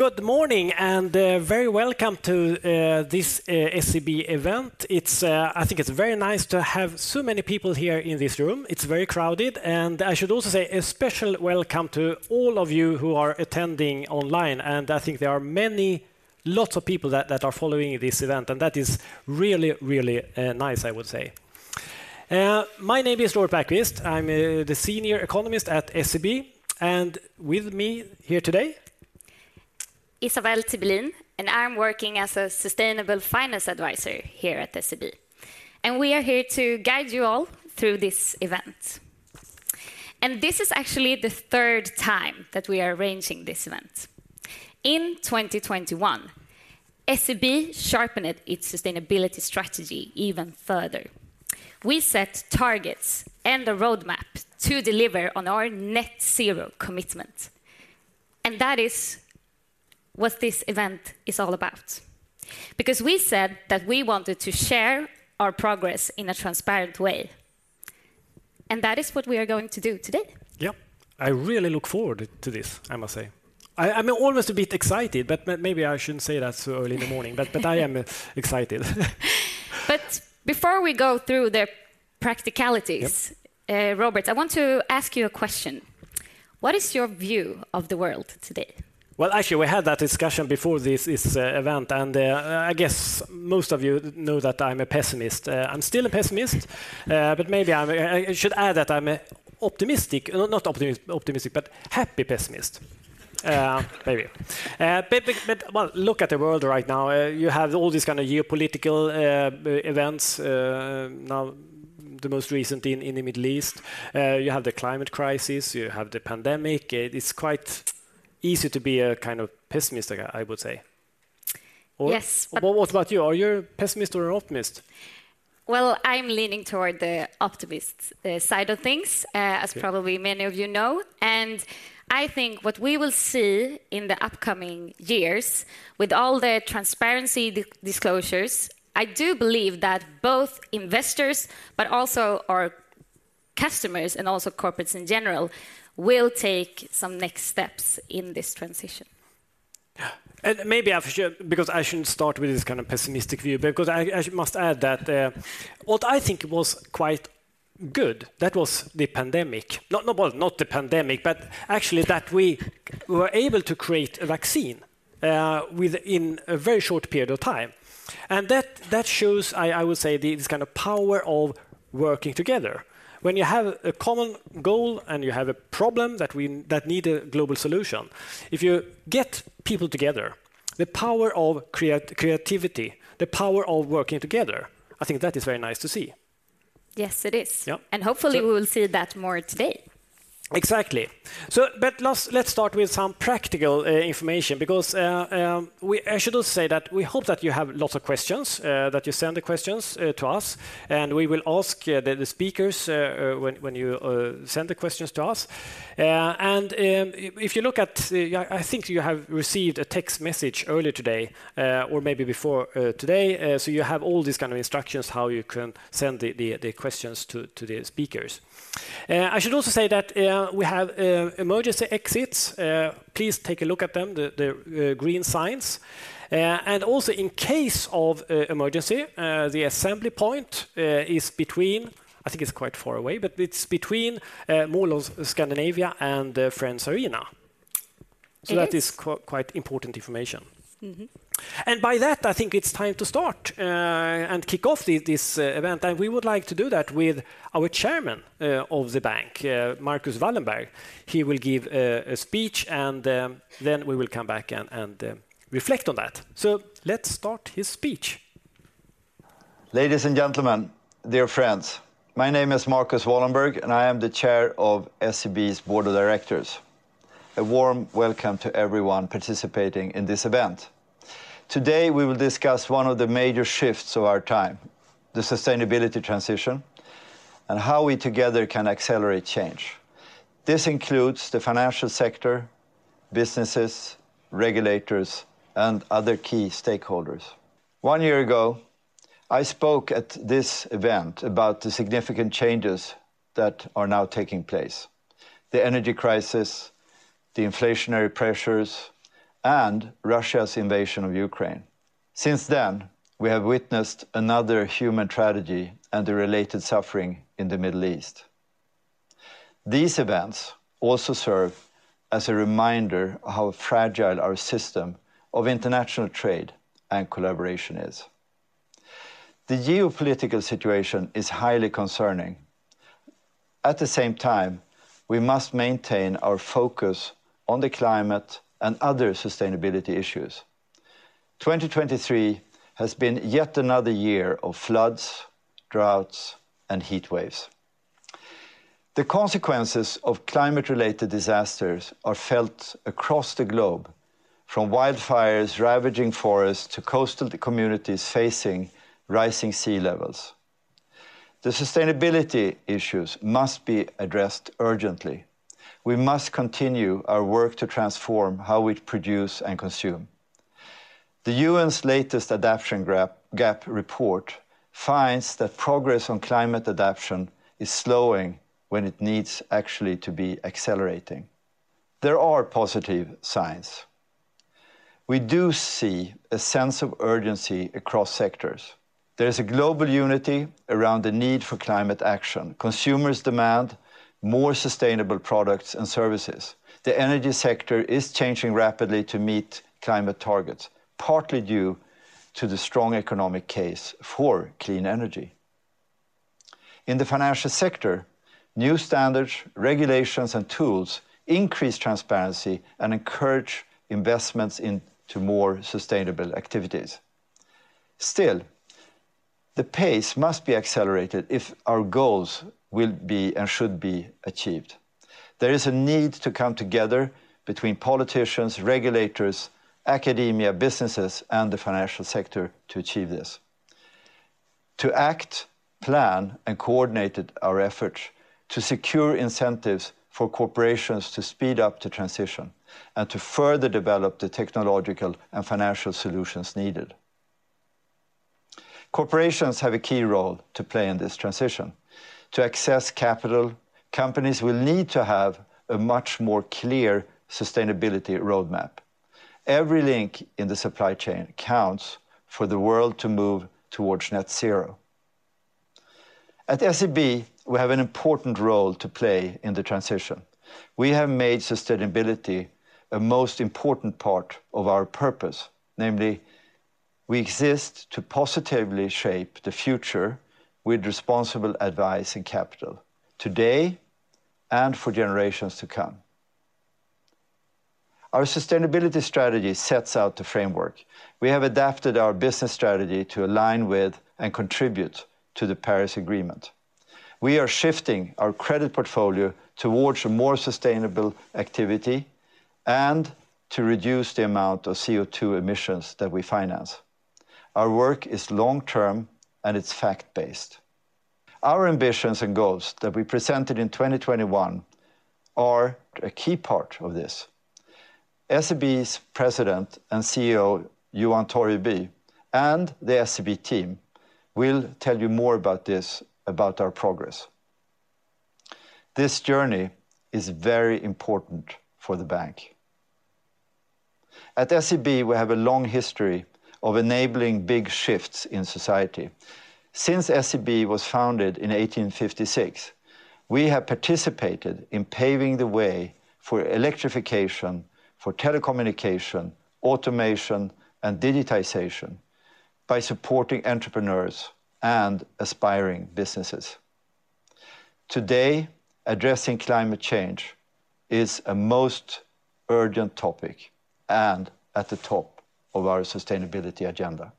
Good morning, and very welcome to this SEB event. It's, I think it's very nice to have so many people here in this room. It's very crowded, and I should also say a special welcome to all of you who are attending online, and I think there are many, lots of people that are following this event, and that is really, really nice, I would say. My name is Robert Bergqvist. I'm the Senior Economist at SEB, and with me here today: Isabelle Tibbelin, and I'm working as a Sustainable Finance Advisor here at SEB. We are here to guide you all through this event. This is actually the third time that we are arranging this event. In 2021, SEB sharpened its sustainability strategy even further. We set targets and a roadmap to deliver on our net zero commitment, and that is what this event is all about. Because we said that we wanted to share our progress in a transparent way, and that is what we are going to do today. Yep. I really look forward to this, I must say. I'm always a bit excited, but maybe I shouldn't say that so early in the morning, but I am excited. But before we go through the practicalities- Yep... Robert, I want to ask you a question: What is your view of the world today? Well, actually, we had that discussion before this event, and I guess most of you know that I'm a pessimist. I'm still a pessimist, but maybe I'm... I should add that I'm a optimistic, not optimistic, optimistic, but happy pessimist. Maybe. But, well, look at the world right now. You have all these kind of geopolitical events, now, the most recent in the Middle East. You have the climate crisis, you have the pandemic. It is quite easy to be a kind of pessimist, I would say. Yes, but- What about you? Are you a pessimist or an optimist? Well, I'm leaning toward the optimist side of things- Yeah... as probably many of you know. I think what we will see in the upcoming years, with all the transparency disclosures, I do believe that both investors, but also our customers, and also corporates in general, will take some next steps in this transition. Yeah. And maybe I should, because I shouldn't start with this kind of pessimistic view, because I must add that what I think was quite good, that was the pandemic. Not, not well, not the pandemic, but actually that we were able to create a vaccine within a very short period of time. And that shows, I would say, this kind of power of working together. When you have a common goal and you have a problem that need a global solution, if you get people together, the power of creativity, the power of working together, I think that is very nice to see. Yes, it is. Yep. And hopefully- Yep... we will see that more today. Exactly. So but let's start with some practical information, because I should also say that we hope that you have lots of questions, that you send the questions to us, and we will ask the speakers when you send the questions to us. And if you look at, I think you have received a text message earlier today, or maybe before today, so you have all these kind of instructions, how you can send the questions to the speakers. I should also say that we have emergency exits. Please take a look at them, the green signs. Also, in case of emergency, the assembly point is between. I think it's quite far away, but it's between Mall of Scandinavia and Friends Arena. Yes. That is quite important information. By that, I think it's time to start and kick off this event. We would like to do that with our Chairman of the Bank, Marcus Wallenberg. He will give a speech, and then we will come back and reflect on that. So let's start his speech. Ladies and gentlemen, dear friends, my name is Marcus Wallenberg, and I am the Chair of SEB's Board of Directors. A warm welcome to everyone participating in this event. Today, we will discuss one of the major shifts of our time: the sustainability transition and how we together can accelerate change. This includes the financial sector, businesses, regulators, and other key stakeholders. One year ago, I spoke at this event about the significant changes that are now taking place: the energy crisis, the inflationary pressures, and Russia's invasion of Ukraine. Since then, we have witnessed another human tragedy and the related suffering in the Middle East. These events also serve as a reminder of how fragile our system of international trade and collaboration is. The geopolitical situation is highly concerning. At the same time, we must maintain our focus on the climate and other sustainability issues. 2023 has been yet another year of floods, droughts, and heatwaves. The consequences of climate-related disasters are felt across the globe, from wildfires ravaging forests to coastal communities facing rising sea levels. The sustainability issues must be addressed urgently. We must continue our work to transform how we produce and consume. The UN's latest Adaptation Gap Report finds that progress on climate adaptation is slowing when it needs actually to be accelerating. There are positive signs. We do see a sense of urgency across sectors. There is a global unity around the need for climate action. Consumers demand more sustainable products and services. The energy sector is changing rapidly to meet climate targets, partly due to the strong economic case for clean energy. In the financial sector, new standards, regulations, and tools increase transparency and encourage investments into more sustainable activities. Still, the pace must be accelerated if our goals will be and should be achieved. There is a need to come together between politicians, regulators, academia, businesses, and the financial sector to achieve this, to act, plan, and coordinated our efforts to secure incentives for corporations to speed up the transition and to further develop the technological and financial solutions needed. Corporations have a key role to play in this transition. To access capital, companies will need to have a much more clear sustainability roadmap. Every link in the supply chain counts for the world to move towards net zero. At SEB, we have an important role to play in the transition. We have made sustainability a most important part of our purpose, namely, we exist to positively shape the future with responsible advice and capital, today and for generations to come. Our sustainability strategy sets out the framework. We have adapted our business strategy to align with and contribute to the Paris Agreement. We are shifting our credit portfolio towards a more sustainable activity and to reduce the amount of CO₂ emissions that we finance. Our work is long term, and it's fact-based. Our ambitions and goals that we presented in 2021 are a key part of this. SEB's President and CEO, Johan Torgeby, and the SEB team will tell you more about this, about our progress. This journey is very important for the bank. At SEB, we have a long history of enabling big shifts in society. Since SEB was founded in 1856, we have participated in paving the way for electrification, for telecommunication, automation, and digitization by supporting entrepreneurs and aspiring businesses. Today, addressing climate change is a most urgent topic and at the top of our sustainability agenda.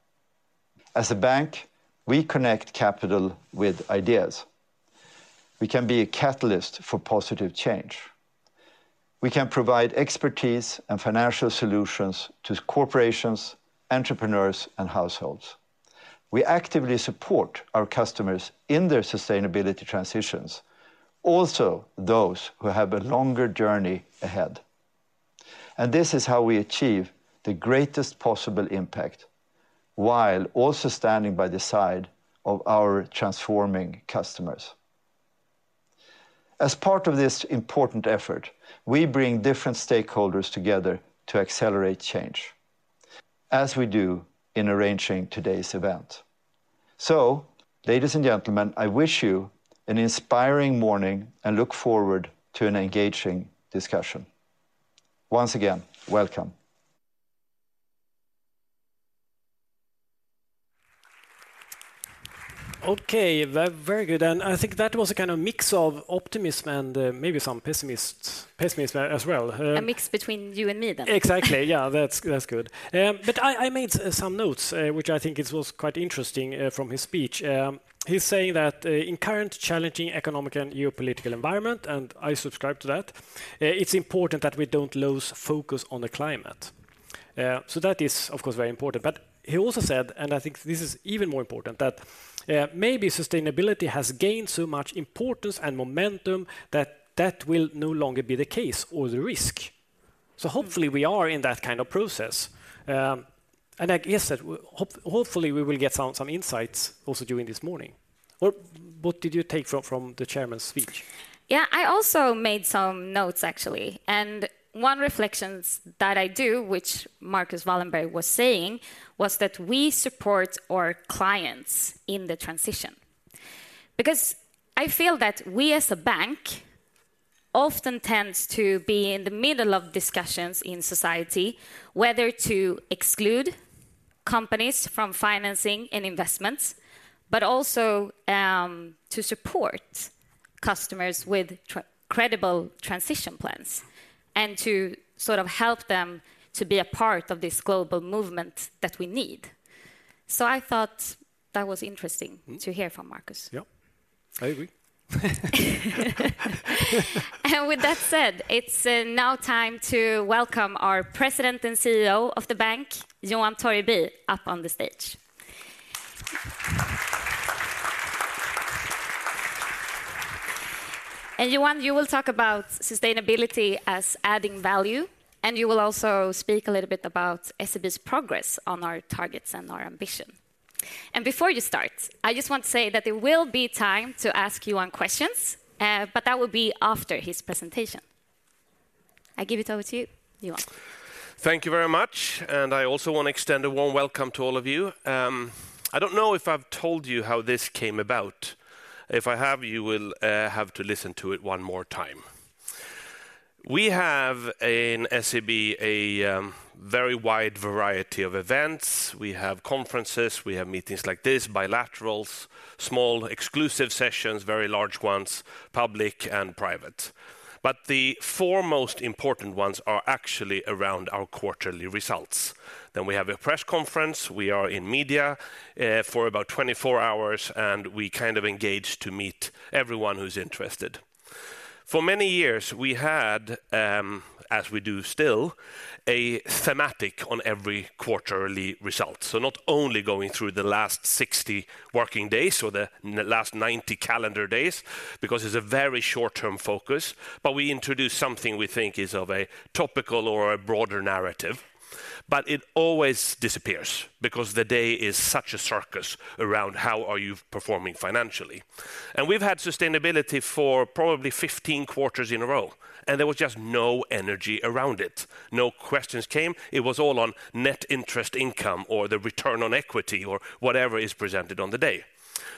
As a bank, we connect capital with ideas. We can be a catalyst for positive change. We can provide expertise and financial solutions to corporations, entrepreneurs, and households. We actively support our customers in their sustainability transitions, also those who have a longer journey ahead. This is how we achieve the greatest possible impact, while also standing by the side of our transforming customers. As part of this important effort, we bring different stakeholders together to accelerate change, as we do in arranging today's event. Ladies and gentlemen, I wish you an inspiring morning and look forward to an engaging discussion. Once again, welcome. Okay, very, very good, and I think that was a kind of mix of optimism and, maybe some pessimist, pessimism as well. A mix between you and me then. Exactly. Yeah, that's good. But I made some notes, which I think it was quite interesting, from his speech. He's saying that in current challenging economic and geopolitical environment, and I subscribe to that, it's important that we don't lose focus on the climate. So that is, of course, very important. But he also said, and I think this is even more important, that maybe sustainability has gained so much importance and momentum that that will no longer be the case or the risk. So hopefully, we are in that kind of process. And I guess that hopefully, we will get some insights also during this morning. What did you take from the chairman's speech? Yeah, I also made some notes, actually, and one reflections that I do, which Marcus Wallenberg was saying, was that we support our clients in the transition. Because I feel that we, as a bank, often tends to be in the middle of discussions in society, whether to exclude companies from financing in investments, but also to support customers with credible transition plans, and to sort of help them to be a part of this global movement that we need. So I thought that was interesting- to hear from Marcus. Yeah. I agree. With that said, it's now time to welcome our President and CEO of the bank, Johan Torgeby, up on the stage. Johan, you will talk about sustainability as adding value, and you will also speak a little bit about SEB's progress on our targets and our ambition. Before you start, I just want to say that there will be time to ask Johan questions, but that will be after his presentation. I give it over to you, Johan. Thank you very much, and I also want to extend a warm welcome to all of you. I don't know if I've told you how this came about. If I have, you will have to listen to it one more time. We have in SEB a very wide variety of events. We have conferences, we have meetings like this, bilaterals, small, exclusive sessions, very large ones, public and private. But the four most important ones are actually around our quarterly results. Then we have a press conference, we are in media for about 24 hours, and we kind of engage to meet everyone who's interested. For many years, we had, as we do still, a thematic on every quarterly result. So not only going through the last 60 working days or the last 90 calendar days, because it's a very short-term focus, but we introduce something we think is of a topical or a broader narrative. But it always disappears because the day is such a circus around how are you performing financially. And we've had sustainability for probably 15 quarters in a row, and there was just no energy around it. No questions came. It was all on net interest income, or the return on equity, or whatever is presented on the day.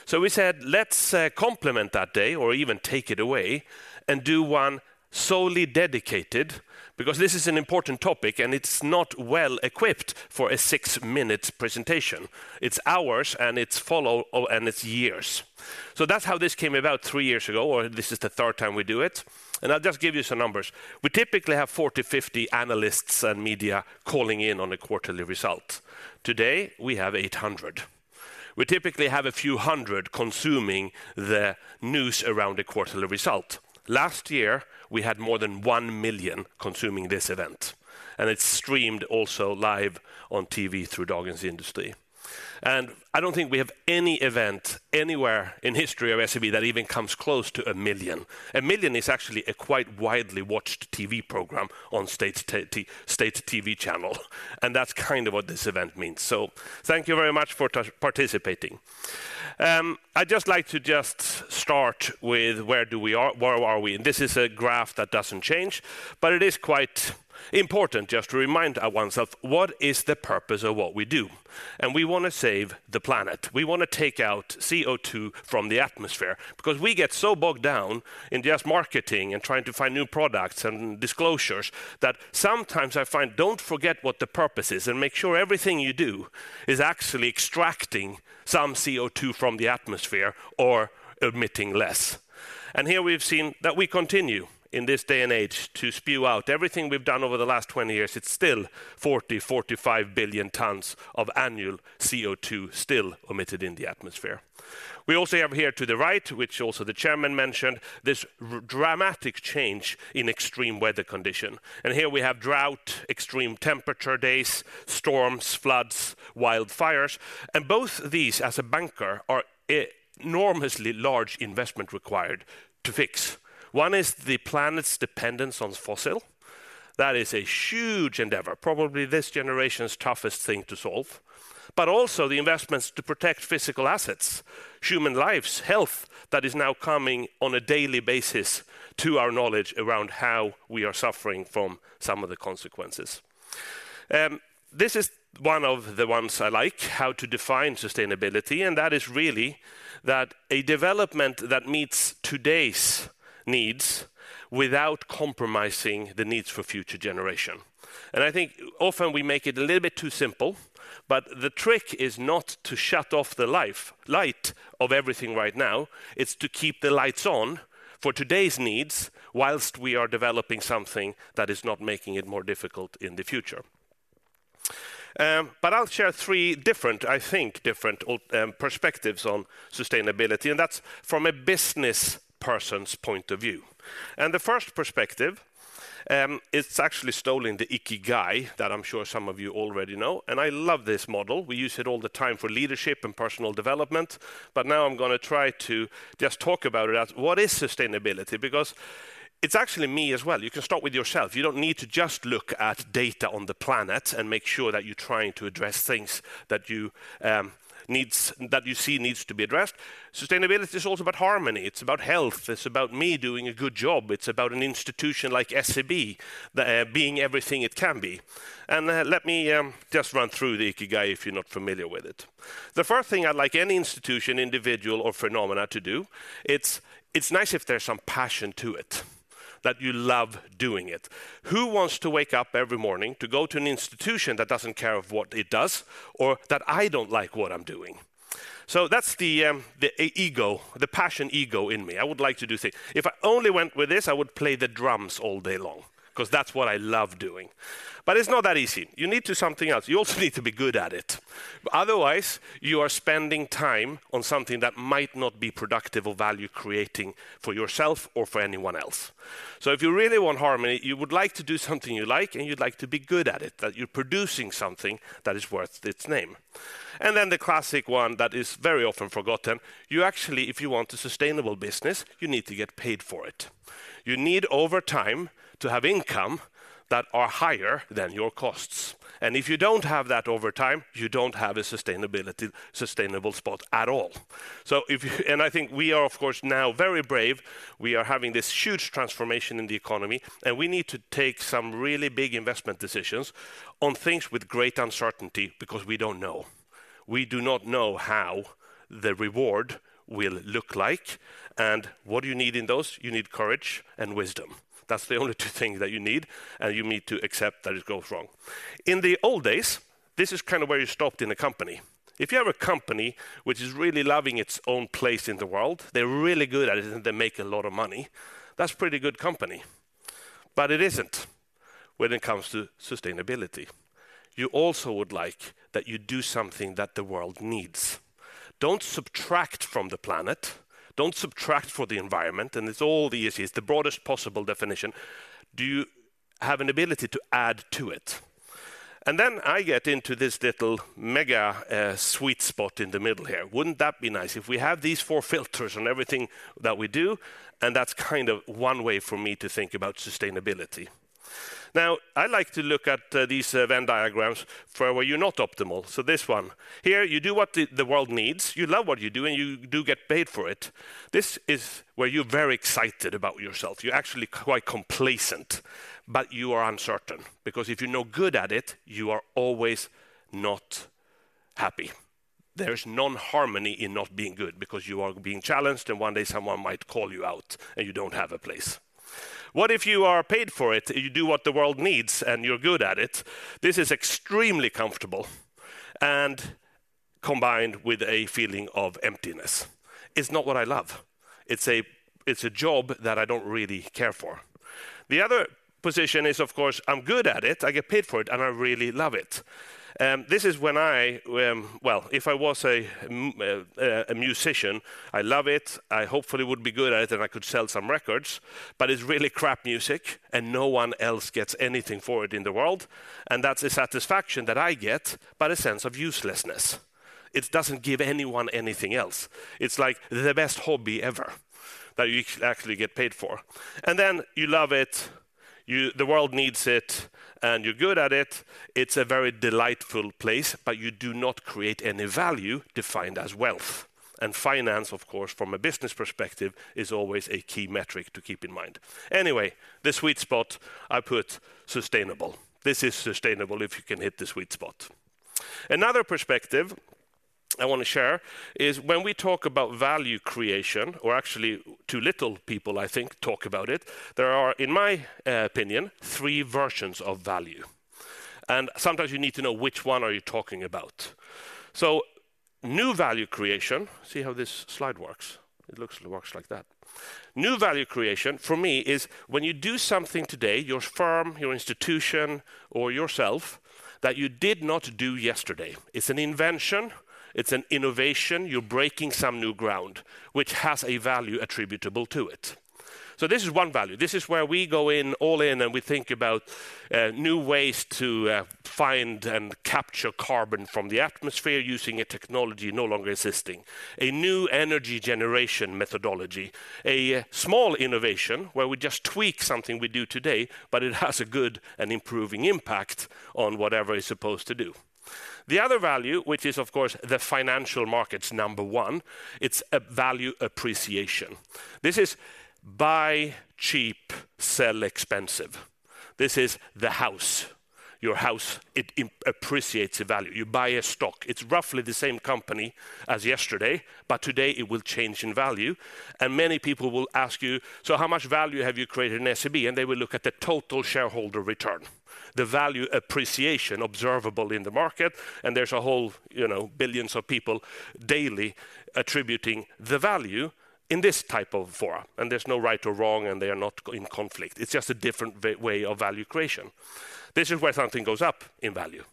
So we said, "Let's complement that day or even take it away and do one solely dedicated," because this is an important topic, and it's not well-equipped for a six-minute presentation. It's hours, and it's follow, and it's years. So that's how this came about three years ago, or this is the third time we do it, and I'll just give you some numbers. We typically have 40, 50 analysts and media calling in on a quarterly result. Today, we have 800. We typically have a few hundred consuming the news around a quarterly result. Last year, we had more than 1 million consuming this event, and it streamed also live on TV through Dagens Industri. And I don't think we have any event anywhere in history of SEB that even comes close to one million. A million is actually a quite widely watched TV program on state TV channel, and that's kind of what this event means. So thank you very much for participating. I'd just like to just start with where are we? And this is a graph that doesn't change, but it is quite important just to remind ourselves, what is the purpose of what we do? And we want to save the planet. We want to take out CO2 from the atmosphere because we get so bogged down in just marketing and trying to find new products and disclosures, that sometimes I find, don't forget what the purpose is, and make sure everything you do is actually extracting some CO2 from the atmosphere or emitting less. And here we've seen that we continue, in this day and age, to spew out everything we've done over the last 20 years. It's still 40-45 billion tons of annual CO2 still emitted in the atmosphere. We also have here to the right, which also the chairman mentioned, this dramatic change in extreme weather condition. Here we have drought, extreme temperature days, storms, floods, wildfires, and both these, as a banker, are enormously large investment required to fix. One is the planet's dependence on fossil. That is a huge endeavor, probably this generation's toughest thing to solve, but also the investments to protect physical assets, human lives, health, that is now coming on a daily basis to our knowledge around how we are suffering from some of the consequences. This is one of the ones I like, how to define sustainability, and that is really that a development that meets today's needs without compromising the needs for future generation. And I think often we make it a little bit too simple, but the trick is not to shut off the light of everything right now. It's to keep the lights on for today's needs, while we are developing something that is not making it more difficult in the future. But I'll share three different, I think, different, perspectives on sustainability, and that's from a business person's point of view. And the first perspective, it's actually stolen the Ikigai that I'm sure some of you already know, and I love this model. We use it all the time for leadership and personal development, but now I'm gonna try to just talk about it as what is sustainability? Because it's actually me as well. You can start with yourself. You don't need to just look at data on the planet and make sure that you're trying to address things that you needs, that you see needs to be addressed. Sustainability is also about harmony, it's about health, it's about me doing a good job, it's about an institution like SEB being everything it can be. Let me just run through the Ikigai if you're not familiar with it. The first thing I'd like any institution, individual, or phenomena to do, it's nice if there's some passion to it, that you love doing it. Who wants to wake up every morning to go to an institution that doesn't care of what it does or that I don't like what I'm doing? So that's the ego, the passion ego in me. I would like to do things. If I only went with this, I would play the drums all day long 'cause that's what I love doing. But it's not that easy. You need to something else. You also need to be good at it. Otherwise, you are spending time on something that might not be productive or value-creating for yourself or for anyone else. So if you really want harmony, you would like to do something you like, and you'd like to be good at it, that you're producing something that is worth its name. And then the classic one that is very often forgotten, you actually, if you want a sustainable business, you need to get paid for it. You need, over time, to have income that are higher than your costs.... And if you don't have that over time, you don't have a sustainability, sustainable spot at all. So if, and I think we are, of course, now very brave, we are having this huge transformation in the economy, and we need to take some really big investment decisions on things with great uncertainty because we don't know. We do not know how the reward will look like, and what do you need in those? You need courage and wisdom. That's the only two things that you need, and you need to accept that it goes wrong. In the old days, this is kinda where you stopped in a company. If you have a company which is really loving its own place in the world, they're really good at it, and they make a lot of money, that's pretty good company. But it isn't when it comes to sustainability. You also would like that you do something that the world needs. Don't subtract from the planet, don't subtract from the environment, and it's all the issues, the broadest possible definition. Do you have an ability to add to it? And then I get into this little mega, sweet spot in the middle here. Wouldn't that be nice? If we have these four filters on everything that we do, and that's kind of one way for me to think about sustainability. Now, I like to look at these Venn diagrams for where you're not optimal. So this one. Here, you do what the world needs, you love what you do, and you do get paid for it. This is where you're very excited about yourself. You're actually quite complacent, but you are uncertain. Because if you're no good at it, you are always not happy. There's non-harmony in not being good because you are being challenged, and one day someone might call you out, and you don't have a place. What if you are paid for it, you do what the world needs, and you're good at it? This is extremely comfortable and combined with a feeling of emptiness. It's not what I love. It's a job that I don't really care for. The other position is, of course, I'm good at it, I get paid for it, and I really love it. This is when... Well, if I was a musician, I love it, I hopefully would be good at it, and I could sell some records, but it's really crap music, and no one else gets anything for it in the world. And that's a satisfaction that I get, but a sense of uselessness. It doesn't give anyone anything else. It's like the best hobby ever that you actually get paid for. And then you love it, you, the world needs it, and you're good at it. It's a very delightful place, but you do not create any value defined as wealth. And finance, of course, from a business perspective, is always a key metric to keep in mind. Anyway, the sweet spot, I put sustainable. This is sustainable if you can hit the sweet spot. Another perspective I wanna share is when we talk about value creation, or actually, too little people, I think, talk about it, there are, in my opinion, three versions of value. And sometimes you need to know which one are you talking about. So new value creation. See how this slide works? It looks it works like that. New value creation, for me, is when you do something today, your firm, your institution, or yourself, that you did not do yesterday. It's an invention, it's an innovation, you're breaking some new ground, which has a value attributable to it. So this is one value. This is where we go in, all in, and we think about new ways to find and capture carbon from the atmosphere using a technology no longer existing, a new energy generation methodology, a small innovation, where we just tweak something we do today, but it has a good and improving impact on whatever it's supposed to do. The other value, which is, of course, the financial markets, number one, it's a value appreciation. This is buy cheap, sell expensive. This is the house. Your house, it appraciates the value. You buy a stock. It's roughly the same company as yesterday, but today it will change in value, and many people will ask you, "So how much value have you created in SEB?" They will look at the total shareholder return, the value appreciation observable in the market, and there's a whole, you know, billions of people daily attributing the value in this type of forum, and there's no right or wrong, and they are not in conflict. It's just a different way, way of value creation. This is where something goes up in value.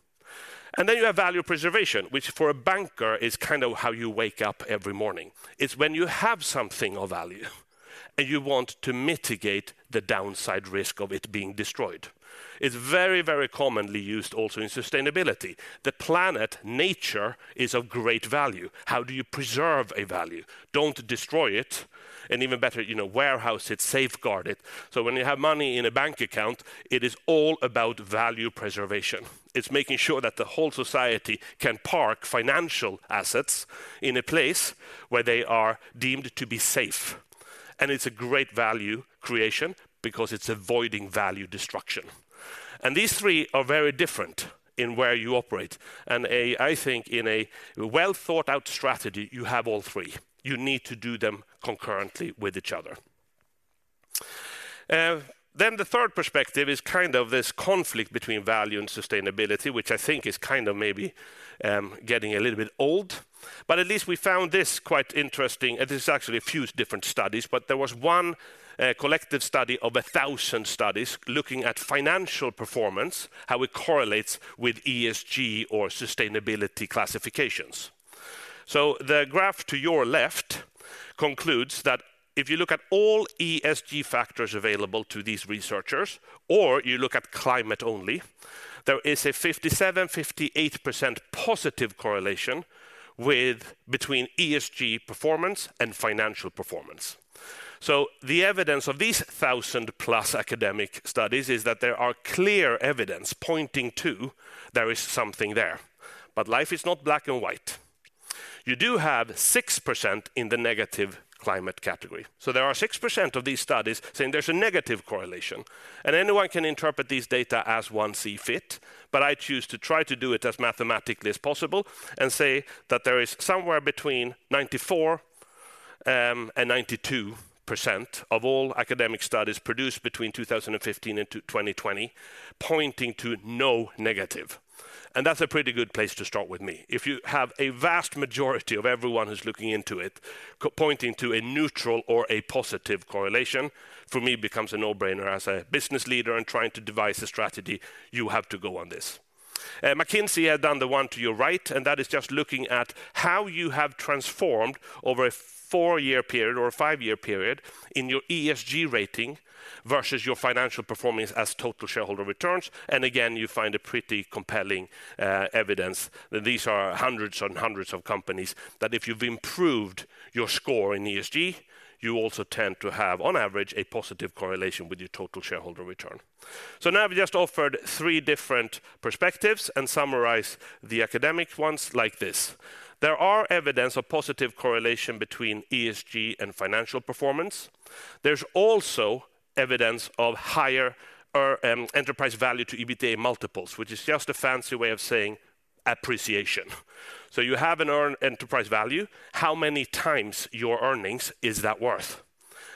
Then you have value preservation, which for a banker is kind of how you wake up every morning. It's when you have something of value, and you want to mitigate the downside risk of it being destroyed. It's very, very commonly used also in sustainability. The planet, nature, is of great value. How do you preserve a value? Don't destroy it, and even better, you know, warehouse it, safeguard it. So when you have money in a bank account, it is all about value preservation. It's making sure that the whole society can park financial assets in a place where they are deemed to be safe. And it's a great value creation because it's avoiding value destruction. And these three are very different in where you operate, and I think in a well-thought-out strategy, you have all three. You need to do them concurrently with each other. Then the third perspective is kind of this conflict between value and sustainability, which I think is kind of maybe getting a little bit old. But at least we found this quite interesting, and this is actually a few different studies, but there was one collective study of 1,000 studies looking at financial performance, how it correlates with ESG or sustainability classifications. So the graph to your left concludes that if you look at all ESG factors available to these researchers, or you look at climate only, there is a 57%-58% positive correlation between ESG performance and financial performance. So the evidence of these 1,000-plus academic studies is that there are clear evidence pointing to there is something there. But life is not black and white.... You do have 6% in the negative climate category. So there are 6% of these studies saying there's a negative correlation, and anyone can interpret these data as one see fit. But I choose to try to do it as mathematically as possible and say that there is somewhere between 94 and 92% of all academic studies produced between 2015 and 2020, pointing to no negative. And that's a pretty good place to start with me. If you have a vast majority of everyone who's looking into it, pointing to a neutral or a positive correlation, for me, it becomes a no-brainer. As a business leader and trying to devise a strategy, you have to go on this. McKinsey had done the one to your right, and that is just looking at how you have transformed over a four-year period or a five-year period in your ESG rating versus your financial performance as total shareholder returns. And again, you find a pretty compelling evidence that these are hundreds and hundreds of companies, that if you've improved your score in ESG, you also tend to have, on average, a positive correlation with your total shareholder return. So now, I've just offered three different perspectives and summarized the academic ones like this: There are evidence of positive correlation between ESG and financial performance. There's also evidence of higher enterprise value to EBITDA multiples, which is just a fancy way of saying appreciation. So you have an enterprise value. How many times your earnings is that worth?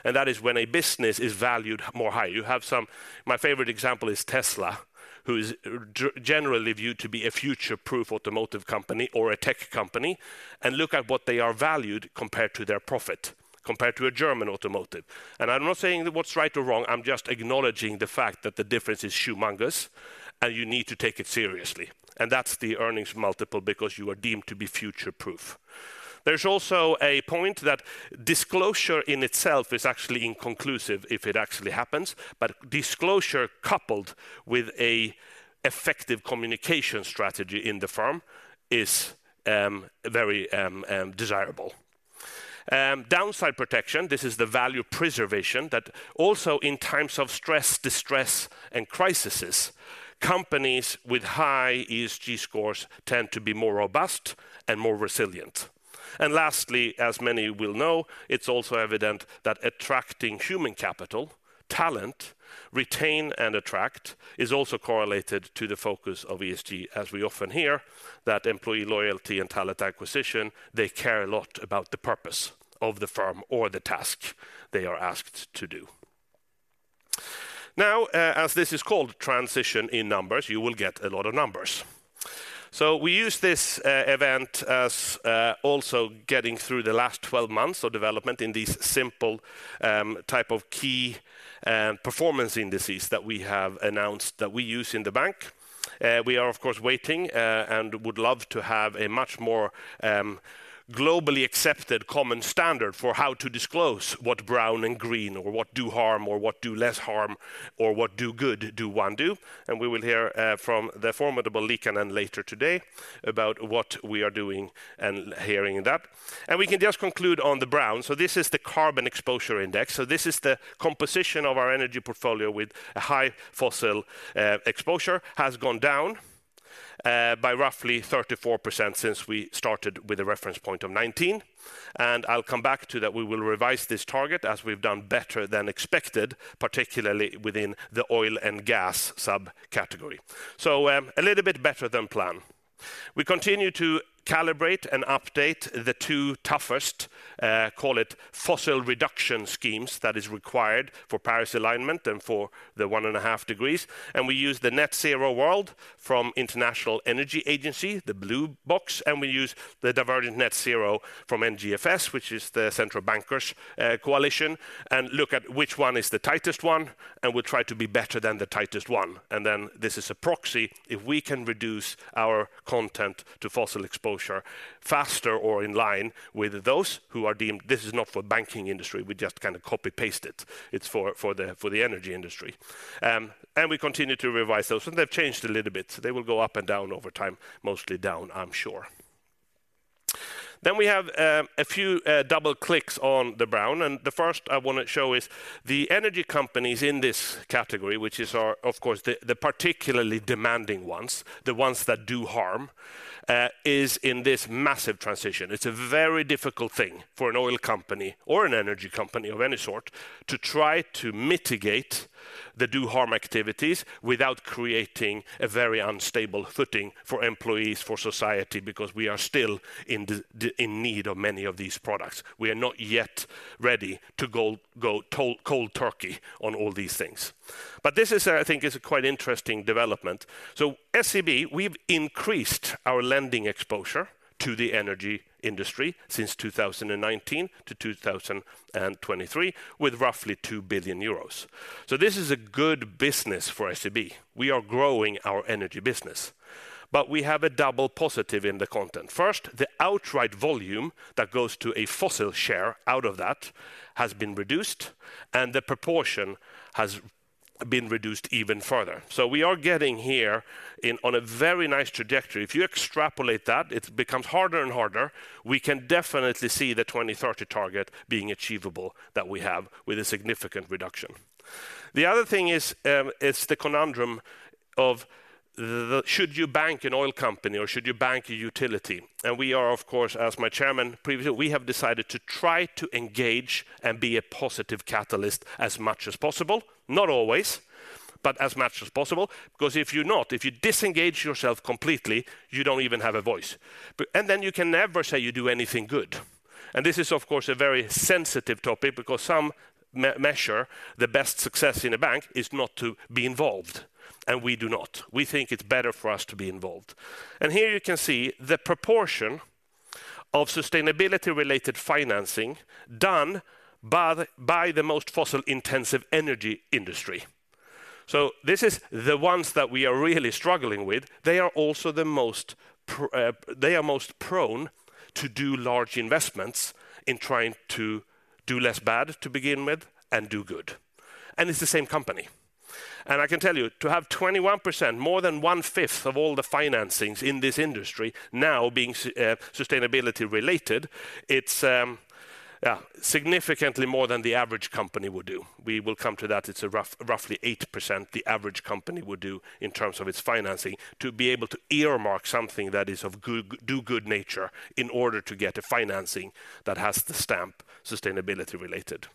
And that is when a business is valued more high. You have some my favorite example is Tesla, who is generally viewed to be a future-proof automotive company or a tech company, and look at what they are valued compared to their profit, compared to a German automotive. I'm not saying what's right or wrong, I'm just acknowledging the fact that the difference is humongous, and you need to take it seriously. That's the earnings multiple because you are deemed to be future-proof. There's also a point that disclosure in itself is actually inconclusive if it actually happens, but disclosure coupled with a effective communication strategy in the firm is very desirable. Downside protection, this is the value preservation that also in times of stress, distress, and crises, companies with high ESG scores tend to be more robust and more resilient. And lastly, as many will know, it's also evident that attracting human capital, talent, retain and attract, is also correlated to the focus of ESG, as we often hear, that employee loyalty and talent acquisition, they care a lot about the purpose of the firm or the task they are asked to do. Now, as this is called transition in numbers, you will get a lot of numbers. So we use this, event as, also getting through the last 12 months of development in these simple, type of key, performance indices that we have announced that we use in the bank. We are, of course, waiting, and would love to have a much more, globally accepted common standard for how to disclose what brown and green, or what do harm, or what do less harm, or what do good do one do. We will hear from the formidable Liikanen later today about what we are doing and hearing that. We can just conclude on the brown. So this is the Carbon Exposure Index. So this is the composition of our energy portfolio with a high fossil exposure, has gone down by roughly 34% since we started with a reference point of 19. And I'll come back to that. We will revise this target as we've done better than expected, particularly within the oil and gas subcategory. So, a little bit better than planned. We continue to calibrate and update the two toughest, call it fossil reduction schemes that is required for Paris alignment and for the 1.5 degrees. And we use the Net Zero World from International Energy Agency, the blue box, and we use the Divergent Net Zero from NGFS, which is the Central Bankers Coalition, and look at which one is the tightest one, and we try to be better than the tightest one. And then this is a proxy. If we can reduce our content to fossil exposure faster or in line with those who are deemed... This is not for banking industry, we just kind of copy-paste it. It's for the energy industry. And we continue to revise those, and they've changed a little bit, so they will go up and down over time. Mostly down, I'm sure. Then we have a few double clicks on the brown, and the first I want to show is the energy companies in this category, which are, of course, the particularly demanding ones, the ones that do harm is in this massive transition. It's a very difficult thing for an oil company or an energy company of any sort to try to mitigate the do harm activities without creating a very unstable footing for employees, for society, because we are still in the, the, in need of many of these products. We are not yet ready to go cold turkey on all these things. But this is, I think, a quite interesting development. So SEB, we've increased our lending exposure to the energy industry since 2019 to 2023, with roughly 2 billion euros. So this is a good business for SEB. We are growing our energy business, but we have a double positive in the content. First, the outright volume that goes to a fossil share out of that has been reduced, and the proportion has been reduced even further. So we are getting here in, on a very nice trajectory. If you extrapolate that, it becomes harder and harder. We can definitely see the 2030 target being achievable, that we have, with a significant reduction. The other thing is the conundrum of the should you bank an oil company or should you bank a utility? And we are, of course, as my chairman previously, we have decided to try to engage and be a positive catalyst as much as possible. Not always, but as much as possible, because if you're not, if you disengage yourself completely, you don't even have a voice. But, and then you can never say you do anything good. And this is, of course, a very sensitive topic because some measure, the best success in a bank is not to be involved, and we do not. We think it's better for us to be involved. And here you can see the proportion of sustainability-related financing done by the, by the most fossil-intensive energy industry. So this is the ones that we are really struggling with. They are also the most prone to do large investments in trying to do less bad to begin with and do good. And it's the same company. I can tell you, to have 21%, more than one-fifth of all the financings in this industry now being sustainability related, it's, yeah, significantly more than the average company would do. We will come to that. It's roughly 8% the average company would do in terms of its financing, to be able to earmark something that is of good, do good nature in order to get a financing that has the stamp, "Sustainability related."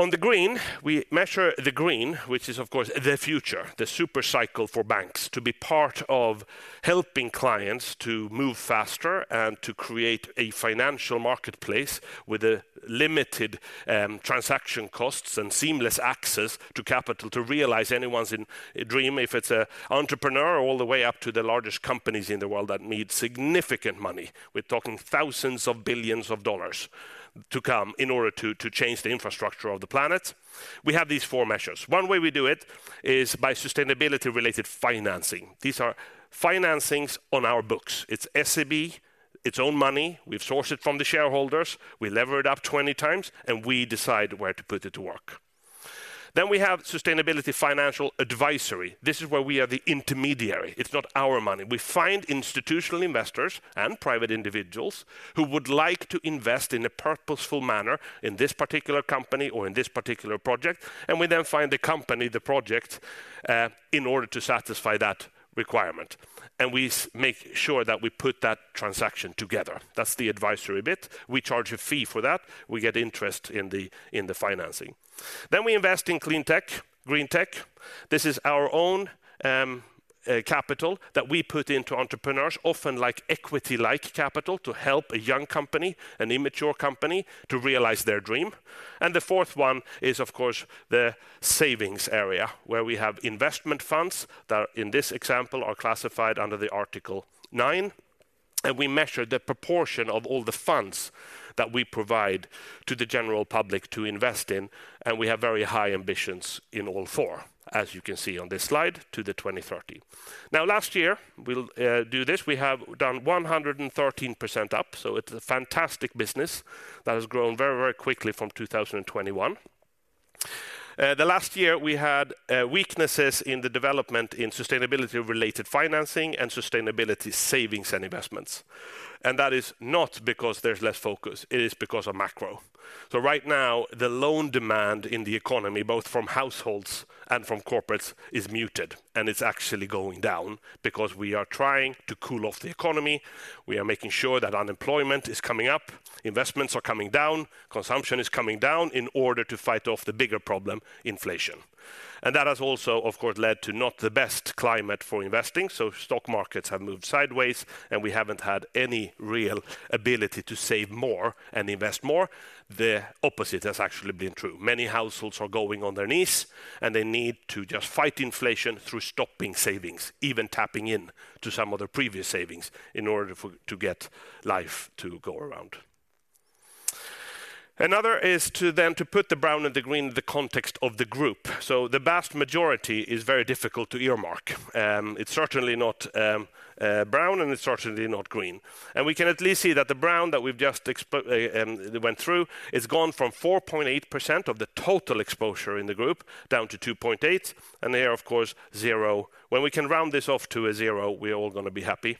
On the green, we measure the green, which is, of course, the future, the super cycle for banks, to be part of helping clients to move faster and to create a financial marketplace with a limited, transaction costs and seamless access to capital to realize anyone's in dream, if it's a entrepreneur, all the way up to the largest companies in the world that need significant money. We're talking thousands of billions of dollars to come in order to change the infrastructure of the planet. We have these four measures. One way we do it is by sustainability-related financing. These are financings on our books. It's SEB, its own money. We've sourced it from the shareholders, we lever it up 20 times, and we decide where to put it to work. Then we have sustainability financial advisory. This is where we are the intermediary. It's not our money. We find institutional investors and private individuals who would like to invest in a purposeful manner in this particular company or in this particular project, and we then find the company, the project, in order to satisfy that requirement, and we make sure that we put that transaction together. That's the advisory bit. We charge a fee for that. We get interest in the financing. Then we invest in clean tech, green tech. This is our own capital that we put into entrepreneurs, often like equity-like capital, to help a young company, an immature company, to realize their dream. And the fourth one is, of course, the savings area, where we have investment funds that, in this example, are classified under the Article 9, and we measure the proportion of all the funds that we provide to the general public to invest in, and we have very high ambitions in all four, as you can see on this slide, to the 2030. Now, last year, we have done 113% up, so it's a fantastic business that has grown very, very quickly from 2021. The last year, we had weaknesses in the development in sustainability-related financing and sustainability savings and investments. That is not because there's less focus, it is because of macro. So right now, the loan demand in the economy, both from households and from corporates, is muted, and it's actually going down because we are trying to cool off the economy. We are making sure that unemployment is coming up, investments are coming down, consumption is coming down in order to fight off the bigger problem: inflation. That has also, of course, led to not the best climate for investing, so stock markets have moved sideways, and we haven't had any real ability to save more and invest more. The opposite has actually been true. Many households are going on their knees, and they need to just fight inflation through stopping savings, even tapping in to some of their previous savings in order to get life to go around. Another is to then put the brown and the green in the context of the group. So the vast majority is very difficult to earmark. It's certainly not brown, and it's certainly not green. And we can at least see that the brown that we've just went through is gone from 4.8% of the total exposure in the group down to 2.8, and there, of course, zero. When we can round this off to a zero, we're all gonna be happy.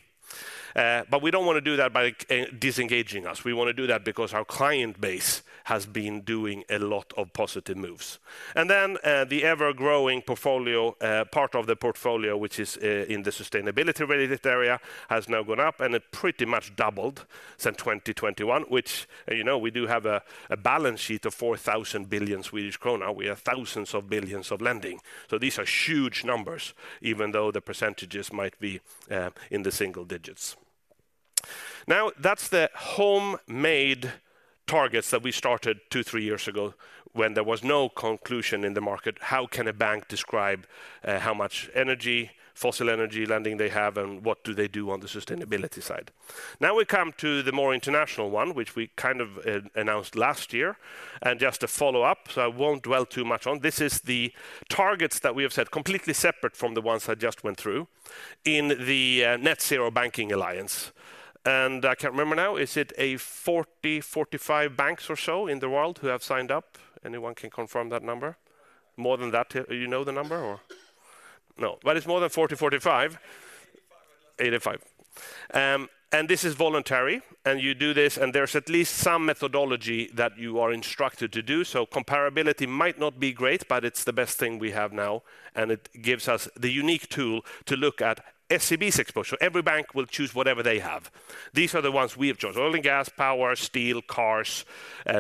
But we don't wanna do that by disengaging us. We wanna do that because our client base has been doing a lot of positive moves. Then, the ever-growing portfolio, part of the portfolio, which is in the sustainability-related area, has now gone up, and it pretty much doubled since 2021, which, you know, we do have a balance sheet of 4,000 billion Swedish krona. We have thousands of billions of lending. So these are huge numbers, even though the percentages might be in the single digits. Now, that's the homemade targets that we started two, three years ago, when there was no conclusion in the market. How can a bank describe how much energy, fossil energy lending they have, and what do they do on the sustainability side? Now, we come to the more international one, which we kind of announced last year, and just a follow-up, so I won't dwell too much on. This is the targets that we have set, completely separate from the ones I just went through, in the Net-Zero Banking Alliance. And I can't remember now, is it 40, 45 banks or so in the world who have signed up? Anyone can confirm that number? More than that, you know the number, or?... No, but it's more than 40, 45. 85. And this is voluntary, and you do this, and there's at least some methodology that you are instructed to do. So comparability might not be great, but it's the best thing we have now, and it gives us the unique tool to look at SEB's exposure. Every bank will choose whatever they have. These are the ones we have chose: oil and gas, power, steel, cars,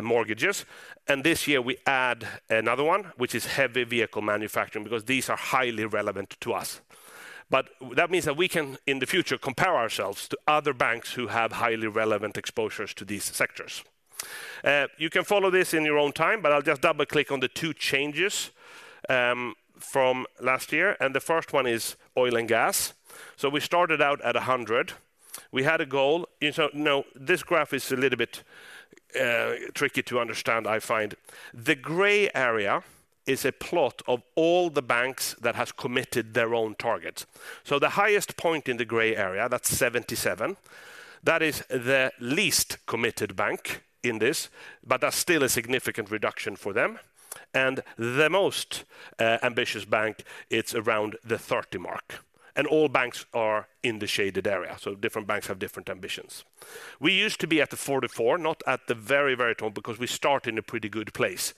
mortgages, and this year we add another one, which is heavy vehicle manufacturing, because these are highly relevant to us. But that means that we can, in the future, compare ourselves to other banks who have highly relevant exposures to these sectors. You can follow this in your own time, but I'll just double-click on the two changes from last year, and the first one is oil and gas. So we started out at 100. We had a goal. And so, no, this graph is a little bit tricky to understand, I find. The gray area is a plot of all the banks that have committed their own targets. So the highest point in the gray area, that's 77, that is the least committed bank in this, but that's still a significant reduction for them. And the most ambitious bank, it's around the 30 mark. And all banks are in the shaded area, so different banks have different ambitions. We used to be at the 44, not at the very, very top, because we start in a pretty good place.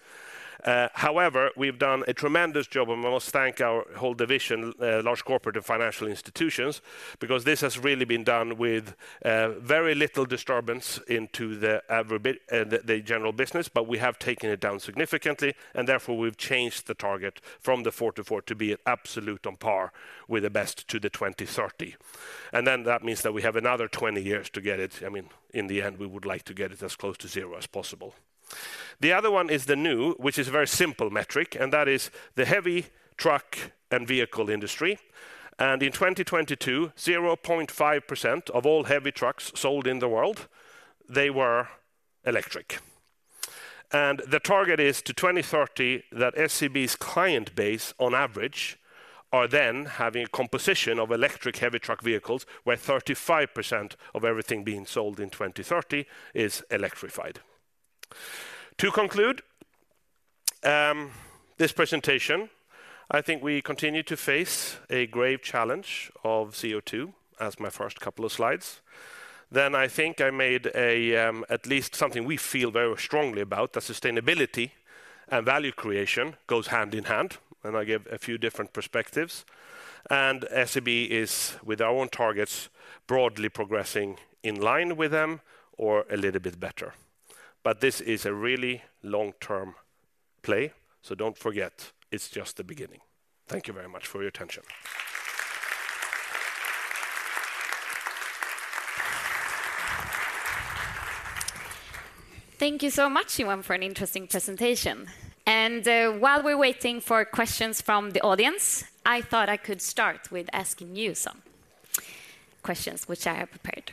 However, we've done a tremendous job, and I must thank our whole division, Large Corporates and Financial Institutions, because this has really been done with very little disturbance into the average, the general business, but we have taken it down significantly, and therefore, we've changed the target from the 44 to be absolute on par with the best to the 2030. And then that means that we have another 20 years to get it. I mean, in the end, we would like to get it as close to zero as possible. The other one is the new, which is a very simple metric, and that is the heavy truck and vehicle industry. And in 2022, 0.5% of all heavy trucks sold in the world, they were electric. The target is to 2030, that SEB's client base, on average, are then having a composition of electric heavy truck vehicles, where 35% of everything being sold in 2030 is electrified. To conclude this presentation, I think we continue to face a grave challenge of CO2, as my first couple of slides. Then I think I made a, at least something we feel very strongly about, that sustainability and value creation goes hand in hand, and I gave a few different perspectives. SEB is, with our own targets, broadly progressing in line with them or a little bit better. But this is a really long-term play, so don't forget, it's just the beginning. Thank you very much for your attention. Thank you so much, Johan, for an interesting presentation. And, while we're waiting for questions from the audience, I thought I could start with asking you some questions, which I have prepared.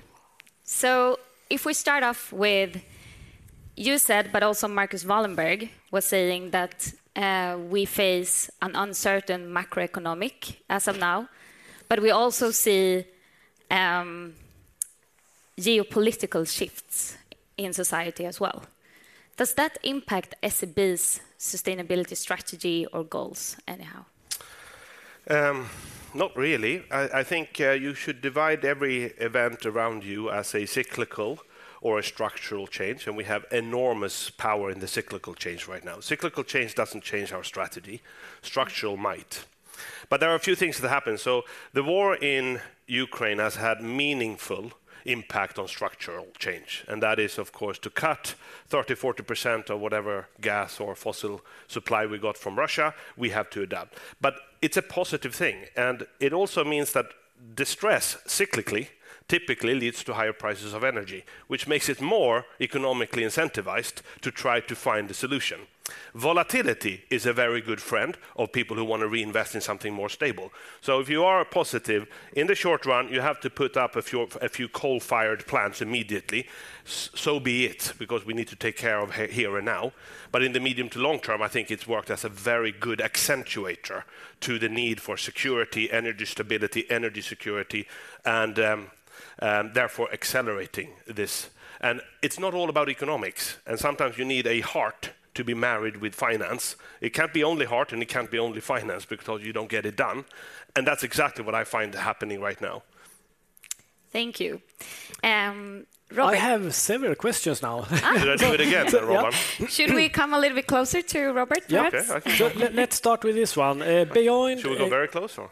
So if we start off with, you said, but also Marcus Wallenberg was saying that, we face an uncertain macroeconomic as of now, but we also see, geopolitical shifts in society as well. Does that impact SEB's sustainability strategy or goals anyhow? Not really. I think you should divide every event around you as a cyclical or a structural change, and we have enormous power in the cyclical change right now. Cyclical change doesn't change our strategy. Structural might. But there are a few things that happen. So the war in Ukraine has had meaningful impact on structural change, and that is, of course, to cut 30%-40% of whatever gas or fossil supply we got from Russia; we have to adapt. But it's a positive thing, and it also means that distress, cyclically, typically leads to higher prices of energy, which makes it more economically incentivized to try to find a solution. Volatility is a very good friend of people who want to reinvest in something more stable. So if you are a positive, in the short run, you have to put up a few, a few coal-fired plants immediately. So be it, because we need to take care of here and now. But in the medium to long term, I think it's worked as a very good accentuator to the need for security, energy stability, energy security, and and therefore accelerating this. And it's not all about economics, and sometimes you need a heart to be married with finance. It can't be only heart, and it can't be only finance, because you don't get it done, and that's exactly what I find happening right now. Thank you. Robert- I have several questions now. Did I do it again, Robert? Yeah. Should we come a little bit closer to Robert? Okay, I can- Let's start with this one. Beyond- Should we go very close or?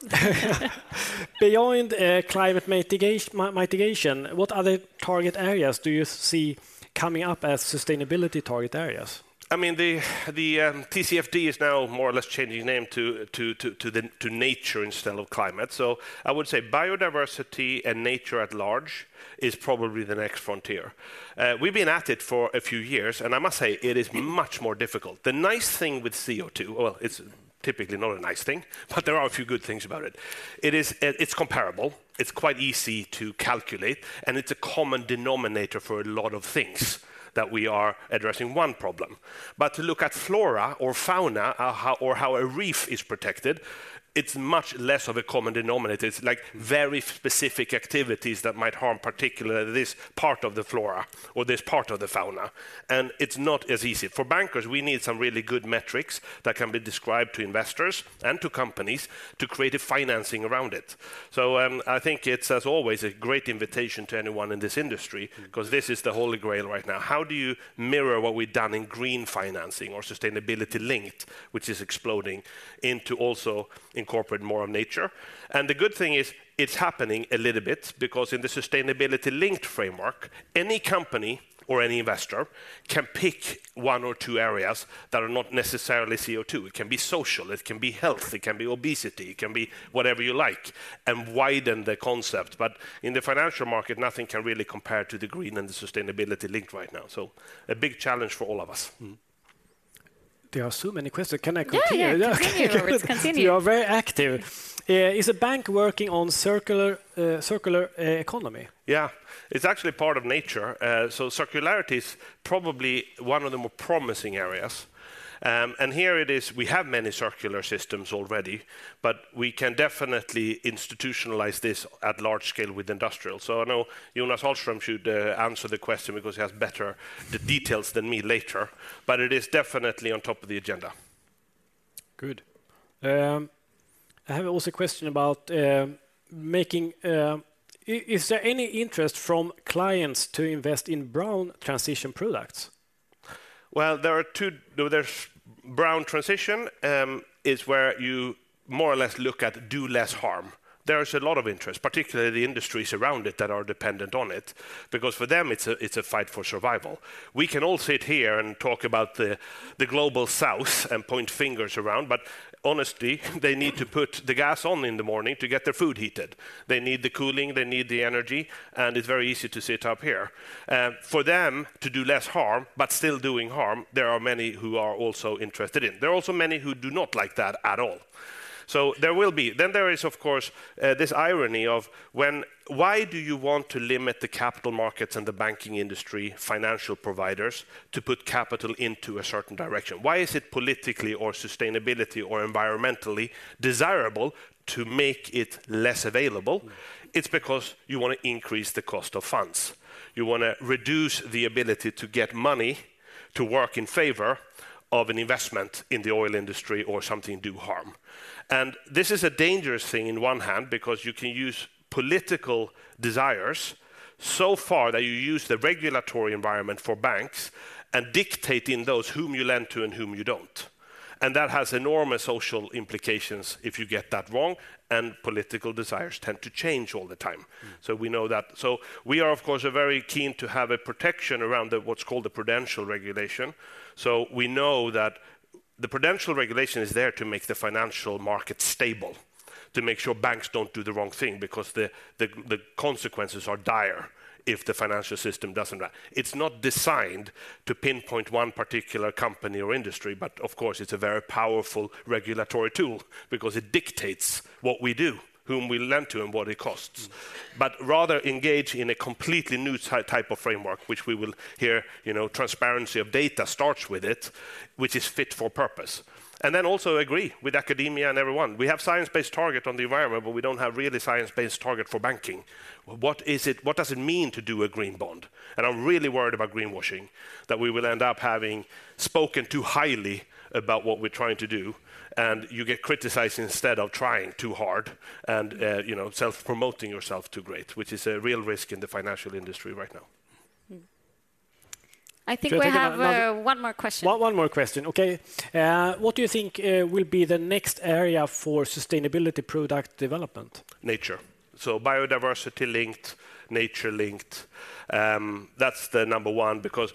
Beyond climate mitigation, what other target areas do you see coming up as sustainability target areas? I mean, the TCFD is now more or less changing name to the nature instead of climate. So I would say biodiversity and nature at large is probably the next frontier. We've been at it for a few years, and I must say, it is much more difficult. The nice thing with CO2... Well, it's typically not a nice thing, but there are a few good things about it. It is. It's comparable, it's quite easy to calculate, and it's a common denominator for a lot of things that we are addressing one problem. But to look at flora or fauna, how a reef is protected, it's much less of a common denominator. It's, like, very specific activities that might harm particularly this part of the flora or this part of the fauna, and it's not as easy. For bankers, we need some really good metrics that can be described to investors and to companies to create a financing around it. So, I think it's, as always, a great invitation to anyone in this industry, 'cause this is the Holy Grail right now. How do you mirror what we've done in green financing or sustainability linked, which is exploding, into also incorporate more on nature? And the good thing is, it's happening a little bit because in the sustainability-linked framework, any company or any investor can pick one or two areas that are not necessarily CO2. It can be social, it can be health, it can be obesity, it can be whatever you like, and widen the concept. But in the financial market, nothing can really compare to the green and the sustainability link right now. So a big challenge for all of us. Mm-hmm. There are so many questions. Can I continue? Yeah, yeah. Continue, continue. You are very active. Is the bank working on circular economy? Yeah. It's actually part of nature. So circularity is probably one of the more promising areas. And here it is, we have many circular systems already, but we can definitely institutionalize this at large scale with industrial. So I know Jonas Ahlström should answer the question because he has better the details than me later, but it is definitely on top of the agenda. Good. I have also a question about... is there any interest from clients to invest in brown transition products? Well, there are two. There's brown transition is where you more or less look at do less harm. There is a lot of interest, particularly the industries around it that are dependent on it, because for them, it's a fight for survival. We can all sit here and talk about the Global South and point fingers around, but honestly, they need to put the gas on in the morning to get their food heated. They need the cooling, they need the energy, and it's very easy to sit up here. For them to do less harm, but still doing harm, there are many who are also interested in. There are also many who do not like that at all. So there will be. Then there is, of course, this irony of why do you want to limit the capital markets and the banking industry, financial providers, to put capital into a certain direction? Why is it politically or sustainability or environmentally desirable to make it less available? It's because you want to increase the cost of funds. You want to reduce the ability to get money to work in favor of an investment in the oil industry or something do harm. And this is a dangerous thing on one hand because you can use political desires so far that you use the regulatory environment for banks and dictating those whom you lend to and whom you don't. And that has enormous social implications if you get that wrong, and political desires tend to change all the time. So we know that. So we are, of course, very keen to have a protection around what's called the prudential regulation. We know that the prudential regulation is there to make the financial market stable, to make sure banks don't do the wrong thing because the consequences are dire if the financial system doesn't run. It's not designed to pinpoint one particular company or industry, but of course, it's a very powerful regulatory tool because it dictates what we do, whom we lend to, and what it costs. But rather engage in a completely new type of framework, which we will hear, you know, transparency of data starts with it, which is fit for purpose. And then also agree with academia and everyone. We have science-based target on the environment, but we don't have really science-based target for banking. What does it mean to do a green bond? And I'm really worried about greenwashing, that we will end up having spoken too highly about what we're trying to do, and you get criticized instead of trying too hard and, you know, self-promoting yourself too great, which is a real risk in the financial industry right now. Mm-hmm. I think we have- Do you have another-... one more question. One more question. Okay. What do you think will be the next area for sustainability product development? Nature. So biodiversity linked, nature linked, that's the number one, because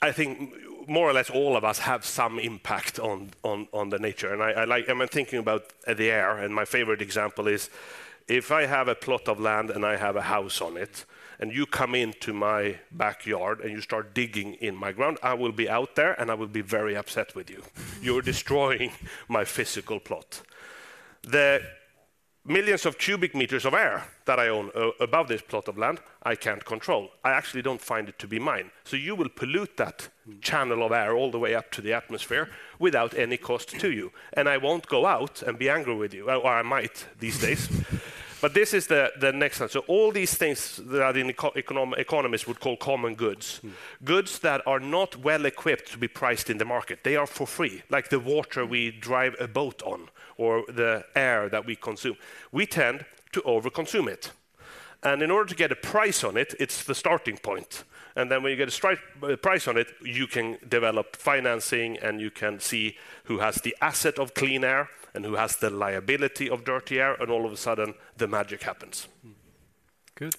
I think more or less, all of us have some impact on, on, on the nature. And I, I like—I'm thinking about the air, and my favorite example is, if I have a plot of land and I have a house on it, and you come into my backyard, and you start digging in my ground, I will be out there, and I will be very upset with you. You're destroying my physical plot. The millions of cubic meters of air that I own above this plot of land, I can't control. I actually don't find it to be mine. So you will pollute that channel of air all the way up to the atmosphere without any cost to you, and I won't go out and be angry with you. Well, I might these days. But this is the next one. So all these things that the economists would call common goods, goods that are not well equipped to be priced in the market. They are for free, like the water we drive a boat on or the air that we consume. We tend to overconsume it. And in order to get a price on it, it's the starting point. And then when you get a strike price on it, you can develop financing, and you can see who has the asset of clean air and who has the liability of dirty air, and all of a sudden, the magic happens. Mm-hmm. Good.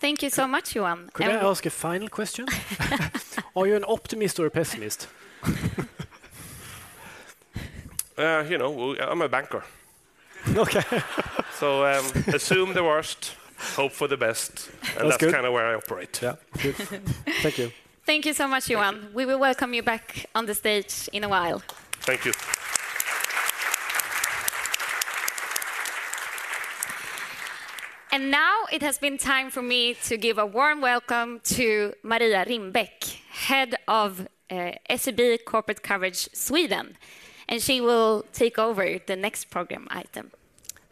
Thank you so much, Johan, and- Could I ask a final question? Are you an optimist or a pessimist? You know, well, I'm a banker. Okay. Assume the worst, hope for the best- That's good... and that's kind of where I operate. Yeah. Good. Thank you. Thank you so much, Johan. Thank you. We will welcome you back on the stage in a while. Thank you. Now it has been time for me to give a warm welcome to Maria Rimbäck, Head of SEB Corporate Coverage Sweden, and she will take over the next program item.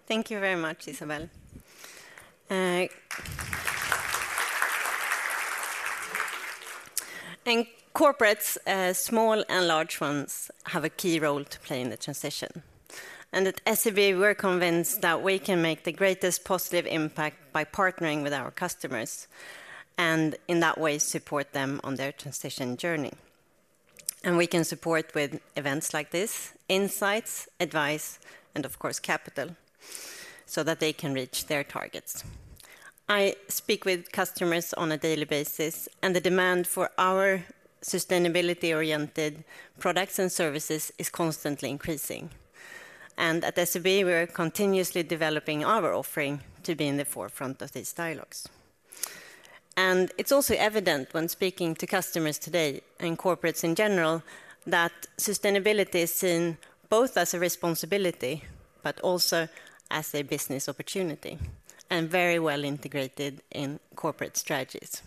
Thank you very much, Isabelle. Corporates, small and large ones, have a key role to play in the transition. At SEB, we're convinced that we can make the greatest positive impact by partnering with our customers, and in that way, support them on their transition journey, and we can support with events like this, insights, advice, and of course, capital, so that they can reach their targets. I speak with customers on a daily basis, and the demand for our sustainability-oriented products and services is constantly increasing. At SEB, we are continuously developing our offering to be in the forefront of these dialogues. It's also evident when speaking to customers today, and corporates in general, that sustainability is seen both as a responsibility, but also as a business opportunity, and very well integrated in corporate strategies.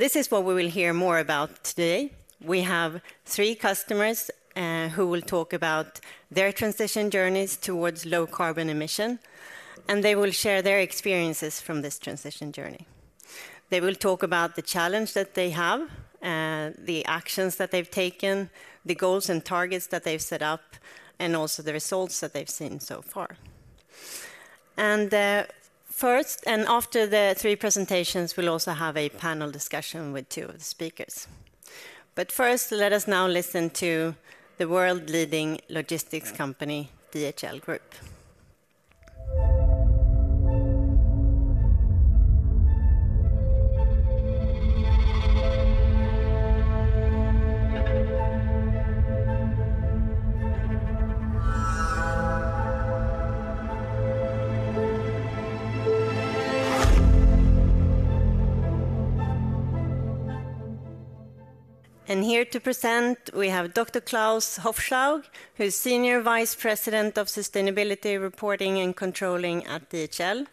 This is what we will hear more about today. We have three customers, who will talk about their transition journeys towards low carbon emission, and they will share their experiences from this transition journey. They will talk about the challenge that they have, the actions that they've taken, the goals and targets that they've set up, and also the results that they've seen so far. First, after the three presentations, we'll also have a panel discussion with two of the speakers. But first, let us now listen to the world-leading logistics company, DHL Group. And here to present, we have Dr. Klaus Hufschlag, who's Senior Vice President of Sustainability Reporting and Controlling at DHL.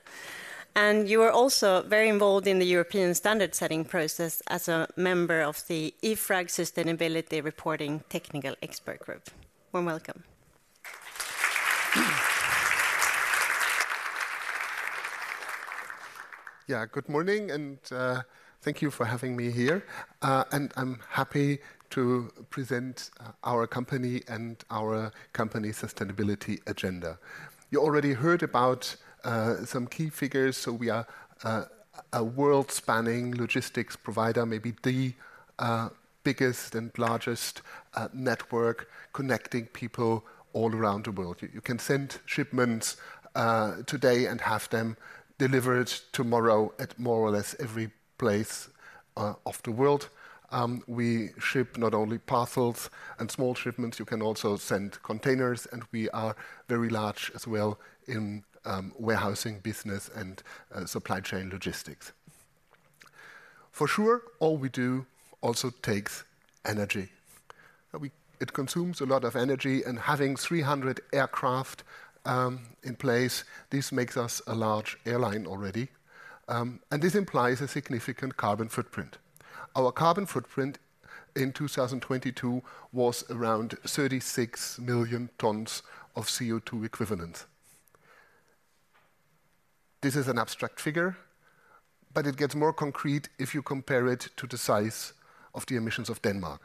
And you are also very involved in the European standard-setting process as a member of the EFRAG Sustainability Reporting Technical Expert Group. Warm welcome. Yeah, good morning, and thank you for having me here. And I'm happy to present our company and our company sustainability agenda. You already heard about some key figures, so we are a world-spanning logistics provider, maybe the biggest and largest network connecting people all around the world. You can send shipments today and have them delivered tomorrow at more or less every place of the world. We ship not only parcels and small shipments, you can also send containers, and we are very large as well in warehousing business and supply chain logistics. For sure, all we do also takes energy. It consumes a lot of energy, and having 300 aircraft in place, this makes us a large airline already. And this implies a significant carbon footprint. Our carbon footprint in 2022 was around 36 million tons of CO2 equivalent. This is an abstract figure, but it gets more concrete if you compare it to the size of the emissions of Denmark.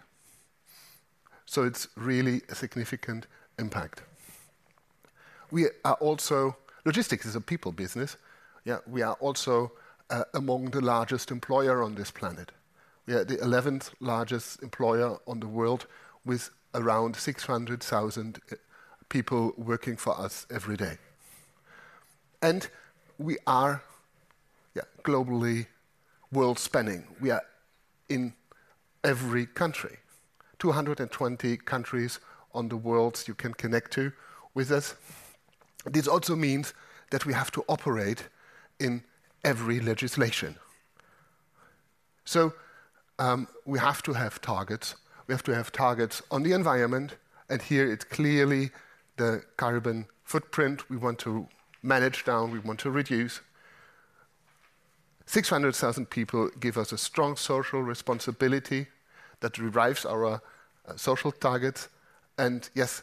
So it's really a significant impact. We are also. Logistics is a people business. Yeah, we are also among the largest employer on this planet. We are the eleventh largest employer on the world, with around 600,000 people working for us every day. We are, yeah, globally world-spanning. We are in every country. 220 countries on the world you can connect to with us. This also means that we have to operate in every legislation. So, we have to have targets. We have to have targets on the environment, and here it's clearly the carbon footprint we want to manage down, we want to reduce. 600,000 people give us a strong social responsibility that derives our social targets. And yes,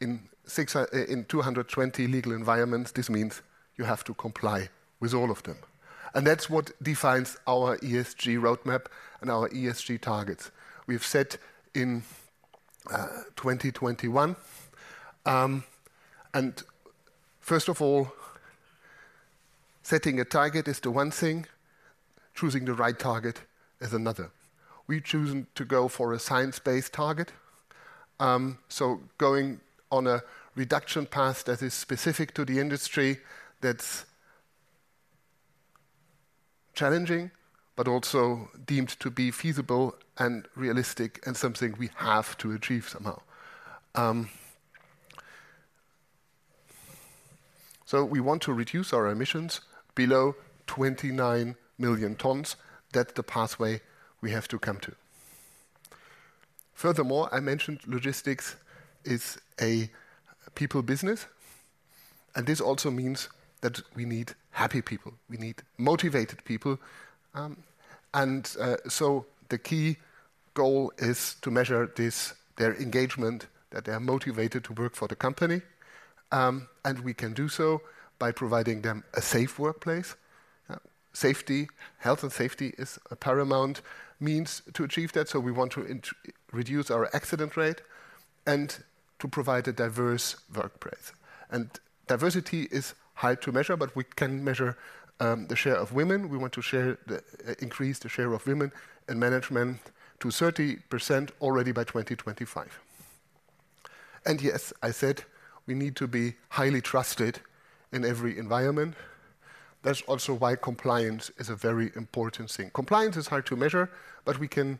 in 220 legal environments, this means you have to comply with all of them. And that's what defines our ESG roadmap and our ESG targets we've set in 2021. And first of all, setting a target is the one thing, choosing the right target is another. We've chosen to go for a science-based target. So going on a reduction path that is specific to the industry, that's challenging, but also deemed to be feasible and realistic, and something we have to achieve somehow. So we want to reduce our emissions below 29 million tons. That's the pathway we have to come to. Furthermore, I mentioned logistics is a people business, and this also means that we need happy people, we need motivated people. So the key goal is to measure this, their engagement, that they are motivated to work for the company. We can do so by providing them a safe workplace. Safety, health, and safety is a paramount means to achieve that, so we want to reduce our accident rate. To provide a diverse workplace. Diversity is hard to measure, but we can measure the share of women. We want to increase the share of women in management to 30% already by 2025. Yes, I said we need to be highly trusted in every environment. That's also why compliance is a very important thing. Compliance is hard to measure, but we can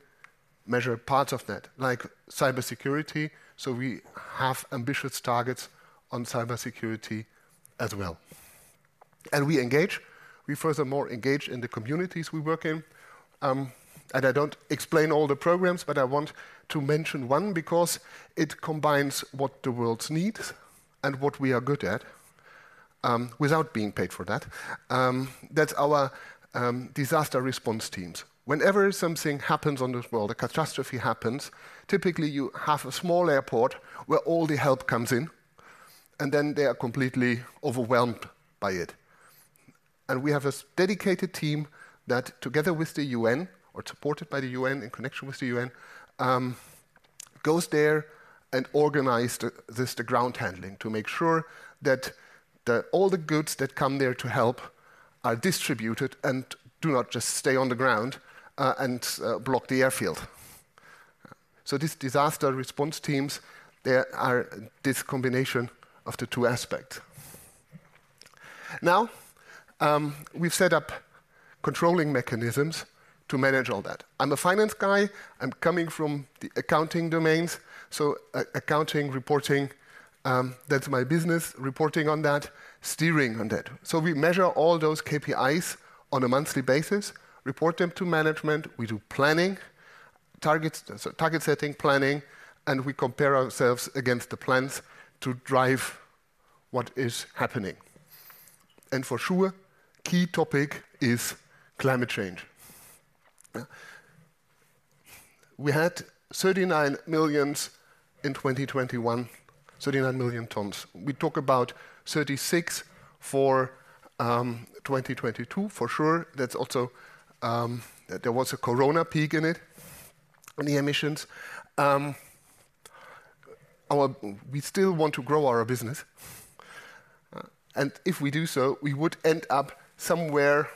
measure parts of that, like cybersecurity. So we have ambitious targets on cybersecurity as well. We engage. We furthermore engage in the communities we work in. I don't explain all the programs, but I want to mention one because it combines what the world needs and what we are good at, without being paid for that. That's our Disaster Response Teams. Whenever something happens on this world, a catastrophe happens, typically you have a small airport where all the help comes in, and then they are completely overwhelmed by it. And we have a dedicated team that, together with the UN, or supported by the UN, in connection with the UN, goes there and organize the, this, the ground handling to make sure that the—all the goods that come there to help are distributed and do not just stay on the ground, and block the airfield. So these Disaster Response Teams, they are this combination of the two aspects. Now, we've set up controlling mechanisms to manage all that. I'm a finance guy. I'm coming from the accounting domains, so accounting, reporting, that's my business, reporting on that, steering on that. So we measure all those KPIs on a monthly basis, report them to management. We do planning, targets, so target setting, planning, and we compare ourselves against the plans to drive what is happening. And for sure, key topic is climate change. We had 39 million tons in 2021, 39 million tons. We talk about 36 for 2022, for sure. That's also... There was a corona peak in it, on the emissions. Our we still want to grow our business, and if we do so, we would end up somewhere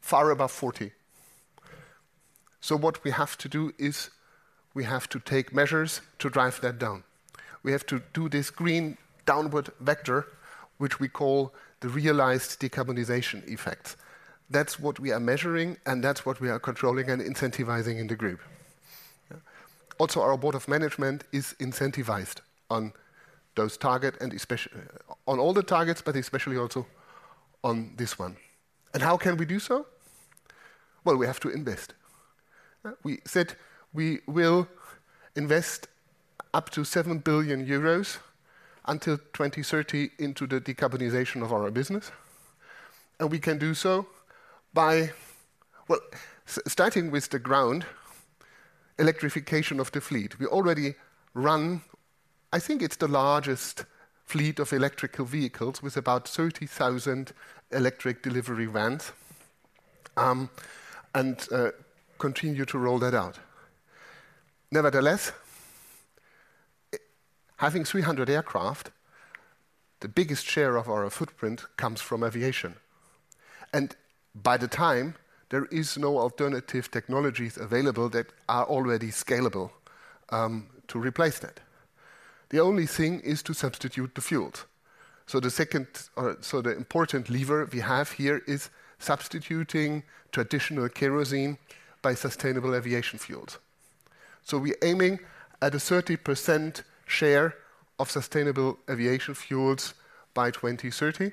far above 40. So what we have to do is we have to take measures to drive that down. We have to do this green downward vector, which we call the realized decarbonization effect. That's what we are measuring, and that's what we are controlling and incentivizing in the group. Yeah. Also, our board of management is incentivized on those target, and especially on all the targets, but especially also on this one. How can we do so? Well, we have to invest. We said we will invest up to 7 billion euros until 2030 into the decarbonization of our business, and we can do so by, well, starting with the ground, electrification of the fleet. We already run, I think it's the largest fleet of electrical vehicles, with about 30,000 electric delivery vans, and continue to roll that out. Nevertheless, having 300 aircraft, the biggest share of our footprint comes from aviation, and by the time, there is no alternative technologies available that are already scalable, to replace that. The only thing is to substitute the fuel. So the second, so the important lever we have here is substituting traditional kerosene by sustainable aviation fuels. So we're aiming at a 30% share of sustainable aviation fuels by 2030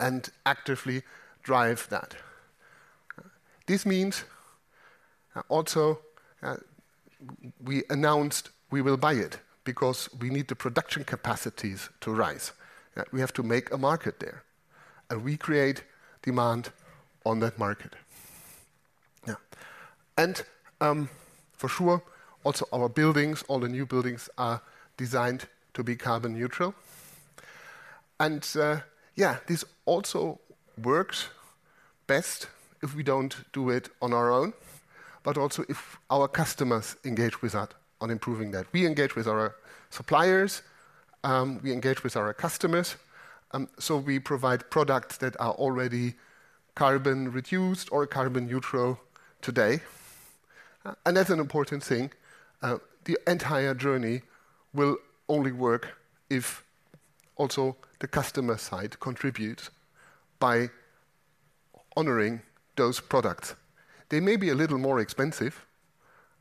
and actively drive that. This means also, we announced we will buy it because we need the production capacities to rise. We have to make a market there, and we create demand on that market. For sure, also, our buildings, all the new buildings are designed to be carbon neutral. This also works best if we don't do it on our own, but also if our customers engage with that on improving that. We engage with our suppliers, we engage with our customers, so we provide products that are already carbon reduced or carbon neutral today. And that's an important thing. The entire journey will only work if also the customer side contributes by honoring those products. They may be a little more expensive,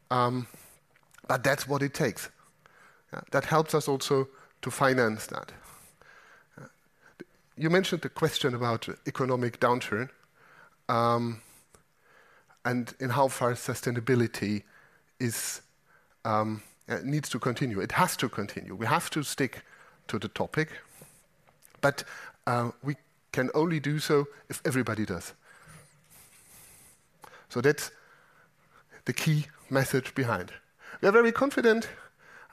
but that's what it takes. That helps us also to finance that. You mentioned the question about economic downturn, and in how far sustainability is needs to continue. It has to continue. We have to stick to the topic, but we can only do so if everybody does. So that's the key message behind. We are very confident,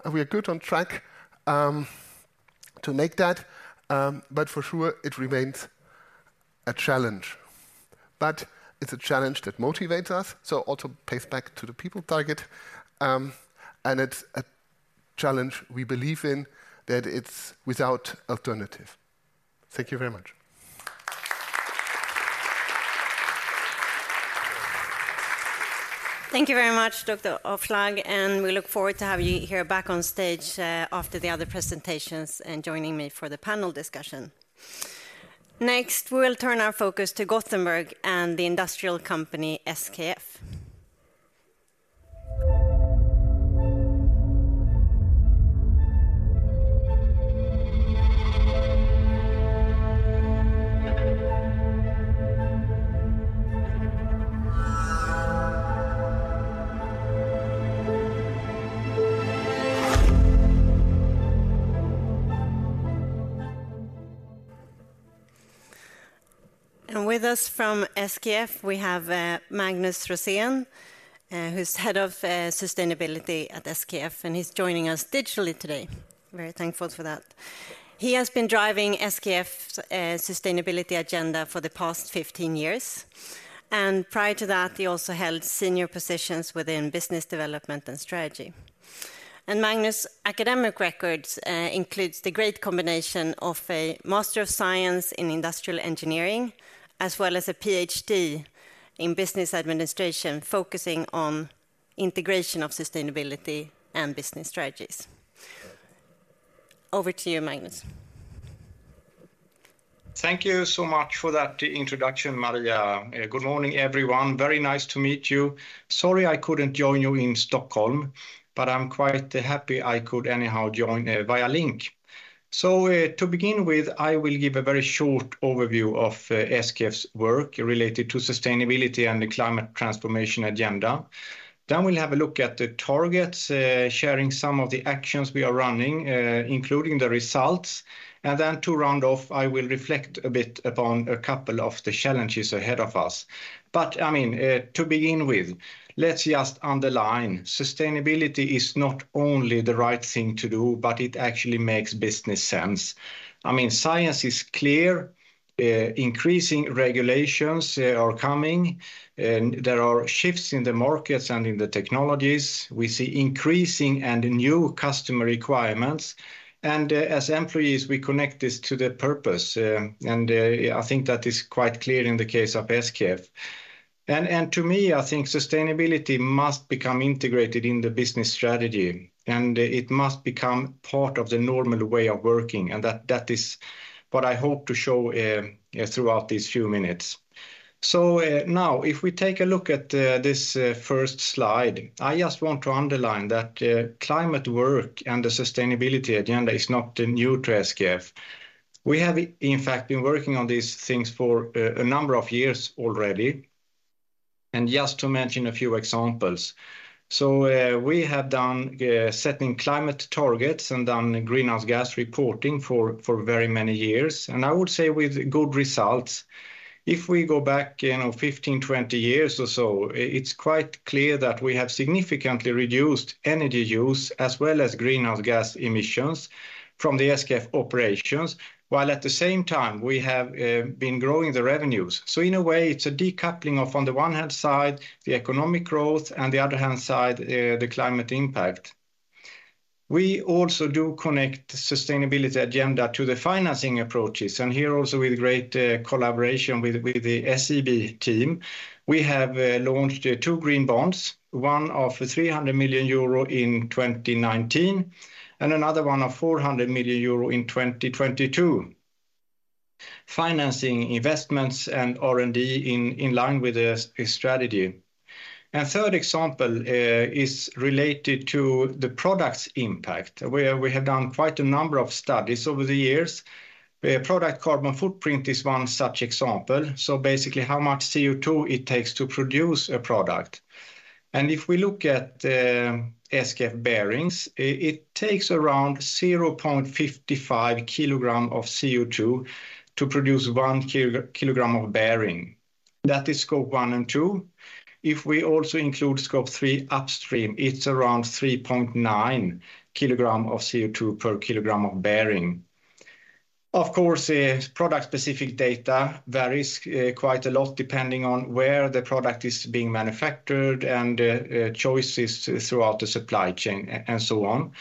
and we are good on track to make that, but for sure, it remains a challenge, but it's a challenge that motivates us, so also pays back to the people target. And it's a challenge we believe in, that it's without alternative. Thank you very much. Thank you very much, Dr. Hufschlag, and we look forward to have you here back on stage after the other presentations, and joining me for the panel discussion. Next, we will turn our focus to Gothenburg and the industrial company, SKF. With us from SKF, we have Magnus Rosén, who's head of Sustainability at SKF, and he's joining us digitally today. Very thankful for that. He has been driving SKF's sustainability agenda for the past 15 years, and prior to that, he also held senior positions within business development and strategy. Magnus' academic records includes the great combination of a Master of Science in Industrial Engineering, as well as a PhD in Business Administration, focusing on integration of sustainability and business strategies. Over to you, Magnus. Thank you so much for that introduction, Maria. Good morning, everyone. Very nice to meet you. Sorry, I couldn't join you in Stockholm, but I'm quite happy I could anyhow join via link. So, to begin with, I will give a very short overview of SKF's work related to sustainability and the climate transformation agenda. Then we'll have a look at the targets, sharing some of the actions we are running, including the results. And then to round off, I will reflect a bit upon a couple of the challenges ahead of us. But, I mean, to begin with, let's just underline, sustainability is not only the right thing to do, but it actually makes business sense. I mean, science is clear, increasing regulations are coming, and there are shifts in the markets and in the technologies. We see increasing and new customer requirements, and as employees, we connect this to the purpose. I think that is quite clear in the case of SKF. To me, I think sustainability must become integrated in the business strategy, and it must become part of the normal way of working, and that is what I hope to show throughout these few minutes. So now, if we take a look at this first slide, I just want to underline that climate work and the sustainability agenda is not new to SKF. We aave, in fact, been working on these things for a number of years already, and just to mention a few examples. So, we have done setting climate targets and done greenhouse gas reporting for very many years, and I would say with good results. If we go back, you know, 15, 20 years or so, it's quite clear that we have significantly reduced energy use, as well as greenhouse gas emissions from the SKF operations, while at the same time, we have been growing the revenues. So in a way, it's a decoupling of, on the one hand side, the economic growth, and the other hand side, the climate impact. We also do connect the sustainability agenda to the financing approaches, and here also with great collaboration with the SEB team. We have launched two green bonds, one of 300 million euro in 2019, and another one of 400 million euro in 2022, financing investments and R&D in line with the strategy. Third example is related to the product's impact, where we have done quite a number of studies over the years. Product carbon footprint is one such example, so basically, how much CO2 it takes to produce a product. If we look at SKF bearings, it takes around 0.55 kg of CO2 to produce one kg of bearing. That is Scope 1 and 2. If we also include Scope 3 upstream, it's around 3.9 kg of CO2 per kg of bearing. Of course, product-specific data varies quite a lot, depending on where the product is being manufactured and choices throughout the supply chain, and so on.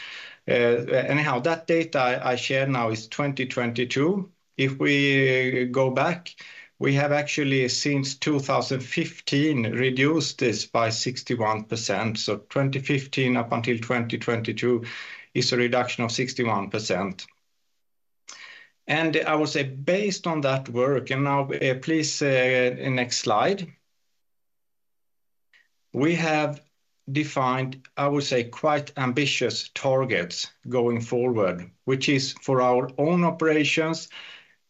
Anyhow, that data I share now is 2022. If we go back, we have actually, since 2015, reduced this by 61%. So 2015 up until 2022 is a reduction of 61%. And I would say, based on that work, and now, please, next slide. We have defined, I would say, quite ambitious targets going forward, which is for our own operations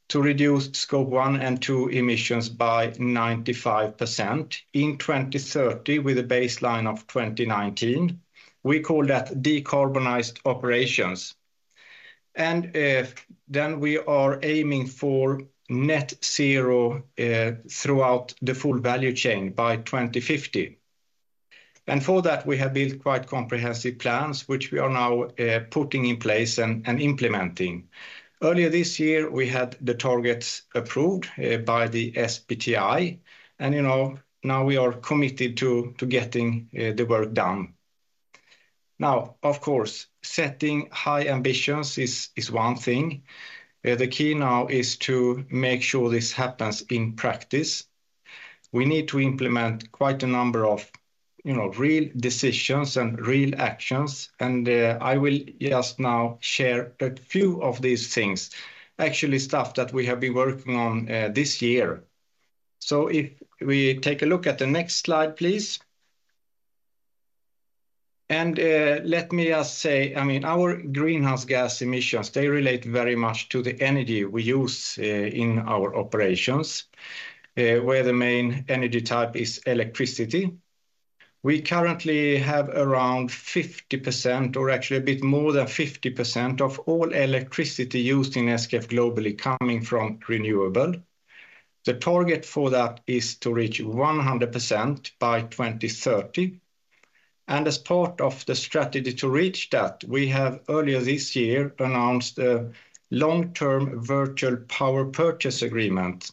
to reduce scope one and two emissions by 95% in 2030, with a baseline of 2019. We call that decarbonized operations. Then we are aiming for net zero throughout the full value chain by 2050. And for that, we have built quite comprehensive plans, which we are now putting in place and implementing. Earlier this year, we had the targets approved by the SBTi, and, you know, now we are committed to getting the work done. Now, of course, setting high ambitions is one thing. The key now is to make sure this happens in practice. We need to implement quite a number of, you know, real decisions and real actions, and I will just now share a few of these things, actually, stuff that we have been working on this year. So if we take a look at the next slide, please. Let me just say, I mean, our greenhouse gas emissions, they relate very much to the energy we use, in our operations, where the main energy type is electricity. We currently have around 50%, or actually a bit more than 50%, of all electricity used in SKF globally coming from renewable. The target for that is to reach 100% by 2030. And as part of the strategy to reach that, we have earlier this year announced a long-term virtual power purchase agreement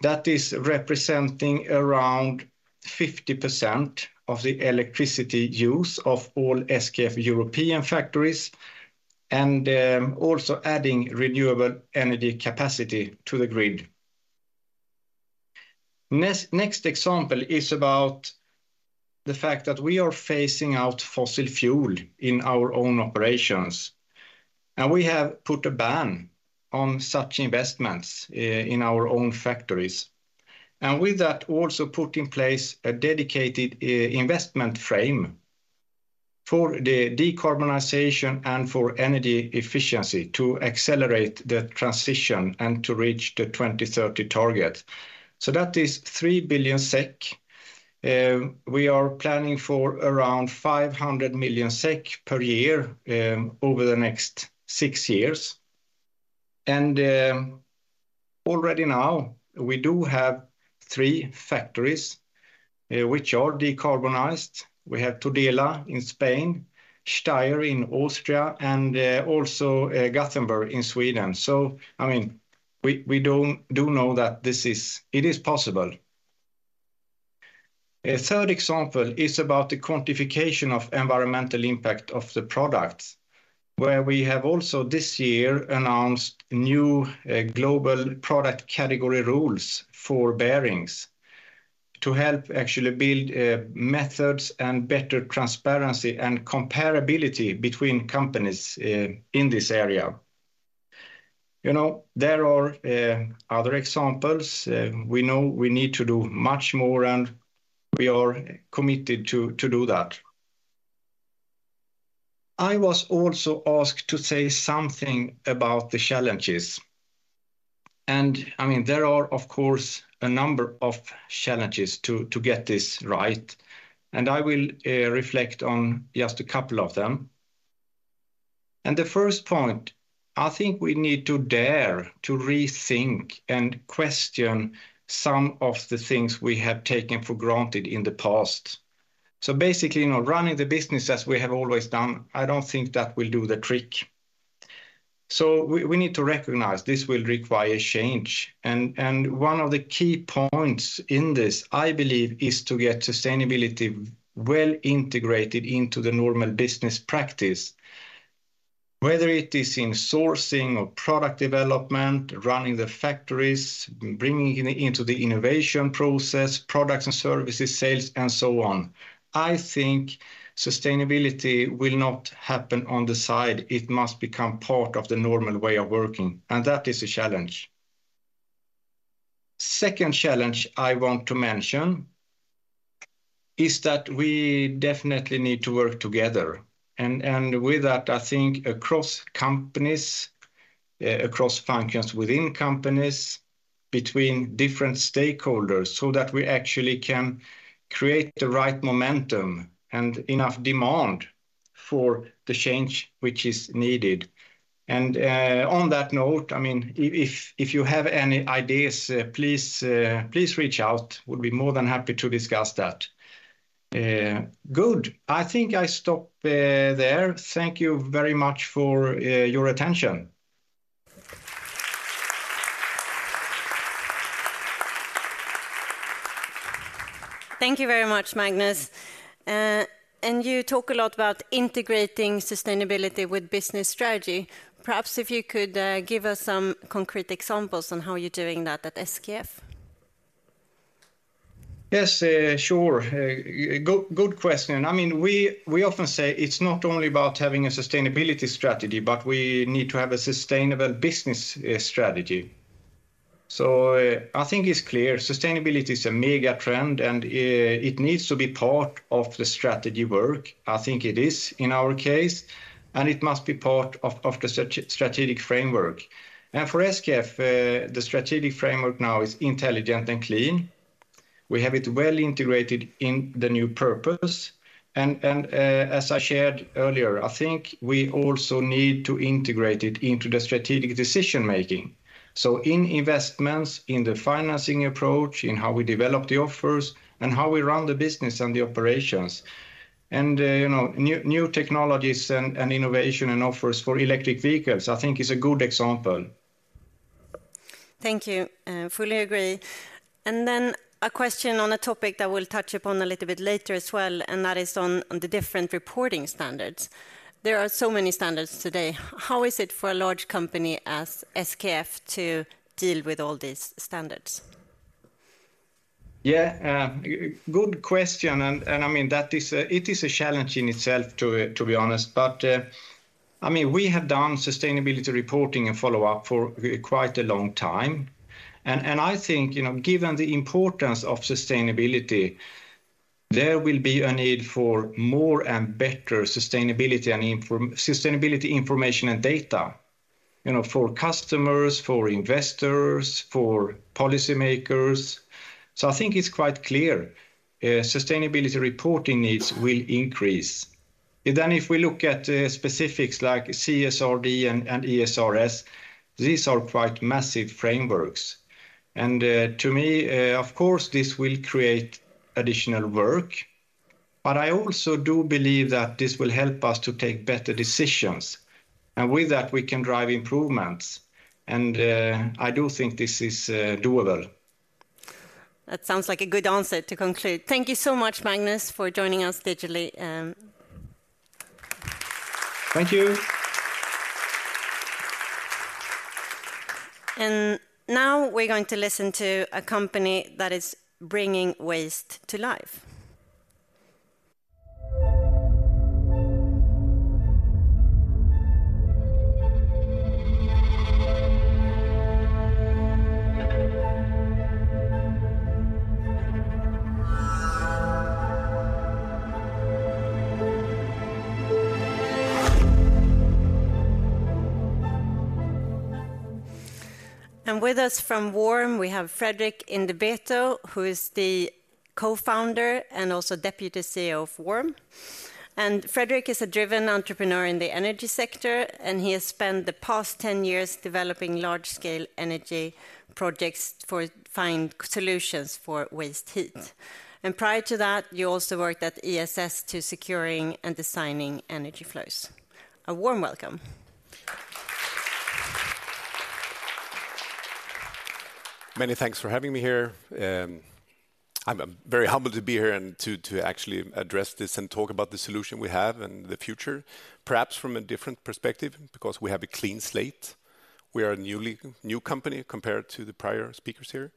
that is representing around 50% of the electricity use of all SKF European factories and, also adding renewable energy capacity to the grid. Next example is about the fact that we are phasing out fossil fuel in our own operations, and we have put a ban on such investments in our own factories, and with that, also put in place a dedicated investment frame for the decarbonization and for energy efficiency to accelerate the transition and to reach the 2030 target. So that is 3 billion SEK. We are planning for around 500 million SEK per year over the next six years. And already now, we do have three factories which are decarbonized. We have Tudela in Spain, Steyr in Austria, and also Gothenburg in Sweden. So, I mean, we do know that this is... It is possible. A third example is about the quantification of environmental impact of the products, where we have also this year announced new, global product category rules for bearings to help actually build, methods and better transparency and comparability between companies, in this area. You know, there are, other examples. We know we need to do much more, and we are committed to do that. I was also asked to say something about the challenges, and I mean, there are, of course, a number of challenges to get this right, and I will reflect on just a couple of them. The first point, I think we need to dare to rethink and question some of the things we have taken for granted in the past. So basically, you know, running the business as we have always done, I don't think that will do the trick. So we need to recognize this will require change, and one of the key points in this, I believe, is to get sustainability well integrated into the normal business practice, whether it is in sourcing or product development, running the factories, bringing it into the innovation process, products and services, sales, and so on. I think sustainability will not happen on the side. It must become part of the normal way of working, and that is a challenge. Second challenge I want to mention is that we definitely need to work together, and with that, I think across companies, across functions within companies, between different stakeholders, so that we actually can create the right momentum and enough demand for the change which is needed. On that note, I mean, if you have any ideas, please reach out. We'll be more than happy to discuss that. Good. I think I stop there. Thank you very much for your attention. Thank you very much, Magnus. You talk a lot about integrating sustainability with business strategy. Perhaps if you could, give us some concrete examples on how you're doing that at SKF. Yes, sure. Good, good question. I mean, we, we often say it's not only about having a sustainability strategy, but we need to have a sustainable business strategy. So I think it's clear sustainability is a mega trend, and it needs to be part of the strategy work. I think it is in our case, and it must be part of the strategic framework. And for SKF, the strategic framework now is intelligent and clean. We have it well integrated in the new purpose and, as I shared earlier, I think we also need to integrate it into the strategic decision-making. So in investments, in the financing approach, in how we develop the offers, and how we run the business and the operations. You know, new technologies and innovation and offers for electric vehicles, I think is a good example. Thank you. Fully agree. Then a question on a topic that we'll touch upon a little bit later as well, and that is on the different reporting standards. There are so many standards today. How is it for a large company as SKF to deal with all these standards? Yeah, good question, and I mean, that is a challenge in itself, to be honest. But I mean, we have done sustainability reporting and follow-up for quite a long time. And I think, you know, given the importance of sustainability, there will be a need for more and better sustainability information and data, you know, for customers, for investors, for policymakers. So I think it's quite clear, sustainability reporting needs will increase. And then if we look at specifics like CSRD and ESRS, these are quite massive frameworks. And to me, of course, this will create additional work, but I also do believe that this will help us to take better decisions, and with that, we can drive improvements, and I do think this is doable. That sounds like a good answer to conclude. Thank you so much, Magnus, for joining us digitally. Thank you. Now we're going to listen to a company that is bringing waste to life. With us from WA3RM, we have Fredrik Indebetou, who is the co-founder and also deputy CEO of WA3RM. Fredrik is a driven entrepreneur in the energy sector, and he has spent the past 10 years developing large-scale energy projects to find solutions for waste heat. Prior to that, you also worked at ESS in securing and designing energy flows. A warm welcome. Many thanks for having me here. I'm very humbled to be here and to actually address this and talk about the solution we have and the future, perhaps from a different perspective, because we have a clean slate. We are a newly new company compared to the prior speakers here.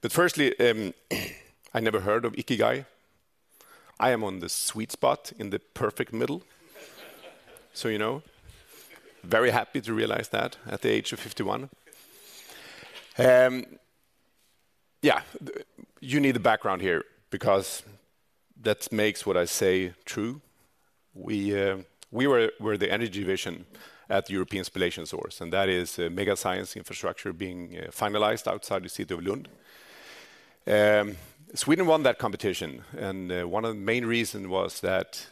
But firstly, I never heard of Ikigai. I am on the sweet spot in the perfect middle. So you know, very happy to realize that at the age of 51. Yeah, you need a background here because that makes what I say true. We were the energy division at the European Spallation Source, and that is a mega science infrastructure being finalized outside the city of Lund. Sweden won that competition, and one of the main reason was that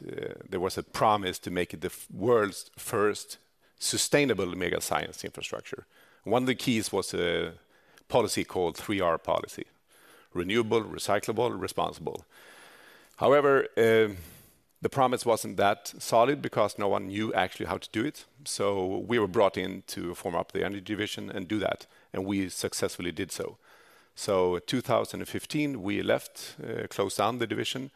there was a promise to make it the world's first sustainable mega science infrastructure. One of the keys was a policy called three R policy: renewable, recyclable, responsible. However, the promise wasn't that solid because no one knew actually how to do it, so we were brought in to form up the energy division and do that, and we successfully did so. So in 2015, we left, closed down the division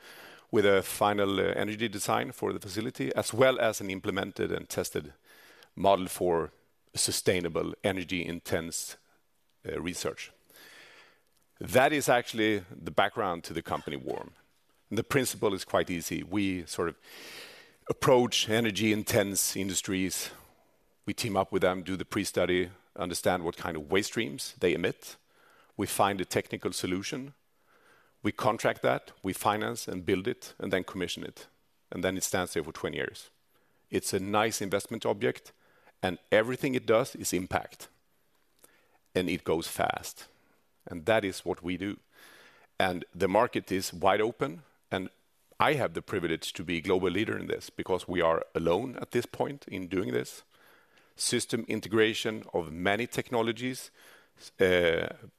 with a final energy design for the facility, as well as an implemented and tested model for sustainable energy intense research. That is actually the background to the company, WA3RM, and the principle is quite easy. We sort of approach energy intense industries. We team up with them, do the pre-study, understand what kind of waste streams they emit. We find a technical solution. We contract that, we finance and build it, and then commission it, and then it stands there for 20 years. It's a nice investment object, and everything it does is impact, and it goes fast. That is what we do. The market is wide open, and I have the privilege to be a global leader in this because we are alone at this point in doing this. System integration of many technologies,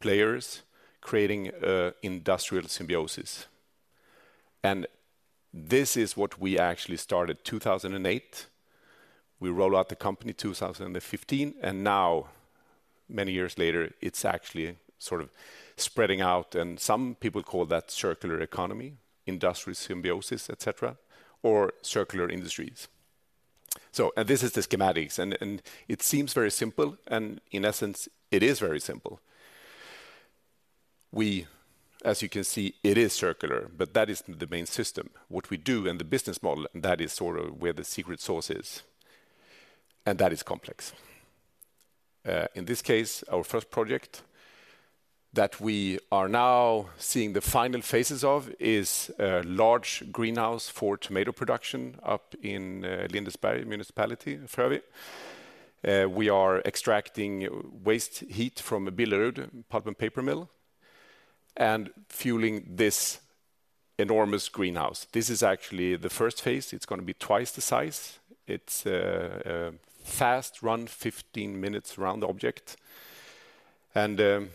players, creating industrial symbiosis. This is what we actually started 2008. We roll out the company 2015, and now, many years later, it's actually sort of spreading out, and some people call that circular economy, industrial symbiosis, et cetera, or circular industries. So... This is the schematics, and it seems very simple, and in essence, it is very simple. We, as you can see, it is circular, but that is the main system. What we do in the business model, that is sort of where the secret sauce is, and that is complex. In this case, our first project that we are now seeing the final phases of is a large greenhouse for tomato production up in Lindesberg Municipality in Frövi. We are extracting waste heat from a Billerud pulp and paper mill, and fueling this enormous greenhouse. This is actually the first phase. It's gonna be twice the size. It's fast run, 15 minutes around the object, and a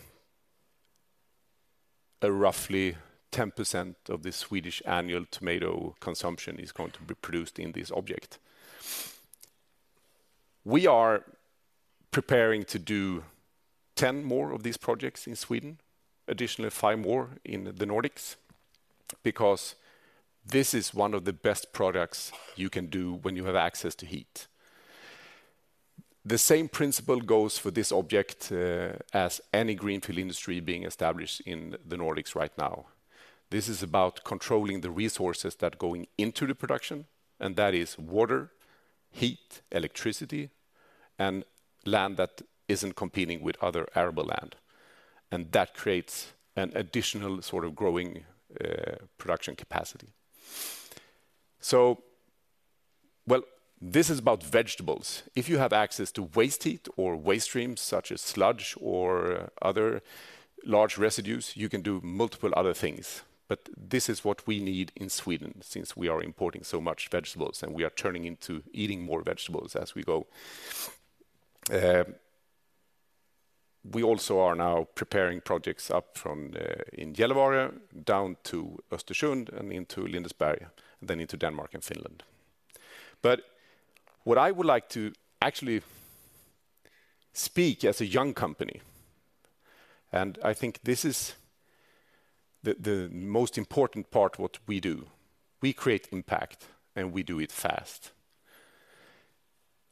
roughly 10% of the Swedish annual tomato consumption is going to be produced in this object. We are preparing to do 10 more of these projects in Sweden, additionally, five more in the Nordics, because this is one of the best products you can do when you have access to heat. The same principle goes for this object, as any greenfield industry being established in the Nordics right now. This is about controlling the resources that are going into the production, and that is water, heat, electricity, and land that isn't competing with other arable land, and that creates an additional sort of growing, production capacity. So, well, this is about vegetables. If you have access to waste heat or waste streams, such as sludge or other large residues, you can do multiple other things. But this is what we need in Sweden, since we are importing so much vegetables, and we are turning into eating more vegetables as we go. We also are now preparing projects up from the in Gällivare down to Östersund and into Lindesberg, and then into Denmark and Finland. But what I would like to actually speak as a young company, and I think this is the most important part what we do. We create impact, and we do it fast.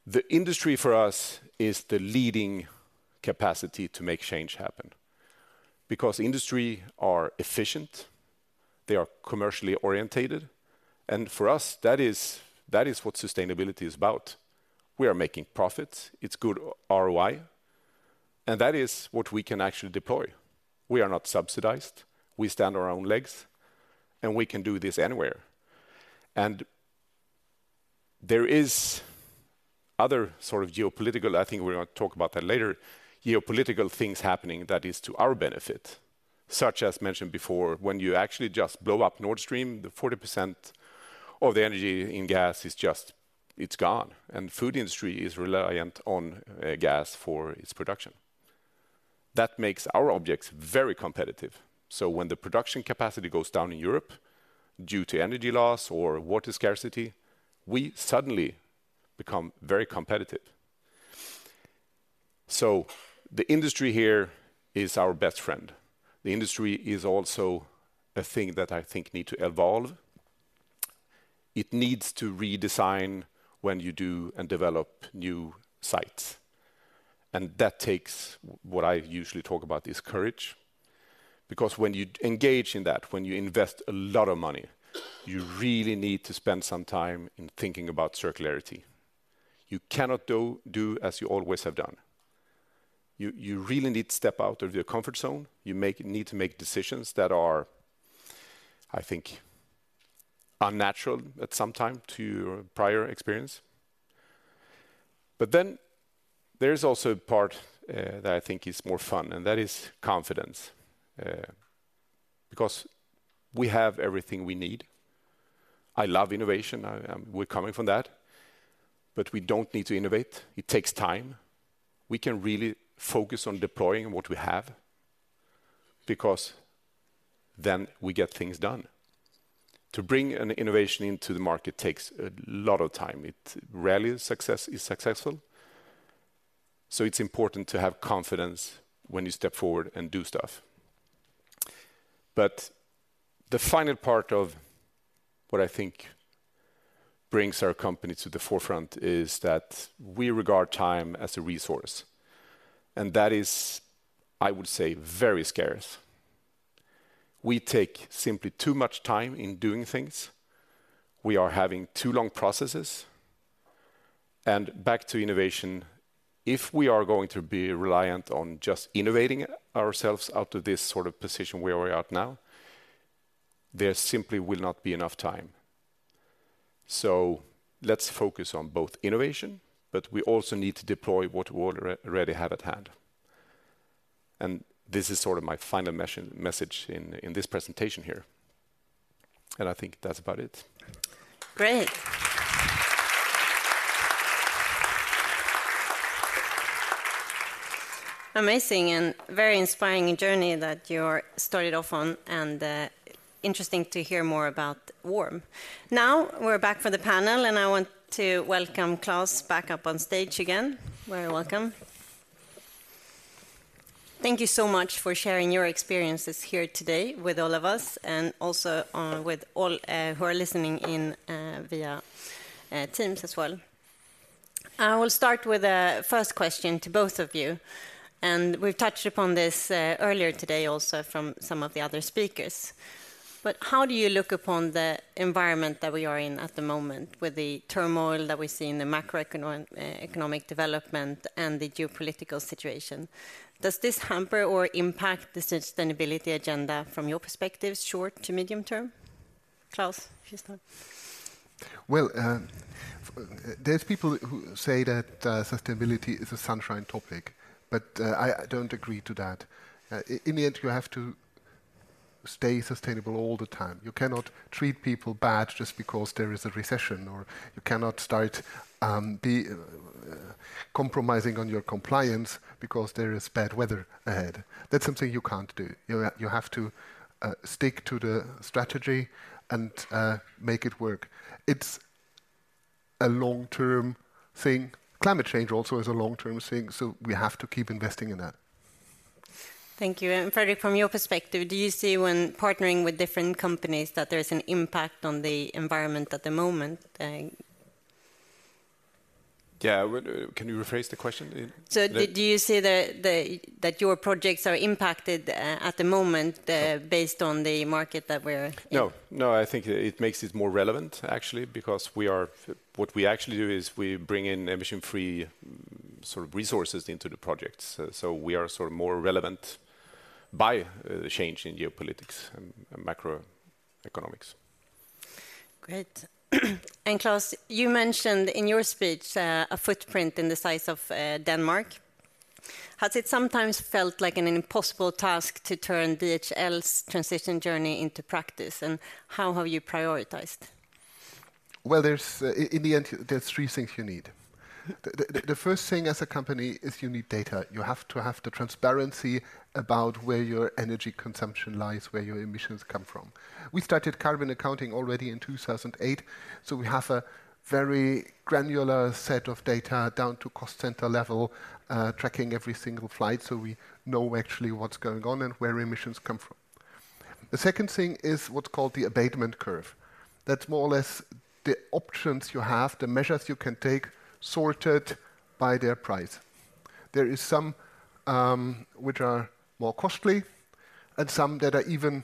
The industry for us is the leading capacity to make change happen, because industry are efficient, they are commercially oriented, and for us, that is what sustainability is about. We are making profits. It's good ROI, and that is what we can actually deploy. We are not subsidized. We stand on our own legs, and we can do this anywhere. And there is other sort of geopolitical, I think we're gonna talk about that later, geopolitical things happening that is to our benefit, such as mentioned before, when you actually just blow up Nord Stream, the 40% of the energy in gas is just... it's gone, and food industry is reliant on gas for its production. That makes our objects very competitive. So when the production capacity goes down in Europe due to energy loss or water scarcity, we suddenly become very competitive. So the industry here is our best friend. The industry is also a thing that I think need to evolve. It needs to redesign when you do and develop new sites, and that takes what I usually talk about is courage. Because when you engage in that, when you invest a lot of money, you really need to spend some time in thinking about circularity. You cannot do as you always have done. You really need to step out of your comfort zone. You need to make decisions that are, I think, unnatural at some time to your prior experience. But then there's also a part that I think is more fun, and that is confidence. Because we have everything we need. I love innovation. We're coming from that, but we don't need to innovate. It takes time. We can really focus on deploying what we have, because then we get things done. To bring an innovation into the market takes a lot of time. It rarely is successful. So it's important to have confidence when you step forward and do stuff. But the final part of what I think brings our company to the forefront is that we regard time as a resource, and that is, I would say, very scarce. We take simply too much time in doing things. We are having too long processes. And back to innovation, if we are going to be reliant on just innovating ourselves out of this sort of position where we are at now, there simply will not be enough time. So let's focus on both innovation, but we also need to deploy what we already have at hand. And this is sort of my final message in this presentation here, and I think that's about it. Great. Amazing and very inspiring journey that you're started off on, and, interesting to hear more about WA3RM. Now, we're back for the panel, and I want to welcome Klaus back up on stage again. Very welcome. Thank you so much for sharing your experiences here today with all of us, and also on with all, who are listening in, via, Teams as well. I will start with a first question to both of you, and we've touched upon this, earlier today, also from some of the other speakers. But how do you look upon the environment that we are in at the moment, with the turmoil that we see in the macroeconomic, economic development and the geopolitical situation? Does this hamper or impact the sustainability agenda from your perspective, short to medium term?... Klaus, please start. Well, there's people who say that sustainability is a sunshine topic, but I don't agree to that. In the end, you have to stay sustainable all the time. You cannot treat people bad just because there is a recession, or you cannot start compromising on your compliance because there is bad weather ahead. That's something you can't do. You have to stick to the strategy and make it work. It's a long-term thing. Climate change also is a long-term thing, so we have to keep investing in that. Thank you. Fredrik, from your perspective, do you see when partnering with different companies, that there is an impact on the environment at the moment? Yeah, what... Can you rephrase the question? Do you see that your projects are impacted at the moment based on the market that we're in? No. No, I think it makes it more relevant, actually, because what we actually do is we bring in emission-free sort of resources into the projects. So we are sort of more relevant by the change in geopolitics and macroeconomics. Great. And Klaus, you mentioned in your speech, a footprint in the size of, Denmark. Has it sometimes felt like an impossible task to turn DHL's transition journey into practice? And how have you prioritized? Well, in the end, there's three things you need. The first thing as a company is you need data. You have to have the transparency about where your energy consumption lies, where your emissions come from. We started carbon accounting already in 2008, so we have a very granular set of data, down to cost center level, tracking every single flight, so we know actually what's going on and where emissions come from. The second thing is what's called the abatement curve. That's more or less the options you have, the measures you can take, sorted by their price. There is some which are more costly and some that are even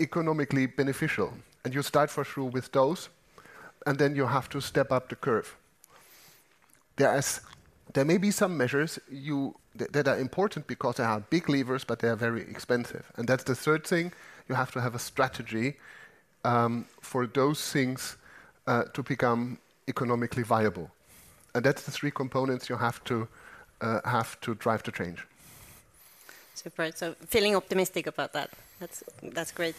economically beneficial, and you start for sure with those, and then you have to step up the curve. There may be some measures that are important because they are big levers, but they are very expensive. That's the third thing: you have to have a strategy for those things to become economically viable. That's the three components you have to have to drive the change. Super. So feeling optimistic about that. That's, that's great.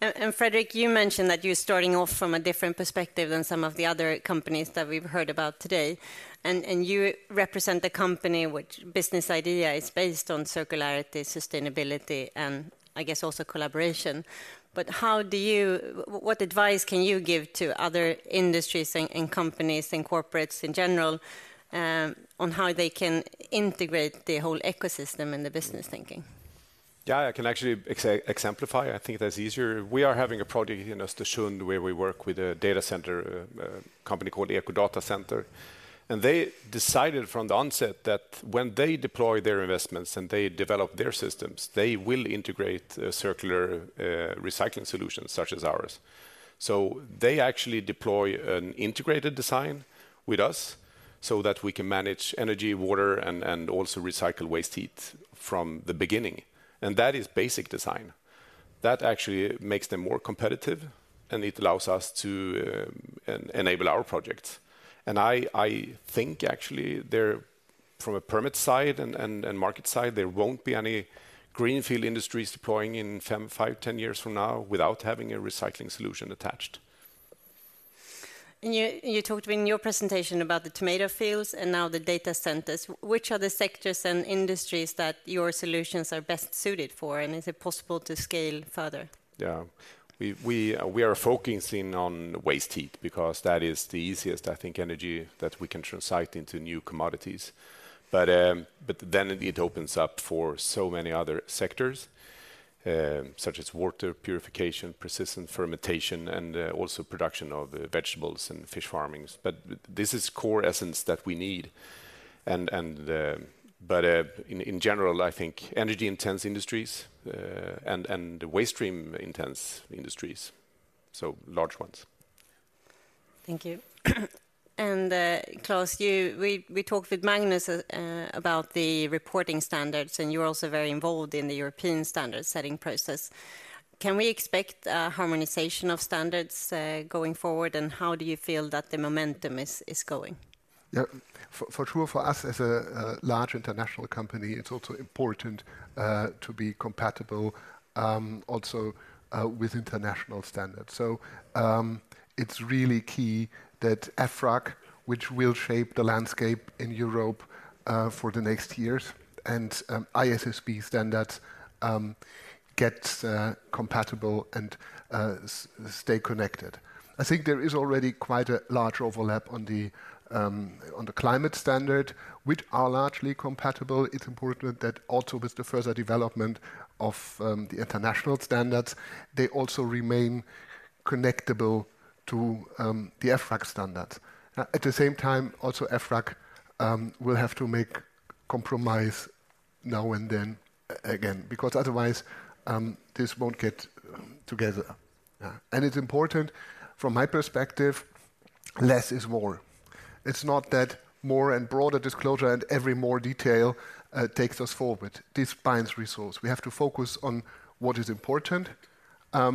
And Fredrik, you mentioned that you're starting off from a different perspective than some of the other companies that we've heard about today. And you represent the company which business idea is based on circularity, sustainability, and I guess also collaboration. But how do you... what advice can you give to other industries and companies and corporates in general on how they can integrate the whole ecosystem in the business thinking? Yeah, I can actually exemplify. I think that's easier. We are having a project in Östersund, where we work with a data center company called EcoDataCenter. And they decided from the onset that when they deploy their investments and they develop their systems, they will integrate circular recycling solutions such as ours. So they actually deploy an integrated design with us so that we can manage energy, water, and also recycle waste heat from the beginning, and that is basic design. That actually makes them more competitive, and it allows us to enable our projects. And I think actually there, from a permit side and market side, there won't be any greenfield industries deploying in five, 10 years from now without having a recycling solution attached. And you, you talked in your presentation about the tomato fields and now the data centers. Which are the sectors and industries that your solutions are best suited for, and is it possible to scale further? Yeah. We are focusing on waste heat because that is the easiest, I think, energy that we can translate into new commodities. But then it opens up for so many other sectors, such as water purification, persistent fermentation, and also production of vegetables and fish farmings. But this is core essence that we need, and... But in general, I think energy-intense industries and waste stream intense industries, so large ones. Thank you. Klaus, you, we talked with Magnus about the reporting standards, and you're also very involved in the European standard-setting process. Can we expect a harmonization of standards going forward, and how do you feel that the momentum is going? Yeah. For sure, for us, as a large international company, it's also important to be compatible also with international standards. So, it's really key that EFRAG, which will shape the landscape in Europe, for the next years, and, ISSB standards, get compatible and stay connected. I think there is already quite a large overlap on the, on the climate standard, which are largely compatible. It's important that also with the further development of, the international standards, they also remain connectable to, the EFRAG standards. At the same time, also, EFRAG will have to make compromise now and then again, because otherwise, this won't get, together. And it's important, from my perspective, less is more.... It's not that more and broader disclosure and every more detail takes us forward. This binds resource. We have to focus on what is important. At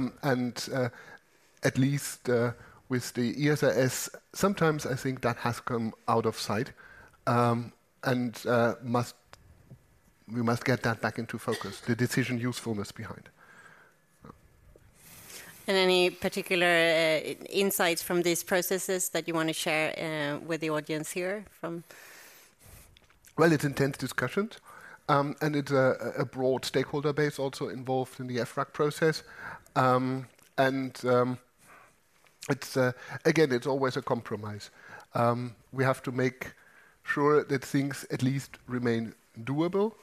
least with the ESRS, sometimes I think that has come out of sight, and we must get that back into focus, the decision usefulness behind. Any particular insights from these processes that you want to share with the audience here from? Well, it's intense discussions, and it's a broad stakeholder base also involved in the EFRAG process. And it's always a compromise. We have to make sure that things at least remain doable.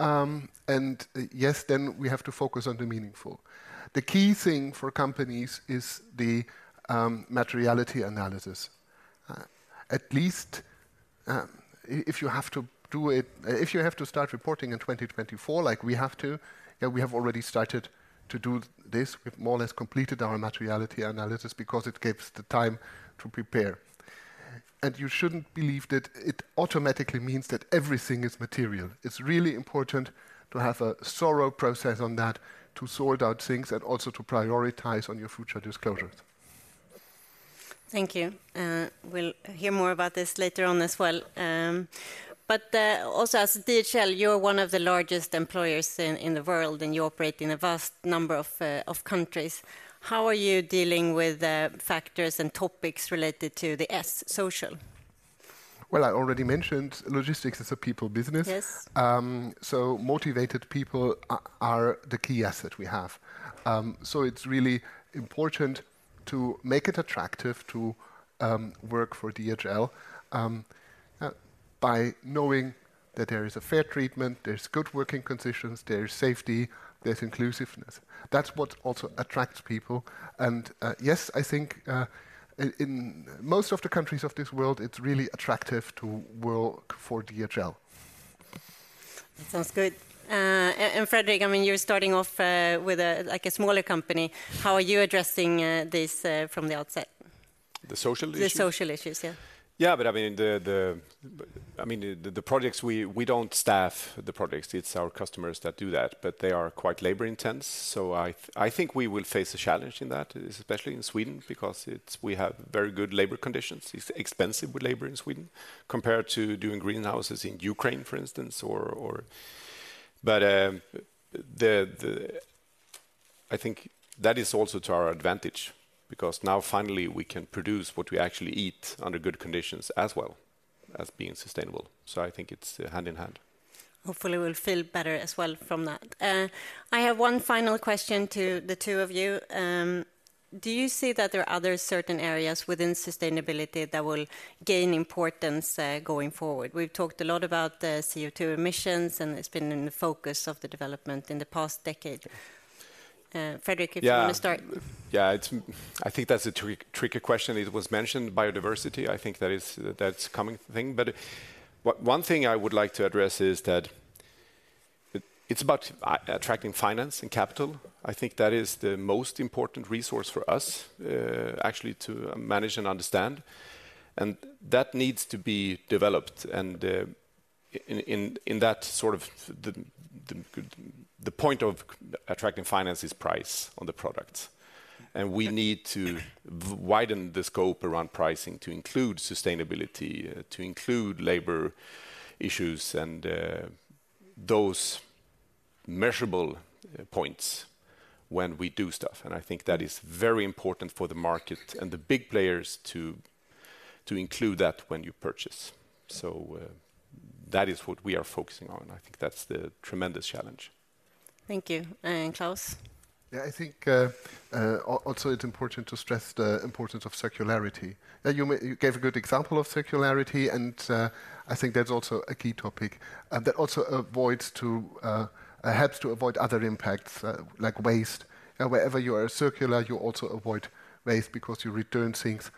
And yes, then we have to focus on the meaningful. The key thing for companies is the materiality analysis. At least, if you have to do it, if you have to start reporting in 2024, like we have to, yeah, we have already started to do this. We've more or less completed our materiality analysis because it gives the time to prepare. And you shouldn't believe that it automatically means that everything is material. It's really important to have a thorough process on that, to sort out things, and also to prioritize on your future disclosures. Thank you. We'll hear more about this later on as well. But also, as DHL, you're one of the largest employers in the world, and you operate in a vast number of countries. How are you dealing with factors and topics related to the S, social? Well, I already mentioned logistics is a people business. Yes. So motivated people are the key asset we have. So it's really important to make it attractive to work for DHL by knowing that there is a fair treatment, there's good working conditions, there's safety, there's inclusiveness. That's what also attracts people, and yes, I think in most of the countries of this world, it's really attractive to work for DHL. That sounds good. Fredrik, I mean, you're starting off with like a smaller company. How are you addressing this from the outset? The social issues? The social issues, yeah. Yeah, but I mean, the projects we don't staff the projects. It's our customers that do that, but they are quite labor intense, so I think we will face a challenge in that, especially in Sweden, because we have very good labor conditions. It's expensive with labor in Sweden compared to doing greenhouses in Ukraine, for instance. But I think that is also to our advantage, because now finally we can produce what we actually eat under good conditions as well as being sustainable. So I think it's hand in hand. Hopefully, we'll feel better as well from that. I have one final question to the two of you. Do you see that there are other certain areas within sustainability that will gain importance, going forward? We've talked a lot about the CO2 emissions, and it's been in the focus of the development in the past decade. Fredrik, if you want to start. Yeah. Yeah, it's, I think that's a tricky question. It was mentioned, biodiversity. I think that is—that's coming thing, but one thing I would like to address is that it's about attracting finance and capital. I think that is the most important resource for us, actually to manage and understand, and that needs to be developed. And in that sort of, the point of attracting finance is price on the products. And we need to widen the scope around pricing to include sustainability, to include labor issues, and those measurable points when we do stuff. And I think that is very important for the market and the big players to include that when you purchase. So, that is what we are focusing on, and I think that's the tremendous challenge. Thank you. And Klaus? Yeah, I think, also it's important to stress the importance of circularity. You gave a good example of circularity, and, I think that's also a key topic that helps to avoid other impacts, like waste. Wherever you are circular, you also avoid waste because you return things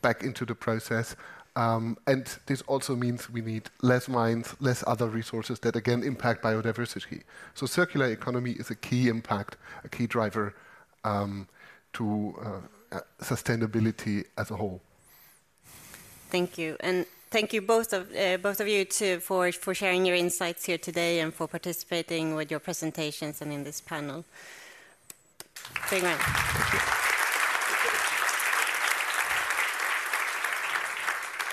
back into the process. And this also means we need less mines, less other resources that again impact biodiversity. So circular economy is a key impact, a key driver to sustainability as a whole. Thank you. And thank you both of you, too, for sharing your insights here today and for participating with your presentations and in this panel. Very well.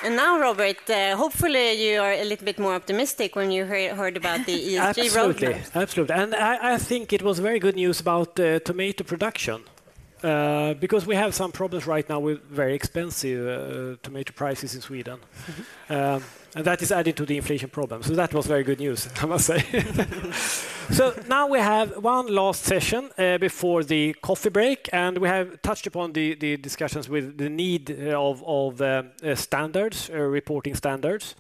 And now, Robert, hopefully you are a little bit more optimistic when you heard about the ESG role. Absolutely. Absolutely. I think it was very good news about the tomato production, because we have some problems right now with very expensive tomato prices in Sweden. And that is adding to the inflation problem. So that was very good news, I must say. So now we have one last session before the coffee break, and we have touched upon the discussions with the need of standards reporting standards.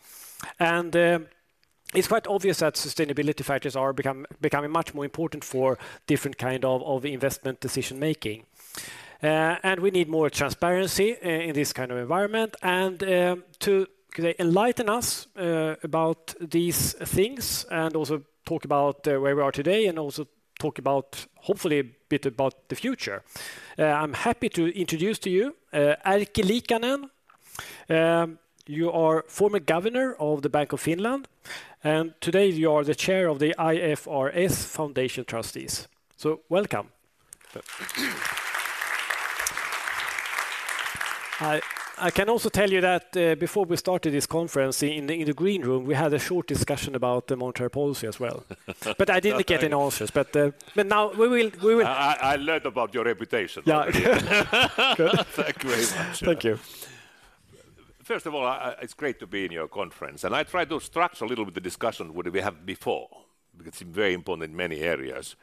It's quite obvious that sustainability factors are becoming much more important for different kind of investment decision-making. And we need more transparency in this kind of environment, and to enlighten us about these things and also talk about where we are today and also talk about, hopefully, a bit about the future, I'm happy to introduce to you Erkki Liikanen. You are former Governor of the Bank of Finland, and today you are the Chair of the IFRS Foundation Trustees. So welcome. I can also tell you that, before we started this conference, in the green room, we had a short discussion about the monetary policy as well. But I didn't get any answers. But now we will, we will- I learned about your reputation already. Yeah. Good. Thank you very much. Thank you. First of all, it's great to be in your conference, and I try to structure a little bit the discussion what we have before, because it's very important in many areas.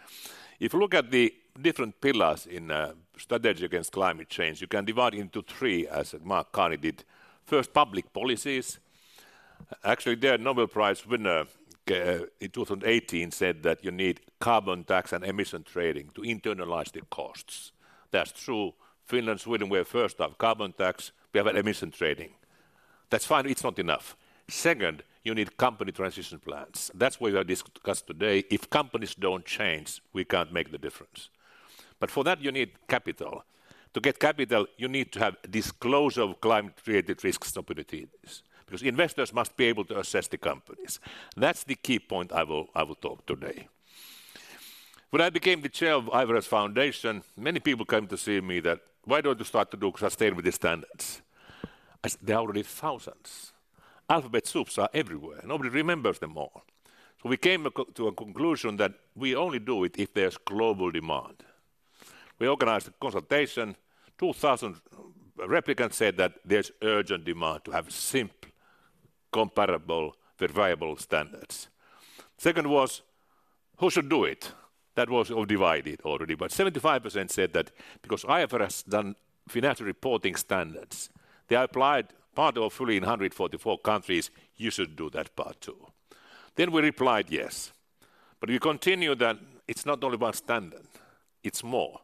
If you look at the different pillars in strategy against climate change, you can divide into three, as Mark Carney did. First, public policies. Actually, the Nobel Prize winner in 2018 said that you need carbon tax and emission trading to internalize the costs. That's true. Finland, Sweden, we are first have carbon tax; we have emission trading. That's fine, it's not enough. Second, you need company transition plans. That's what we are discuss today. If companies don't change, we can't make the difference. But for that, you need capital. To get capital, you need to have disclosure of climate-related risks and opportunities, because investors must be able to assess the companies. That's the key point I will, I will talk today. When I became the chair of IFRS Foundation, many people came to see me that, "Why don't you start to do sustainability standards?" I said, "There are already thousands." Alphabet soups are everywhere, nobody remembers them all. So we came to a conclusion that we only do it if there's global demand. We organized a consultation. 2,000 respondents said that there's urgent demand to have simple, comparable, verifiable standards. Second was, who should do it? That was all divided already, but 75% said that because IFRS has done financial reporting standards, they are applied part or fully in 144 countries, you should do that part, too. Then we replied, "Yes." But we continue that it's not only about standard, it's more.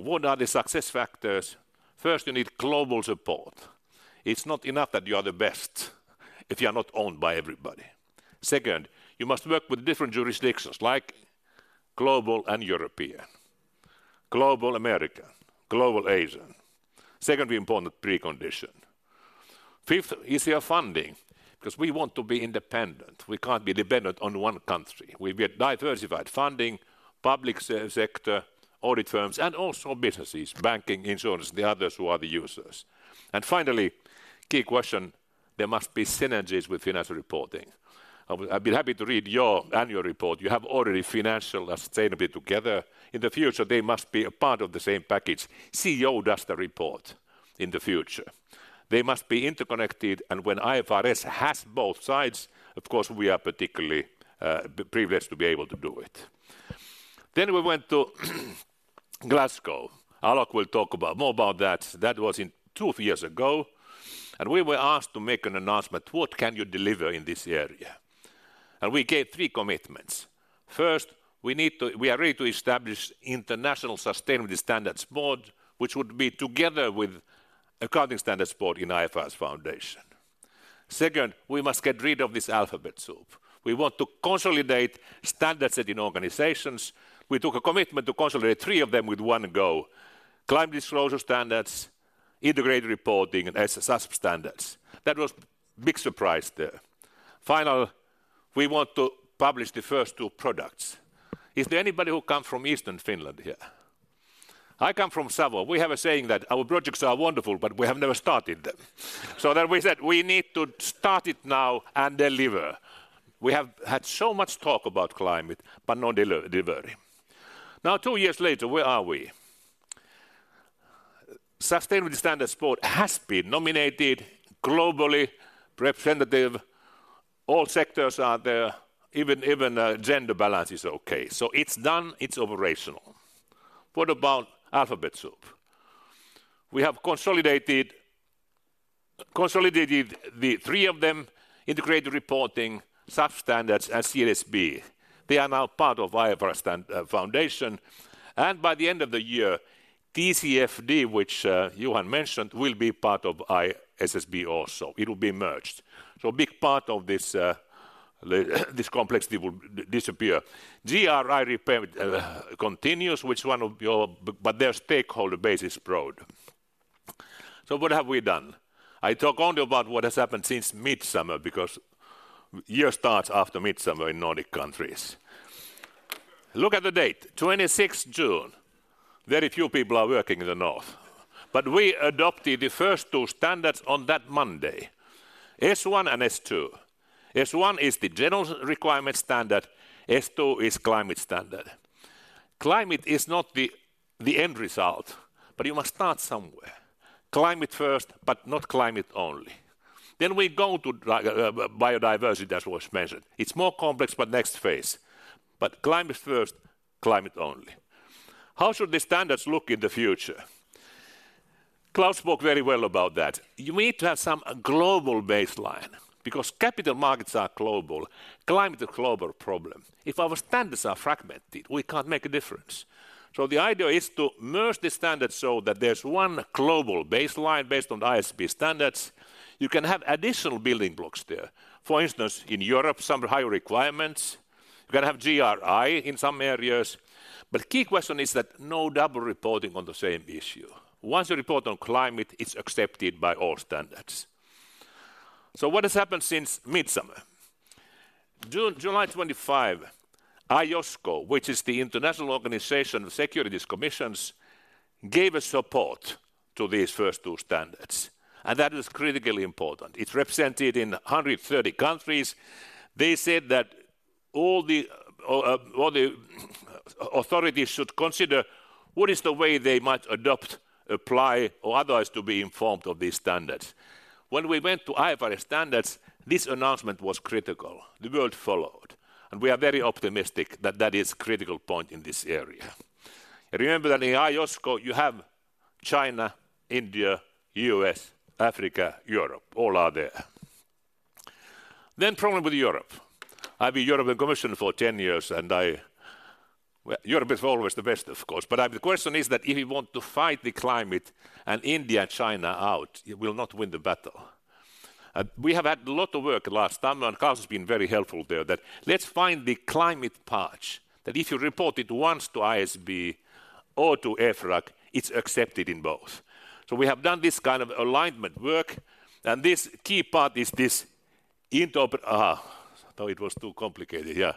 But what are the success factors? First, you need global support. It's not enough that you are the best if you are not owned by everybody. Second, you must work with different jurisdictions, like global and European, global American, global Asian. Secondly important precondition. Fifth is your funding, because we want to be independent. We can't be dependent on one country. We get diversified funding, public sector, audit firms, and also businesses, banking, insurance, the others who are the users. And finally, key question, there must be synergies with financial reporting. I, I'll be happy to read your annual report. You have already financial and sustainability together. In the future, they must be a part of the same package. CEO does the report in the future. They must be interconnected, and when IFRS has both sides, of course, we are particularly privileged to be able to do it. Then we went to Glasgow. Alok will talk about more about that. That was two years ago, and we were asked to make an announcement: What can you deliver in this area? And we gave three commitments. First, we need to—we are ready to establish International Sustainability Standards Board, which would be together with Accounting Standards Board in IFRS Foundation. Second, we must get rid of this alphabet soup. We want to consolidate standard-setting organizations. We took a commitment to consolidate three of them with one go: Climate Disclosure Standards, Integrated Reporting, and SASB standards. That was big surprise there. Finally, we want to publish the first two products. Is there anybody who come from Eastern Finland here? I come from Savo. We have a saying that our projects are wonderful, but we have never started them. So then we said, "We need to start it now and deliver." We have had so much talk about climate, but no delivery. Now, two years later, where are we? Sustainability Standards Board has been nominated globally representative. All sectors are there. Even gender balance is okay. So it's done, it's operational. What about alphabet soup? We have consolidated the three of them, Integrated Reporting, SASB standards, and ISSB. They are now part of IFRS Foundation, and by the end of the year, TCFD, which Johan mentioned, will be part of ISSB also. It will be merged. So big part of this this complexity will disappear. GRI Repair continues. But their stakeholder base is broad. So what have we done? I talk only about what has happened since Midsummer, because year starts after Midsummer in Nordic countries. Look at the date, twenty-sixth June. Very few people are working in the north, but we adopted the first two standards on that Monday, S1 and S2. S1 is the general requirement standard, S2 is climate standard. Climate is not the end result, but you must start somewhere. Climate first, but not climate only. Then we go to biodiversity, that was mentioned. It's more complex, but next phase. But climate first, climate only. How should the standards look in the future? Klaus spoke very well about that. You need to have some global baseline, because capital markets are global, climate a global problem. If our standards are fragmented, we can't make a difference. So the idea is to merge the standards so that there's one global baseline based on ISSB standards. You can have additional building blocks there. For instance, in Europe, some higher requirements. You can have GRI in some areas. But key question is that no double reporting on the same issue. Once you report on climate, it's accepted by all standards. So what has happened since Midsummer? June, July 25, IOSCO, which is the International Organization of Securities Commissions, gave a support to these first two standards, and that is critically important. It's represented in 130 countries. They said that all the authorities should consider what is the way they might adopt, apply, or otherwise to be informed of these standards. When we went to IFRS Standards, this announcement was critical. The world followed, and we are very optimistic that that is critical point in this area. Remember that in IOSCO, you have China, India, U.S., Africa, Europe, all are there. Then problem with Europe. I was European Commissioner for 10 years, and— Well, Europe is always the best, of course. The question is that if you want to fight the climate and India, China out, you will not win the battle. We have had a lot of work last time, and Carlos has been very helpful there, that let's find the climate part, that if you report it once to ISSB or to EFRAG, it's accepted in both. We have done this kind of alignment work, and this key part is this interoperability. So it was too complicated. Yeah.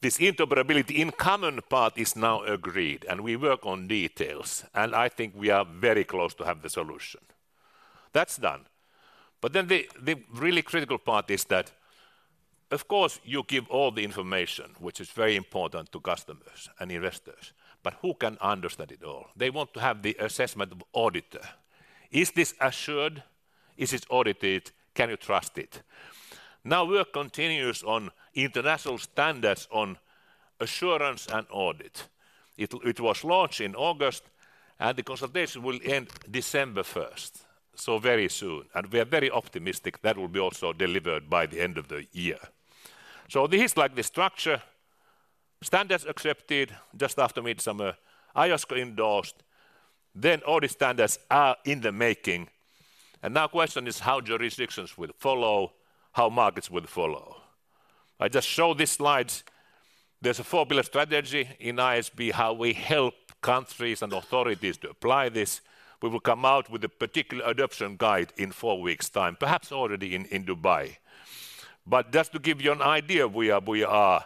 This interoperability in common part is now agreed, and we work on details, and I think we are very close to have the solution. That's done. But then the really critical part is that, of course, you give all the information, which is very important to customers and investors, but who can understand it all? They want to have the assessment auditor. Is this assured? Is it audited? Can you trust it? Now, work continues on international standards on assurance and audit. It was launched in August, and the consultation will end December first, so very soon, and we are very optimistic that will be also delivered by the end of the year. So this is like the structure. Standards accepted just after midsummer, IOSCO endorsed, then audit standards are in the making. Now question is how jurisdictions will follow, how markets will follow. I just show these slides. There's a four-pillar strategy in ISSB, how we help countries and authorities to apply this. We will come out with a particular adoption guide in four weeks' time, perhaps already in Dubai. But just to give you an idea, we are.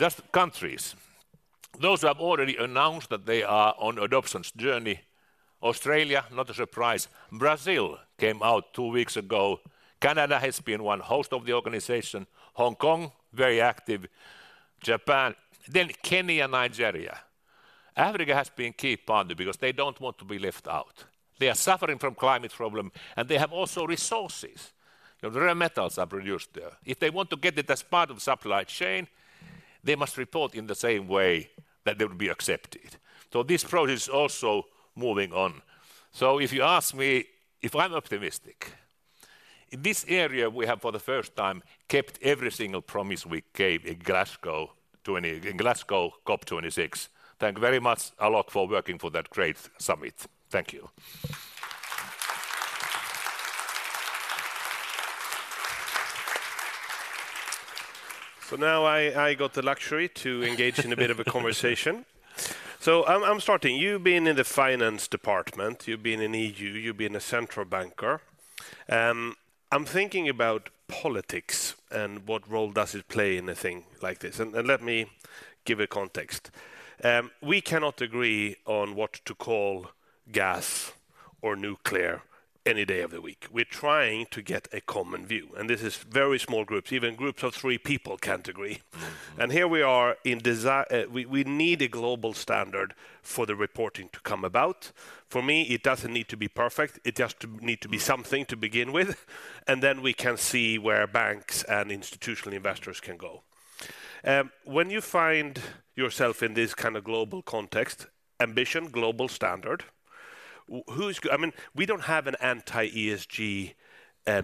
Just countries, those who have already announced that they are on adoption journey: Australia, not a surprise. Brazil came out two weeks ago. Canada has been one host of the organization. Hong Kong, very active. Japan, then Kenya, Nigeria. Africa has been key party because they don't want to be left out. They are suffering from climate problem, and they have also resources. The rare metals are produced there. If they want to get it as part of supply chain, they must report in the same way that they will be accepted. So this project is also moving on. So if you ask me if I'm optimistic, in this area, we have, for the first time, kept every single promise we gave in Glasgow in Glasgow, COP26. Thank you very much, Alok Sharma, for working for that great summit. Thank you. So now I got the luxury to engage in a bit of a conversation. So I'm starting. You've been in the finance department, you've been in EU, you've been a central banker. I'm thinking about politics and what role does it play in a thing like this, and let me give a context. We cannot agree on what to call gas or nuclear any day of the week. We're trying to get a common view, and this is very small groups. Even groups of three people can't agree. And here we are, we need a global standard for the reporting to come about. For me, it doesn't need to be perfect, it just need to be-... something to begin with, and then we can see where banks and institutional investors can go. When you find yourself in this kind of global context, ambition, global standard, I mean, we don't have an anti-ESG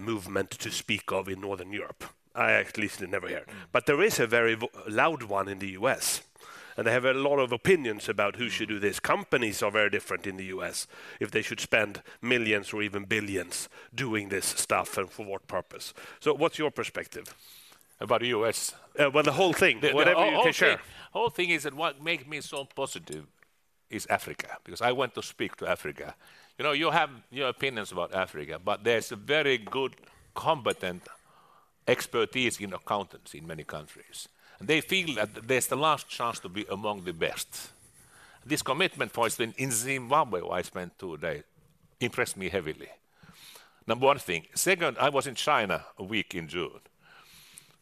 movement to speak of in Northern Europe. I at least never heard. But there is a very loud one in the U.S., and they have a lot of opinions about who should do this. Companies are very different in the U.S., if they should spend $millions or even billions doing this stuff, and for what purpose. So what's your perspective? About the U.S.? Well, the whole thing. Whatever you can share. Oh, oh, sure. The whole thing is that what makes me so positive is Africa, because I want to speak to Africa. You know, you have your opinions about Africa, but there's a very good competent expertise in accountants in many countries, and they feel that there's the last chance to be among the best. This commitment points in Zimbabwe, where I spent two days, impressed me heavily. Number one thing. Second, I was in China a week in June.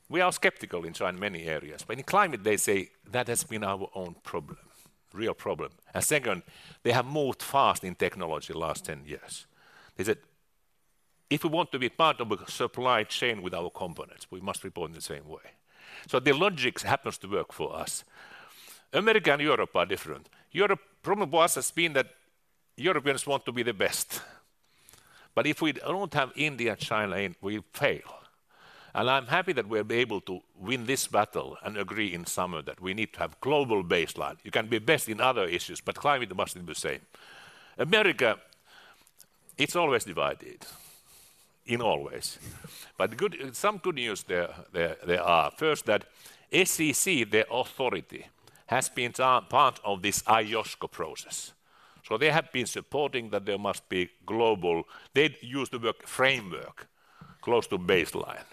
We are skeptical in China in many areas, but in climate, they say, "That has been our own problem, real problem." And second, they have moved fast in technology in the last 10 years. They said, "If we want to be part of a supply chain with our components, we must report in the same way." So the logic happens to work for us. America and Europe are different. Europe, problem for us has been that Europeans want to be the best, but if we don't have India and China in, we fail. And I'm happy that we're able to win this battle and agree in summer that we need to have global baseline. You can be best in other issues, but climate must be the same. America, it's always divided, in all ways. But good, some good news there are. First, that SEC, the authority, has been part of this IOSCO process. So they have been supporting that there must be global. They used the word framework, close to baseline.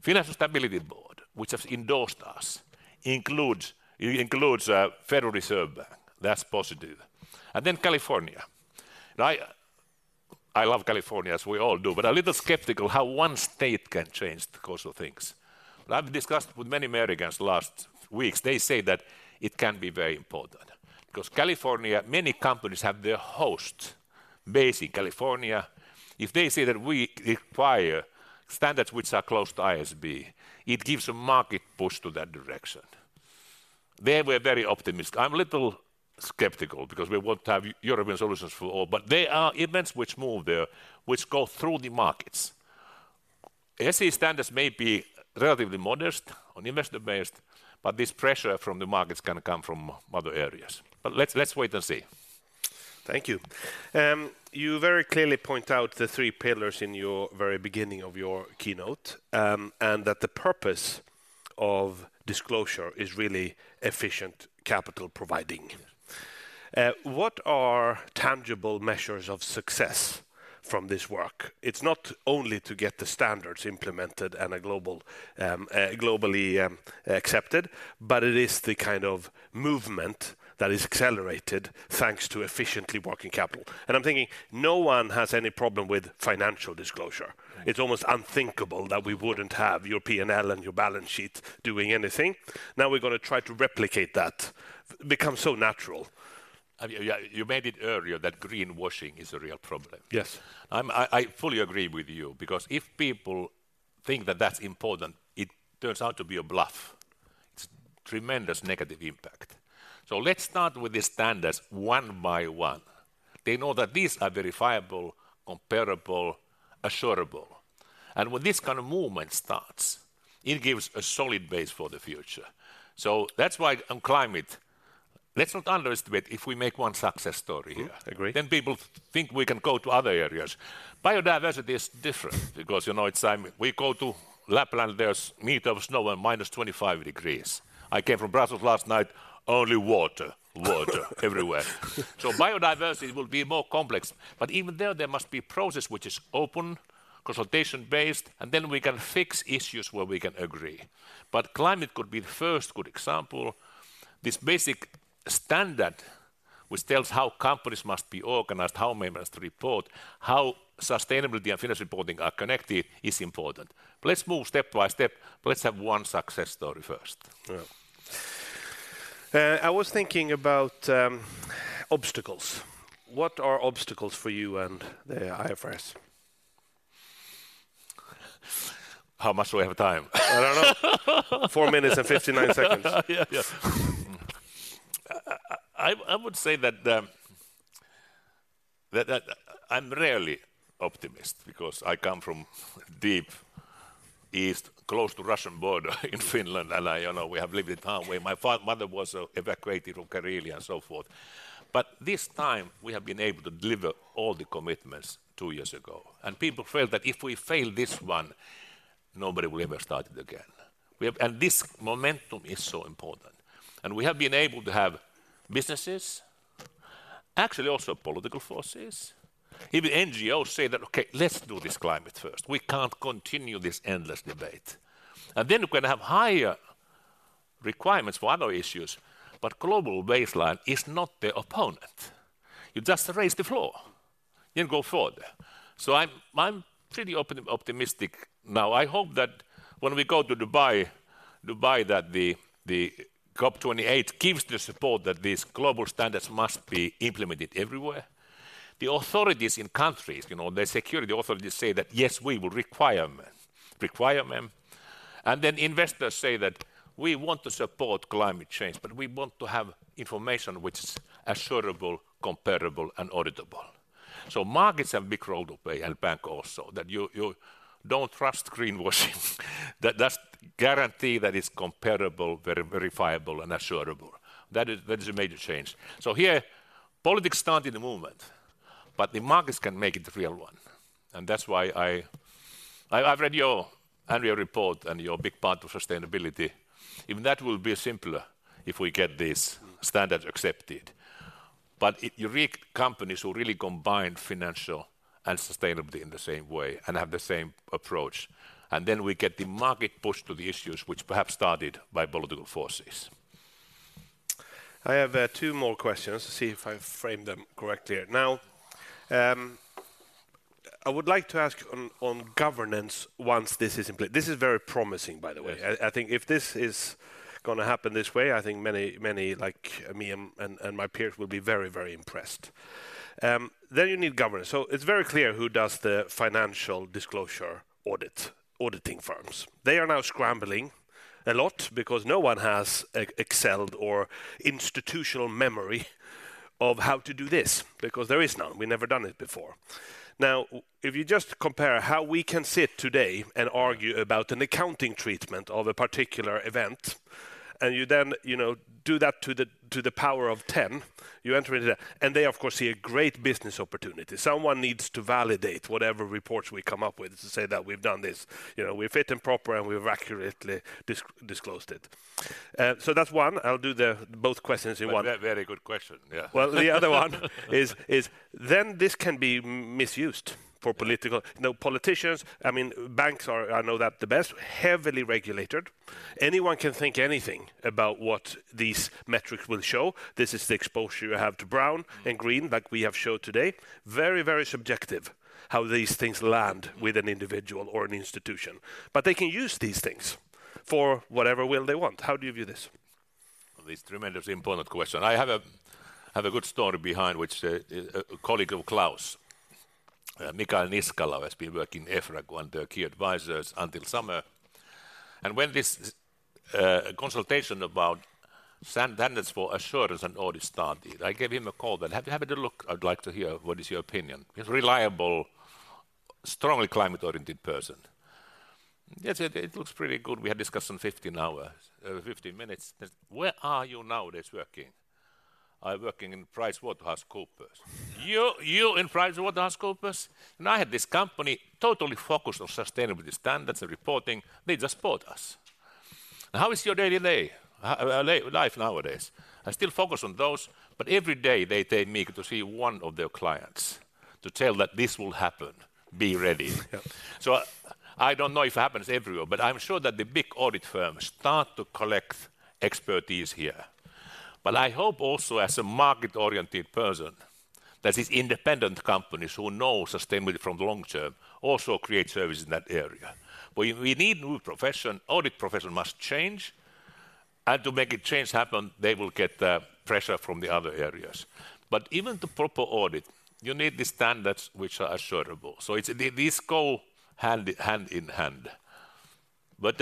Financial Stability Board, which has endorsed us, includes Federal Reserve Bank. That's positive. And then California. Now, I love California, as we all do, but a little skeptical how one state can change the course of things. I've discussed with many Americans the last weeks. They say that it can be very important, because California, many companies have their home base in California. If they say that we require standards which are close to ISSB, it gives a market push to that direction. There, we're very optimistic. I'm a little skeptical because we want to have European solutions for all, but there are events which move there, which go through the markets. These standards may be relatively modest on investor base, but this pressure from the markets can come from other areas. Let's, let's wait and see. Thank you. You very clearly point out the three pillars in your very beginning of your keynote, and that the purpose of disclosure is really efficient capital providing. What are tangible measures of success from this work? It's not only to get the standards implemented and a globally accepted, but it is the kind of movement that is accelerated thanks to efficiently working capital. And I'm thinking, no one has any problem with financial disclosure. It's almost unthinkable that we wouldn't have your P&L and your balance sheet doing anything. Now, we're gonna try to replicate that, become so natural. I mean, yeah, you made it earlier that greenwashing is a real problem. Yes. I fully agree with you, because if people think that that's important, it turns out to be a bluff. It's tremendous negative impact. So let's start with the standards one by one. They know that these are verifiable, comparable, assureable. And when this kind of movement starts, it gives a solid base for the future. So that's why on climate, let's not underestimate if we make one success story here. Agree. Then people think we can go to other areas. Biodiversity is different because, you know, it's time we go to Lapland, there's a meter of snow and minus 25 degrees. I came from Brussels last night, only water, water everywhere. So biodiversity will be more complex, but even there, there must be a process which is open, consultation-based, and then we can fix issues where we can agree. But climate could be the first good example. This basic standard, which tells how companies must be organized, how management report, how sustainability and financial reporting are connected, is important. Let's move step by step, but let's have one success story first. Yeah. I was thinking about obstacles. What are obstacles for you and the IFRS? How much do we have time? I don't know. Four minutes and 59 seconds. Yeah. Yeah. I would say that I'm rarely optimist because I come from deep east, close to Russian border in Finland, and you know, we have lived in town where my mother was evacuated from Karelia and so forth. But this time, we have been able to deliver all the commitments two years ago, and people felt that if we fail this one, nobody will ever start it again. And this momentum is so important, and we have been able to have businesses, actually, also political forces, even NGOs say that, "Okay, let's do this climate first. We can't continue this endless debate." And then we're gonna have higher requirements for other issues, but global baseline is not the opponent. You just raise the floor, then go further. So I'm pretty optimistic now. I hope that when we go to Dubai that the COP 28 gives the support that these global standards must be implemented everywhere. The authorities in countries, you know, the security authorities say that, "Yes, we will require them." And then investors say that, "We want to support climate change, but we want to have information which is assureable, comparable, and auditable." So markets have a big role to play, and banks also, that you don't trust greenwashing. That just guarantee that it's comparable, verifiable, and assureable. That is a major change. So here, politics start in the movement, but the markets can make it a real one. And that's why I... I've read your annual report and your big part of sustainability. Even that will be simpler if we get this standard accepted, but it, you read companies who really combine financial and sustainability in the same way and have the same approach, and then we get the market push to the issues which perhaps started by political forces. I have two more questions. Let's see if I've framed them correctly. Now, I would like to ask on, on governance once this is in place. This is very promising, by the way. Yes. I think if this is gonna happen this way, I think many, many, like me and my peers, will be very, very impressed. Then you need governance. So it's very clear who does the financial disclosure audit, auditing firms. They are now scrambling a lot because no one has excelled or institutional memory of how to do this, because there is none. We've never done it before. Now, if you just compare how we can sit today and argue about an accounting treatment of a particular event, and you then, you know, do that to the power of ten, you enter into that, and they of course see a great business opportunity. Someone needs to validate whatever reports we come up with to say that we've done this. You know, we're fit and proper, and we've accurately disclosed it. So that's one. I'll do the both questions in one. Very, very good question. Yeah. Well, the other one is then this can be misused for political—no politicians, I mean, banks are, I know that the best, heavily regulated. Anyone can think anything about what these metrics will show. This is the exposure you have to brown and green, like we have shown today. Very, very subjective how these things land with an individual or an institution. But they can use these things for whatever will they want. How do you view this? This tremendously important question. I have a good story behind which a colleague of Klaus, Mikael Niskala, has been working EFRAG, one of the key advisors until summer. And when this consultation about standards for assurance and audit started, I gave him a call, "Have a good look. I'd like to hear what is your opinion." He's reliable, strongly climate-oriented person. "Yes, it looks pretty good." We had discussion 15 hours, 15 minutes. "Where are you nowadays working?" "I working in PricewaterhouseCoopers." "You in PricewaterhouseCoopers? And I had this company totally focused on sustainability standards and reporting. They just bought us." "How is your daily day, life nowadays?" "I still focus on those, but every day they take me to see one of their clients to tell that this will happen. Be ready. Yeah. I don't know if it happens everywhere, but I'm sure that the big audit firms start to collect expertise here. But I hope also, as a market-oriented person, that these independent companies who know sustainability from the long term also create service in that area. But we need new profession. Audit profession must change, and to make a change happen, they will get the pressure from the other areas. But even the proper audit, you need the standards which are assurable. So it's these go hand in hand. But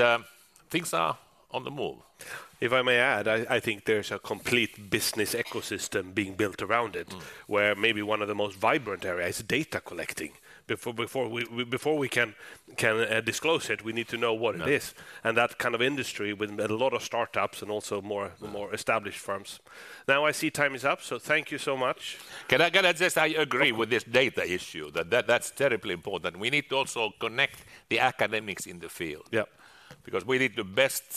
things are on the move. If I may add, I think there's a complete business ecosystem being built around it. Mm. where maybe one of the most vibrant area is data collecting. Before we can disclose it, we need to know what it is. Yeah. That kind of industry, with a lot of startups and also more- Mm... more established firms. Now, I see time is up, so thank you so much. Can I just, I agree with this data issue, that that's terribly important. We need to also connect the academics in the field. Yeah. Because we need the best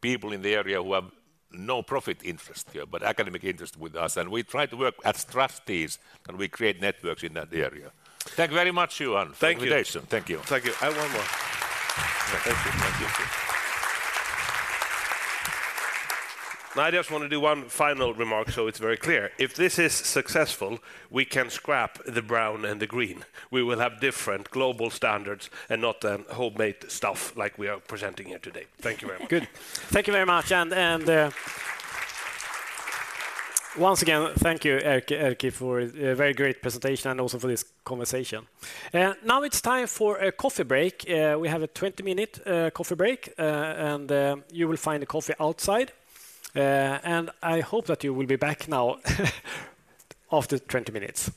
people in the area who have no profit interest here, but academic interest with us, and we try to work as trustees, and we create networks in that area. Thank you very much, Johan- Thank you. for the invitation. Thank you. Thank you. I have one more. Thank you. Thank you. I just want to do one final remark, so it's very clear. If this is successful, we can scrap the brown and the green. We will have different global standards and not homemade stuff like we are presenting here today. Thank you very much. Good. Thank you very much, and once again, thank you, Erkki, Erkki, for a very great presentation and also for this conversation. Now it's time for a coffee break. We have a 20-minute coffee break, and you will find the coffee outside. And I hope that you will be back now after 20 minutes.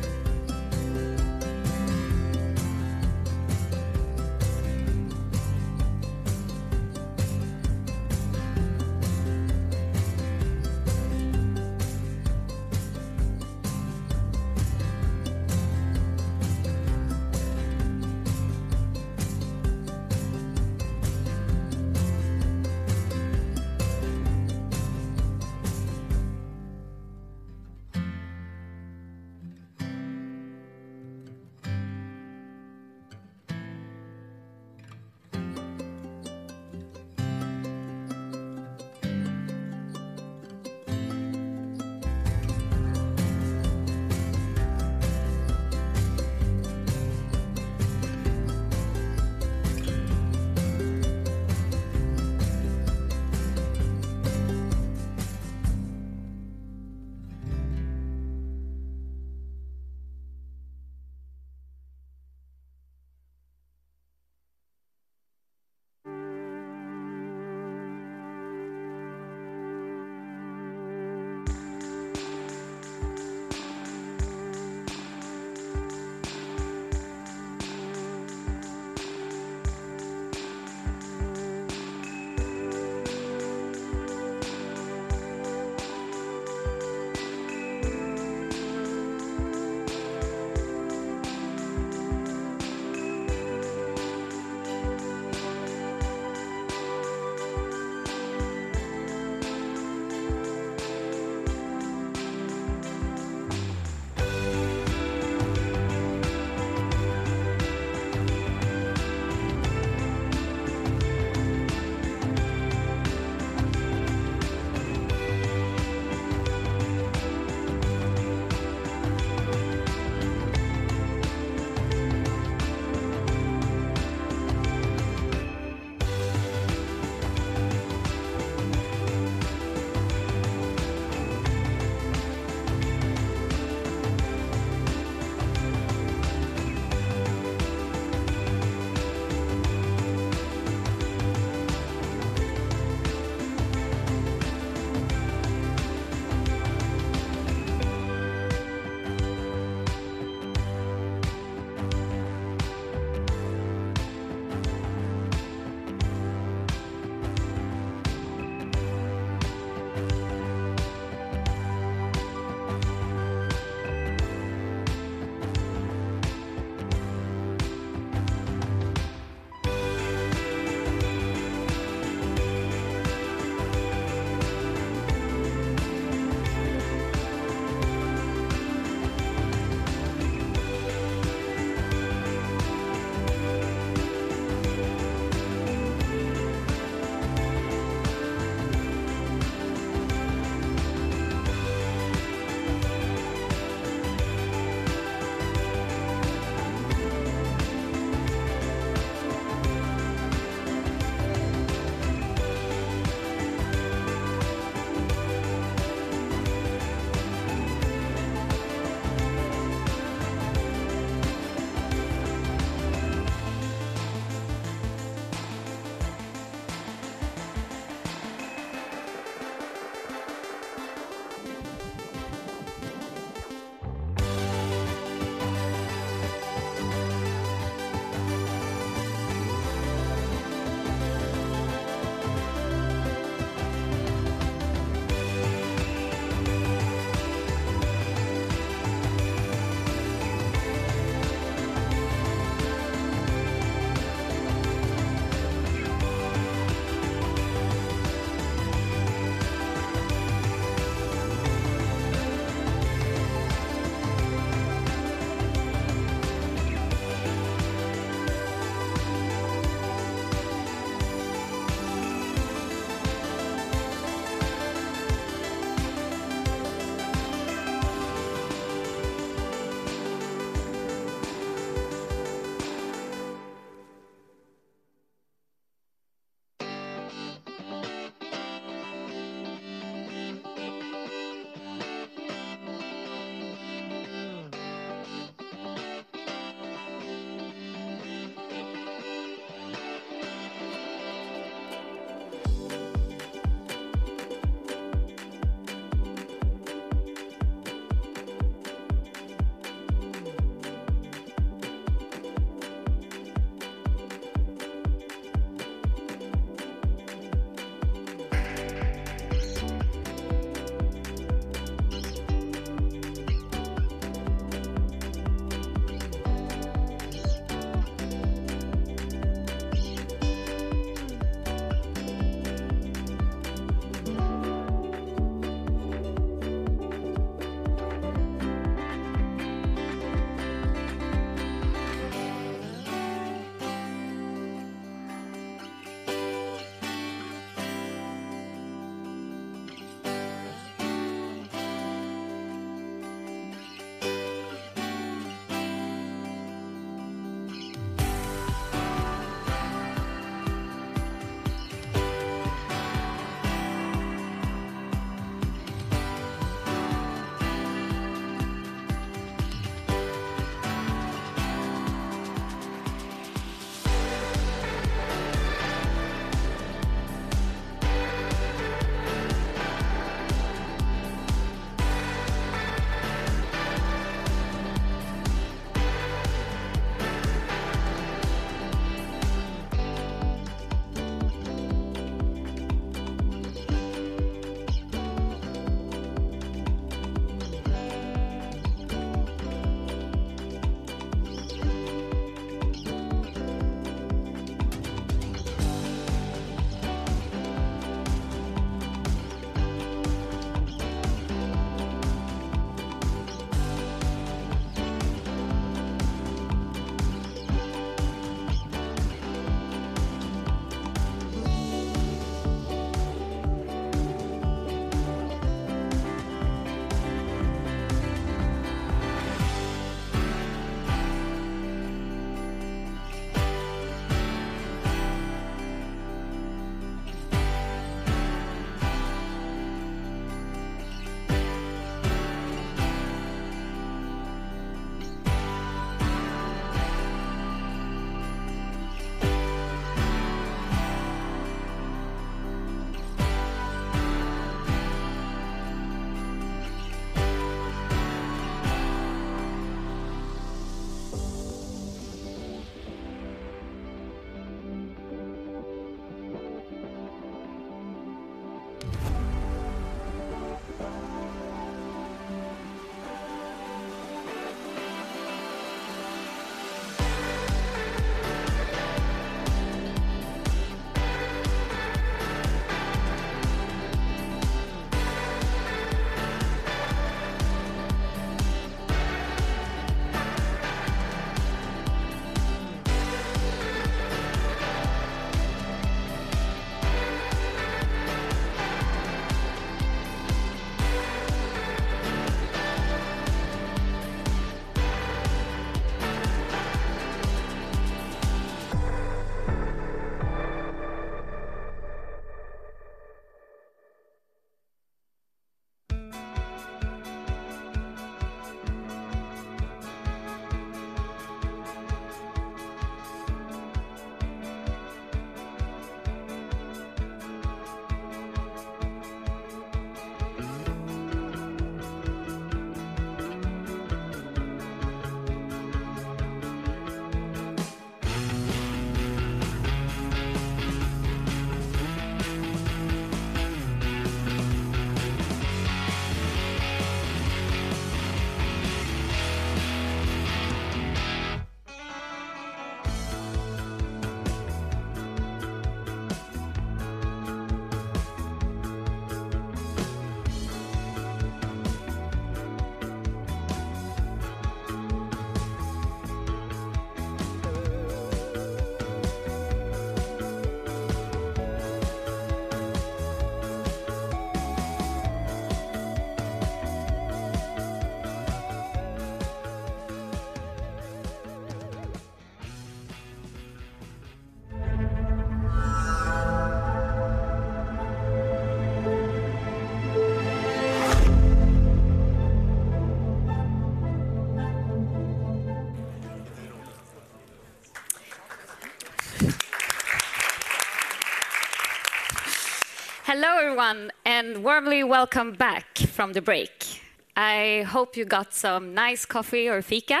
So-... Hello, everyone, and warmly welcome back from the break. I hope you got some nice coffee or fika,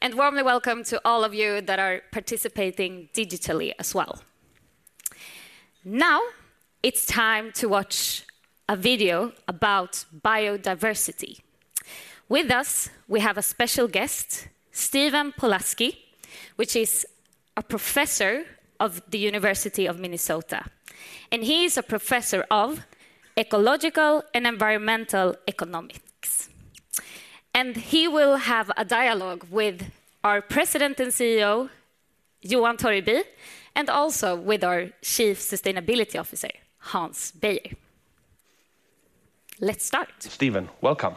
and warmly welcome to all of you that are participating digitally as well. Now, it's time to watch a video about biodiversity. With us, we have a special guest, Stephen Polasky, which is a professor of the University of Minnesota, and he is a professor of ecological and environmental economics. And he will have a dialogue with our President and CEO, Johan Torgeby, and also with our Chief Sustainability Officer, Hans Beyer. Let's start. Steven, welcome.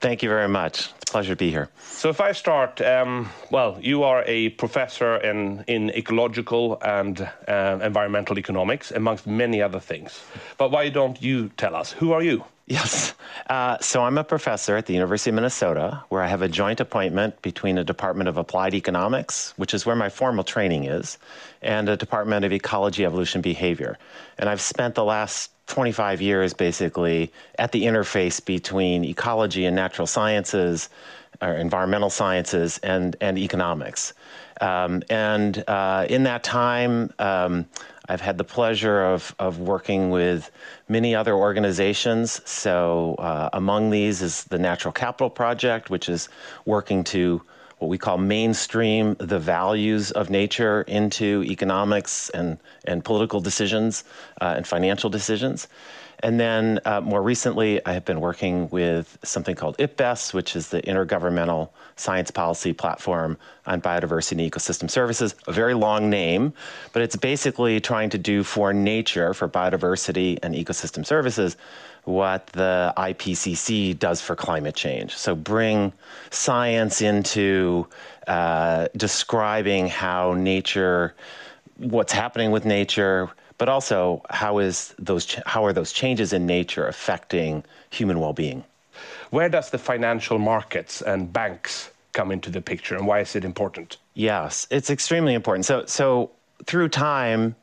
Thank you very much. Pleasure to be here. So if I start, well, you are a professor in ecological and environmental economics, amongst many other things. But why don't you tell us, who are you? Yes. So I'm a professor at the University of Minnesota, where I have a joint appointment between the Department of Applied Economics, which is where my formal training is, and the Department of Ecology, Evolution, Behavior. And I've spent the last 25 years basically at the interface between ecology and natural sciences, or environmental sciences, and, and economics. In that time, I've had the pleasure of, of working with many other organizations. So, among these is the Natural Capital Project, which is working to, what we call, mainstream the values of nature into economics, and, and political decisions, and financial decisions. And then, more recently, I have been working with something called IPBES, which is the Intergovernmental Science-Policy Platform on Biodiversity and Ecosystem Services. A very long name, but it's basically trying to do for nature, for biodiversity and ecosystem services, what the IPCC does for climate change. So bring science into describing how nature—what's happening with nature, but also, how are those changes in nature affecting human well-being? Where does the financial markets and banks come into the picture, and why is it important? Yes, it's extremely important. So through time,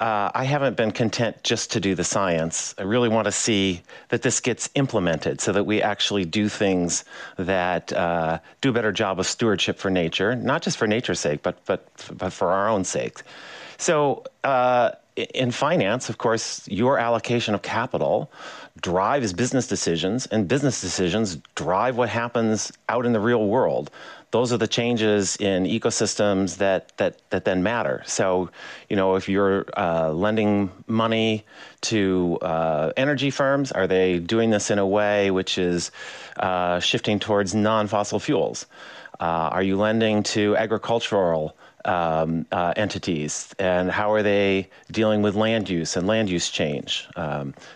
I haven't been content just to do the science. I really want to see that this gets implemented so that we actually do things that do a better job of stewardship for nature, not just for nature's sake, but for our own sake. So in finance, of course, your allocation of capital drives business decisions, and business decisions drive what happens out in the real world. Those are the changes in ecosystems that then matter. So, you know, if you're lending money to energy firms, are they doing this in a way which is shifting towards non-fossil fuels? Are you lending to agricultural entities, and how are they dealing with land use and land use change?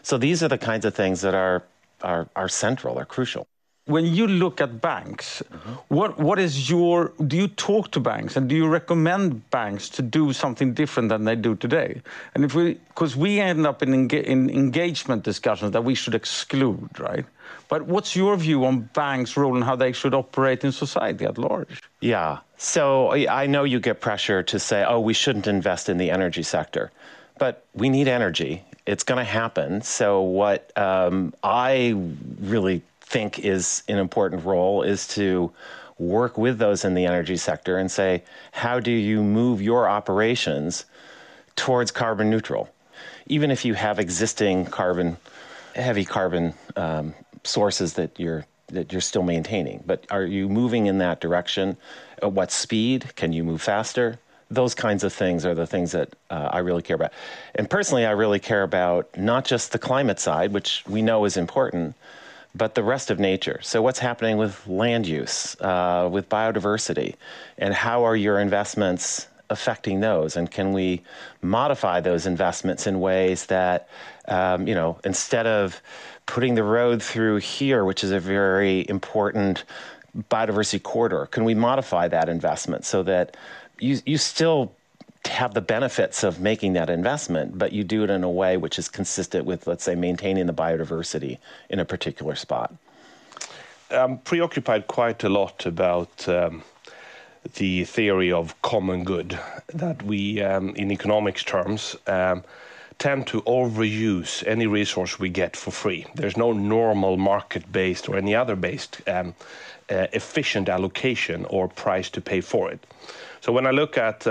So these are the kinds of things that are central, are crucial. When you look at banks- What is your... Do you talk to banks, and do you recommend banks to do something different than they do today? And if we— 'cause we end up in engagement discussions that we should exclude, right? But what's your view on banks' role and how they should operate in society at large? Yeah. So I know you get pressure to say: "Oh, we shouldn't invest in the energy sector," but we need energy. It's gonna happen. So what I really think is an important role is to work with those in the energy sector and say: How do you move your operations towards carbon neutral? Even if you have existing carbon, heavy carbon, sources that you're still maintaining, but are you moving in that direction? At what speed? Can you move faster? Those kinds of things are the things that I really care about. And personally, I really care about not just the climate side, which we know is important, but the rest of nature. So what's happening with land use, with biodiversity, and how are your investments affecting those? Can we modify those investments in ways that, you know, instead of putting the road through here, which is a very important biodiversity corridor, can we modify that investment so that you, you still have the benefits of making that investment, but you do it in a way which is consistent with, let's say, maintaining the biodiversity in a particular spot? I'm preoccupied quite a lot about the theory of common good, that we, in economics terms, tend to overuse any resource we get for free. There's no normal market-based or any other based, efficient allocation or price to pay for it. So when I look at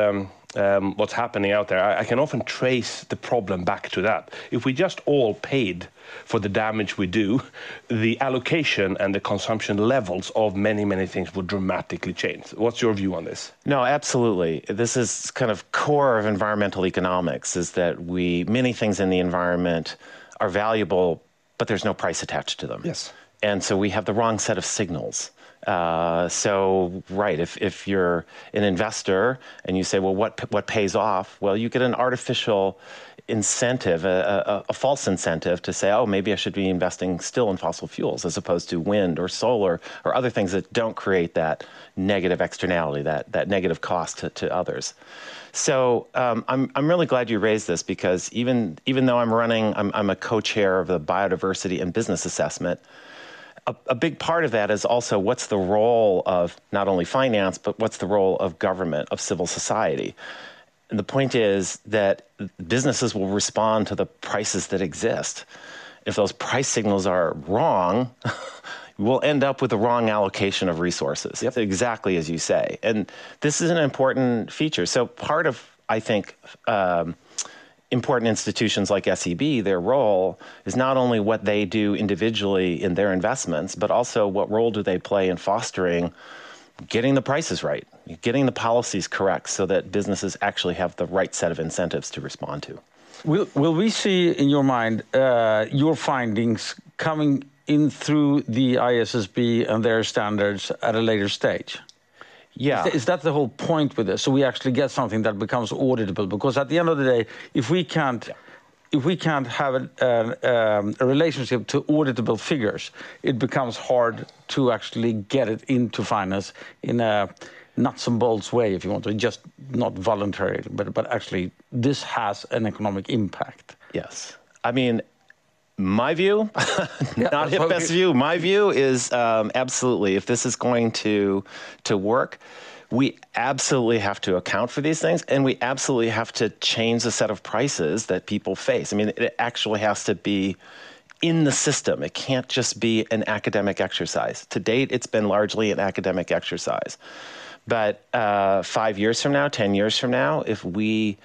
what's happening out there, I, I can often trace the problem back to that. If we just all paid for the damage we do, the allocation and the consumption levels of many, many things would dramatically change. What's your view on this? No, absolutely. This is kind of core of environmental economics, is that we many things in the environment are valuable, but there's no price attached to them. Yes. So we have the wrong set of signals. If you're an investor and you say, "Well, what pays off?" Well, you get an artificial incentive, a false incentive to say, "Oh, maybe I should be investing still in fossil fuels, as opposed to wind, or solar, or other things that don't create that negative externality, that negative cost to others." So, I'm really glad you raised this because even though I'm running... I'm a co-chair of the Biodiversity and Business Assessment... A big part of that is also what's the role of not only finance, but what's the role of government, of civil society? And the point is that businesses will respond to the prices that exist. If those price signals are wrong, we'll end up with the wrong allocation of resources. Yep. Exactly as you say, and this is an important feature. So part of, I think, important institutions like SEB, their role is not only what they do individually in their investments, but also what role do they play in fostering, getting the prices right, getting the policies correct, so that businesses actually have the right set of incentives to respond to. Will, will we see, in your mind, your findings coming in through the ISSB and their standards at a later stage? Yeah. Is, is that the whole point with this, so we actually get something that becomes auditable? Because at the end of the day, if we can't have a relationship to auditable figures, it becomes hard to actually get it into finance in a nuts and bolts way, if you want to, just not voluntary, but actually this has an economic impact. Yes. I mean, my view, not the best view, my view is absolutely. If this is going to work, we absolutely have to account for these things, and we absolutely have to change the set of prices that people face. I mean, it actually has to be in the system. It can't just be an academic exercise. To date, it's been largely an academic exercise. But five years from now, 10 years from now, if we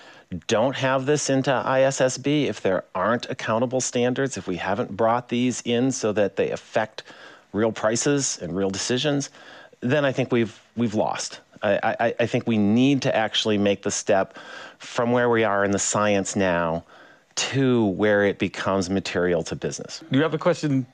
don't have this into ISSB, if there aren't accountable standards, if we haven't brought these in so that they affect real prices and real decisions, then I think we've lost. I think we need to actually make the step from where we are in the science now to where it becomes material to business. Do you have a question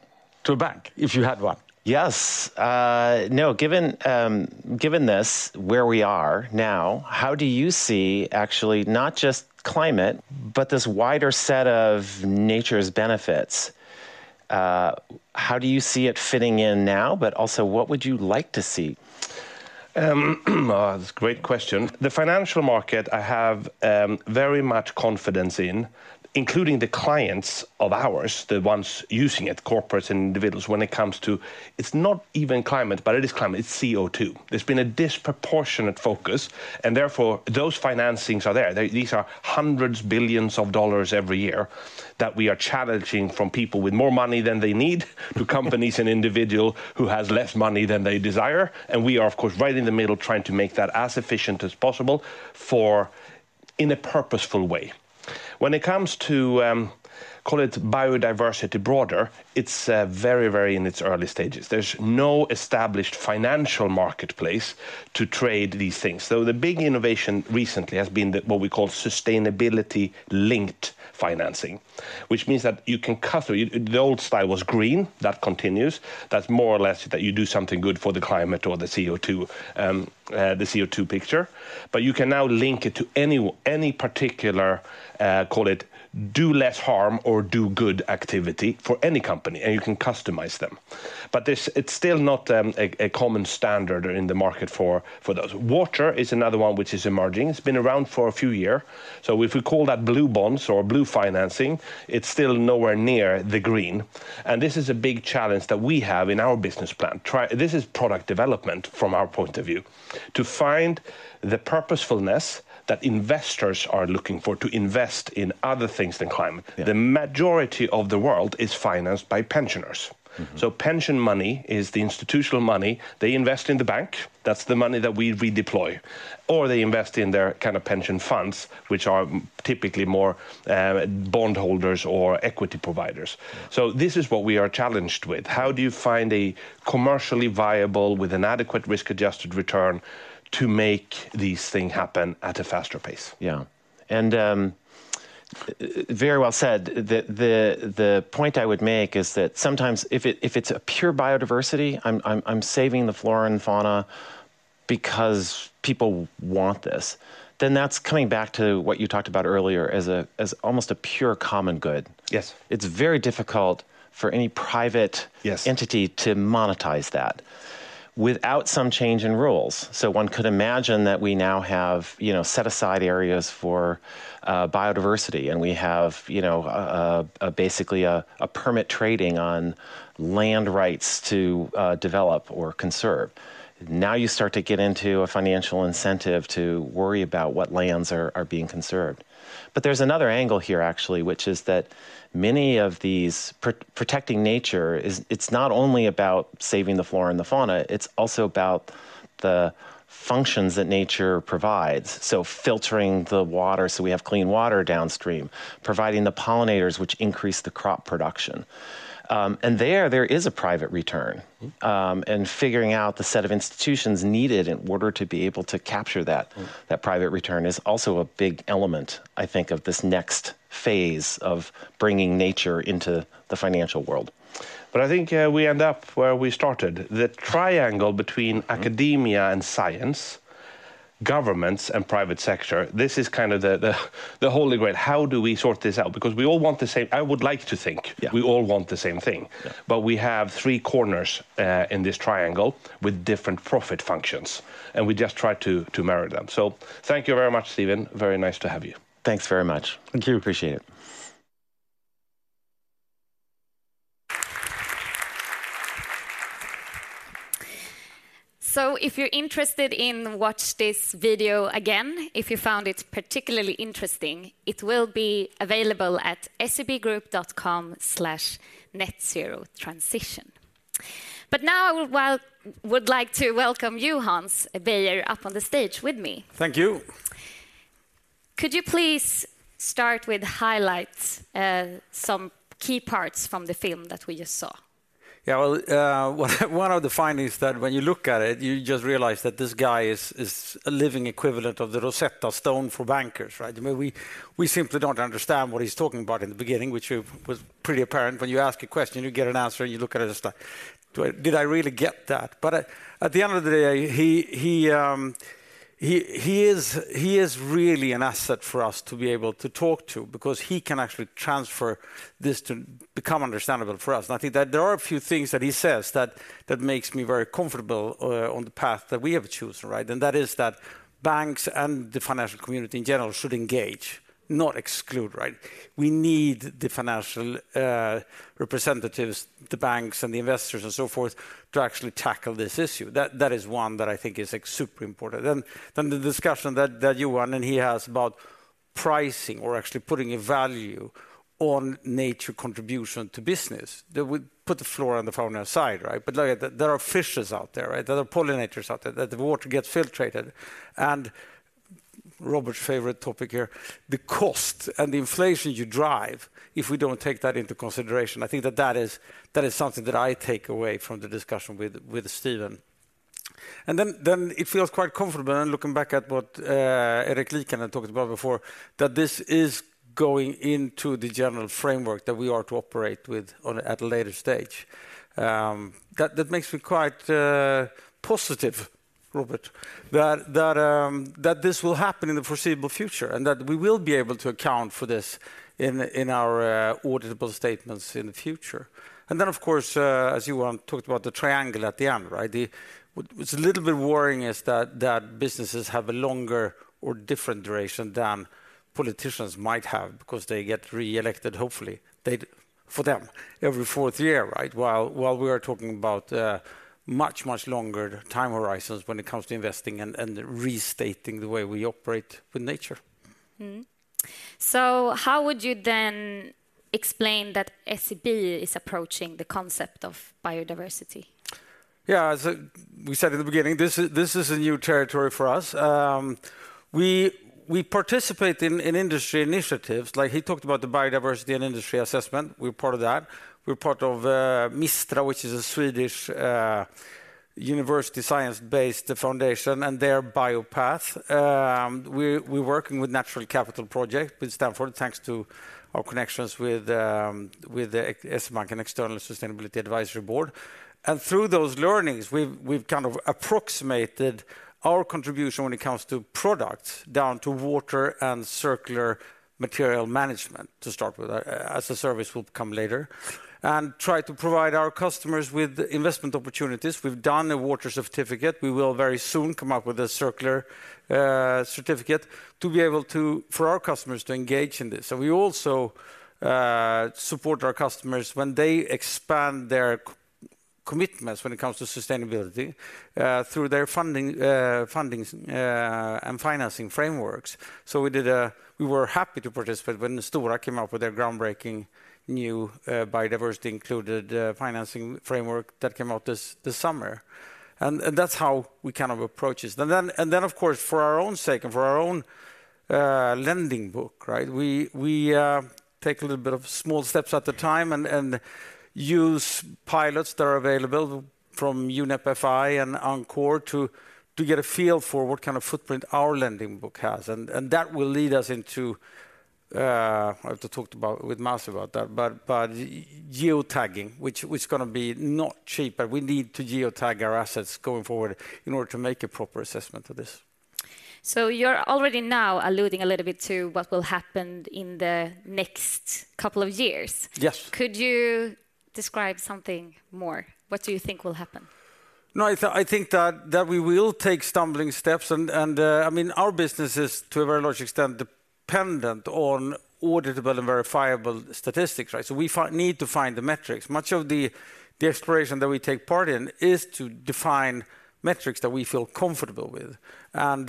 to a bank if you had one? Yes. No, given this, where we are now, how do you see actually not just climate, but this wider set of nature's benefits? How do you see it fitting in now, but also, what would you like to see? That's a great question. The financial market, I have very much confidence in, including the clients of ours, the ones using it, corporates and individuals, when it comes to. It's not even climate, but it is climate. It's CO2. There's been a disproportionate focus, and therefore, those financings are there. These are $ hundreds of billions every year that we are challenging from people with more money than they need, to companies and individual who has less money than they desire. And we are, of course, right in the middle, trying to make that as efficient as possible for, in a purposeful way. When it comes to call it biodiversity broader, it's very, very in its early stages. There's no established financial marketplace to trade these things. So the big innovation recently has been the, what we call sustainability-linked financing, which means that you can customize. The old style was green. That continues. That's more or less that you do something good for the climate or the CO2 picture, but you can now link it to any particular, call it, do less harm or do good activity for any company, and you can customize them. But this, it's still not a common standard in the market for those. Water is another one which is emerging. It's been around for a few years. So if we call that blue bonds or blue financing, it's still nowhere near the green, and this is a big challenge that we have in our business plan. This is product development from our point of view, to find the purposefulness that investors are looking for to invest in other things than climate. Yeah. The majority of the world is financed by pensioners. Pension money is the institutional money. They invest in the bank. That's the money that we redeploy, or they invest in their kind of pension funds, which are typically more bondholders or equity providers. So this is what we are challenged with. How do you find a commercially viable with an adequate risk-adjusted return to make these thing happen at a faster pace? Yeah. And, very well said. The point I would make is that sometimes if it's a pure biodiversity, I'm saving the flora and fauna because people want this, then that's coming back to what you talked about earlier as almost a pure common good. Yes. It's very difficult for any private- Yes Entity to monetize that without some change in rules. So one could imagine that we now have, you know, set aside areas for biodiversity, and we have, you know, basically a permit trading on land rights to develop or conserve. Now, you start to get into a financial incentive to worry about what lands are being conserved. But there's another angle here, actually, which is that many of these protecting nature is, it's not only about saving the flora and the fauna, it's also about the functions that nature provides. So filtering the water, so we have clean water downstream, providing the pollinators, which increase the crop production. And there is a private return. Figuring out the set of institutions needed in order to be able to capture that-... that private return is also a big element, I think, of this next phase of bringing nature into the financial world. But I think, we end up where we started. The triangle between academia- Mm... and science, governments, and private sector, this is kind of the Holy Grail. How do we sort this out? Because we all want the same... I would like to think- Yeah... we all want the same thing. Yeah. But we have three corners in this triangle with different profit functions, and we just try to marry them. So thank you very much, Steven. Very nice to have you. Thanks very much. Thank you. Appreciate it.... So if you're interested in watch this video again, if you found it particularly interesting, it will be available at sebgroup.com/netzerotransition. But now, well, would like to welcome you, Hans Beyer, up on the stage with me. Thank you. Could you please start with highlights, some key parts from the film that we just saw? Yeah, well, one of the findings that when you look at it, you just realize that this guy is a living equivalent of the Rosetta Stone for bankers, right? I mean, we simply don't understand what he's talking about in the beginning, which was pretty apparent. When you ask a question, you get an answer, and you look at it, it's like, "Do I - did I really get that?" But at the end of the day, he is really an asset for us to be able to talk to because he can actually transfer this to become understandable for us. And I think that there are a few things that he says that makes me very comfortable on the path that we have chosen, right? And that is that banks and the financial community, in general, should engage, not exclude, right? We need the financial representatives, the banks, and the investors, and so forth, to actually tackle this issue. That is one that I think is, like, super important. And then the discussion that you and he has about pricing or actually putting a value on nature contribution to business, that would put the floor on the phone aside, right? But, like, there are fishes out there, right? There are pollinators out there, that the water gets filtered. And Robert's favorite topic here, the cost and the inflation you drive if we don't take that into consideration. I think that that is something that I take away from the discussion with Steven. And then it feels quite comfortable, and looking back at what Erkki Liikanen had talked about before, that this is going into the general framework that we are to operate with on a-- at a later stage. That makes me quite positive, Robert, that this will happen in the foreseeable future, and that we will be able to account for this in our auditable statements in the future. And then, of course, as you talked about the triangle at the end, right? What's a little bit worrying is that businesses have a longer or different duration than politicians might have because they get re-elected, hopefully, they... for them, every fourth year, right? While, while we are talking about, much, much longer time horizons when it comes to investing and, and restating the way we operate with nature. Mm-hmm. So how would you then explain that SEB is approaching the concept of biodiversity? Yeah, as we said at the beginning, this is, this is a new territory for us. We, we participate in, in industry initiatives, like he talked about the biodiversity and industry assessment. We're part of that. We're part of Mistra, which is a Swedish university science-based foundation, and their BIOPATH. We're, we're working with Natural Capital Project with Stanford, thanks to our connections with the SEB and External Sustainability Advisory Board. And through those learnings, we've, we've kind of approximated our contribution when it comes to products, down to water and circular material management to start with, as a service will come later, and try to provide our customers with investment opportunities. We've done a water certificate. We will very soon come up with a circular certificate to be able to... for our customers to engage in this. So we also support our customers when they expand their commitments when it comes to sustainability through their funding and financing frameworks. We were happy to participate when Stora came up with their groundbreaking new biodiversity-included financing framework that came out this summer. And that's how we kind of approach this. And then, of course, for our own sake and for our own lending book, right, we take a little bit of small steps at a time and use pilots that are available from UNEP-FI and ENCORE to get a feel for what kind of footprint our lending book has. That will lead us into I have to talked about with Mass about that, but geotagging, which is gonna be not cheap, but we need to geotag our assets going forward in order to make a proper assessment of this. You're already now alluding a little bit to what will happen in the next couple of years. Yes. Could you describe something more? What do you think will happen? No, I think that we will take stumbling steps, and I mean, our business is, to a very large extent, dependent on auditable and verifiable statistics, right? So we need to find the metrics. Much of the exploration that we take part in is to define metrics that we feel comfortable with. And,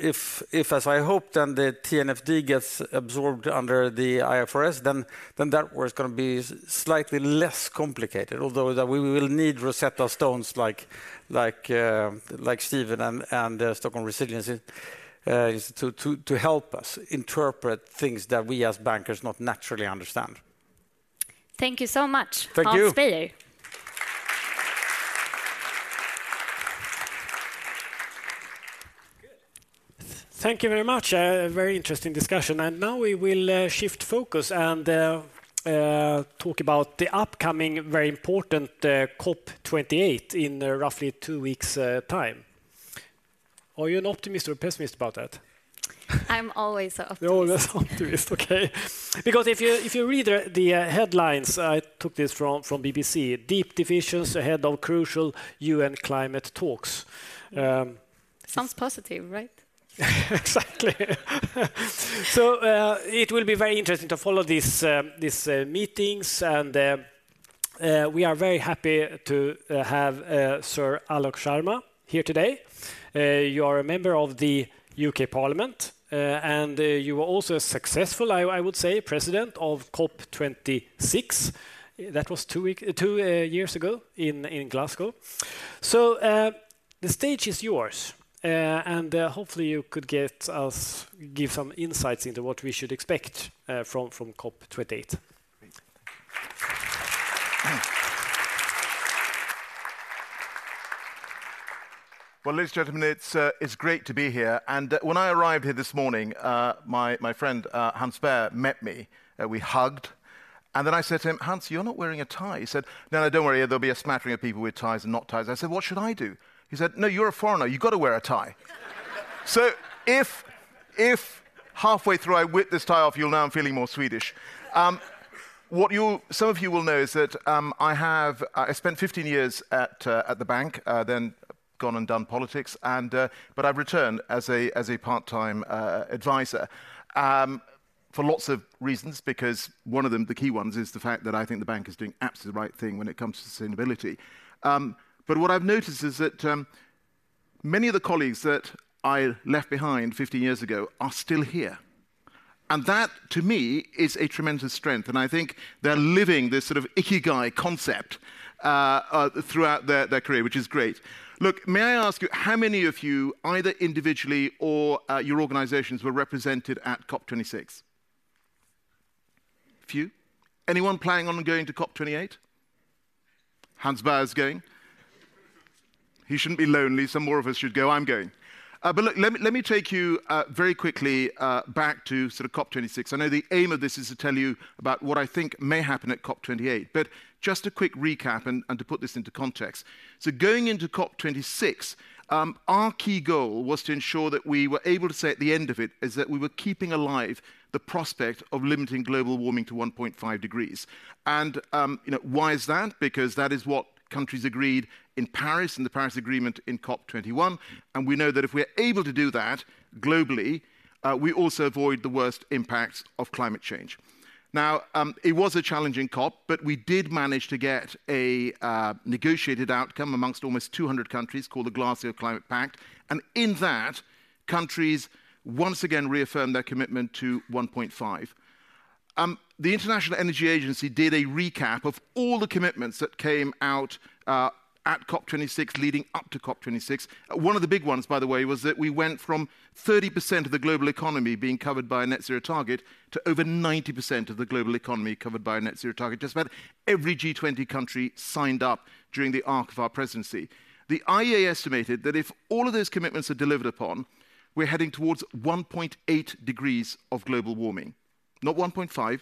if, as I hope, then the TNFD gets absorbed under the IFRS, then that work is gonna be slightly less complicated, although that we will need Rosetta Stones like Steven and the Stockholm Resilience Centre to help us interpret things that we as bankers not naturally understand. Thank you so much- Thank you... Hans Beyer. Thank you very much. A very interesting discussion. And now we will shift focus and talk about the upcoming very important COP28 in roughly two weeks time. Are you an optimist or pessimist about that? I'm always an optimist. You're always optimistic, okay. Because if you read the headlines, I took this from BBC, "Deep divisions ahead of crucial UN climate talks.... Sounds positive, right? Exactly. So, it will be very interesting to follow these meetings, and we are very happy to have Sir Alok Sharma here today. You are a member of the U.K. Parliament, and you were also a successful, I would say, President of COP26. That was two years ago in Glasgow. So, the stage is yours. And hopefully, you could give some insights into what we should expect from COP28. Well, ladies and gentlemen, it's great to be here. When I arrived here this morning, my friend, Hans Beyer, met me, we hugged, and then I said to him: "Hans, you're not wearing a tie." He said, "No, don't worry. There'll be a smattering of people with ties and not ties." I said: "What should I do?" He said, "No, you're a foreigner. You've got to wear a tie." So if halfway through, I whip this tie off, you'll know I'm feeling more Swedish. What you'll, some of you will know is that, I have, I spent 15 years at the bank, then gone and done politics, and... But I've returned as a part-time advisor for lots of reasons, because one of them, the key ones, is the fact that I think the bank is doing absolutely the right thing when it comes to sustainability. But what I've noticed is that many of the colleagues that I left behind 50 years ago are still here, and that, to me, is a tremendous strength, and I think they're living this sort of ikigai concept throughout their career, which is great. Look, may I ask you, how many of you, either individually or at your organizations, were represented at COP26? Few. Anyone planning on going to COP28? Hans Beyer is going. He shouldn't be lonely. Some more of us should go. I'm going. But look, let me take you very quickly back to sort of COP26. I know the aim of this is to tell you about what I think may happen at COP26, but just a quick recap and to put this into context. So going into COP26, our key goal was to ensure that we were able to say at the end of it is that we were keeping alive the prospect of limiting global warming to 1.5 degrees. And, you know, why is that? Because that is what countries agreed in Paris, in the Paris Agreement in COP21. And we know that if we're able to do that globally, we also avoid the worst impacts of climate change. Now, it was a challenging COP, but we did manage to get a negotiated outcome amongst almost 200 countries, called the Glasgow Climate Pact, and in that, countries once again reaffirmed their commitment to 1.5. The International Energy Agency did a recap of all the commitments that came out at COP26, leading up to COP26. One of the big ones, by the way, was that we went from 30% of the global economy being covered by a net zero target to over 90% of the global economy covered by a net zero target. Just about every G20 country signed up during the arc of our presidency. The IEA estimated that if all of those commitments are delivered upon, we're heading towards 1.8 degrees of global warming. Not 1.5,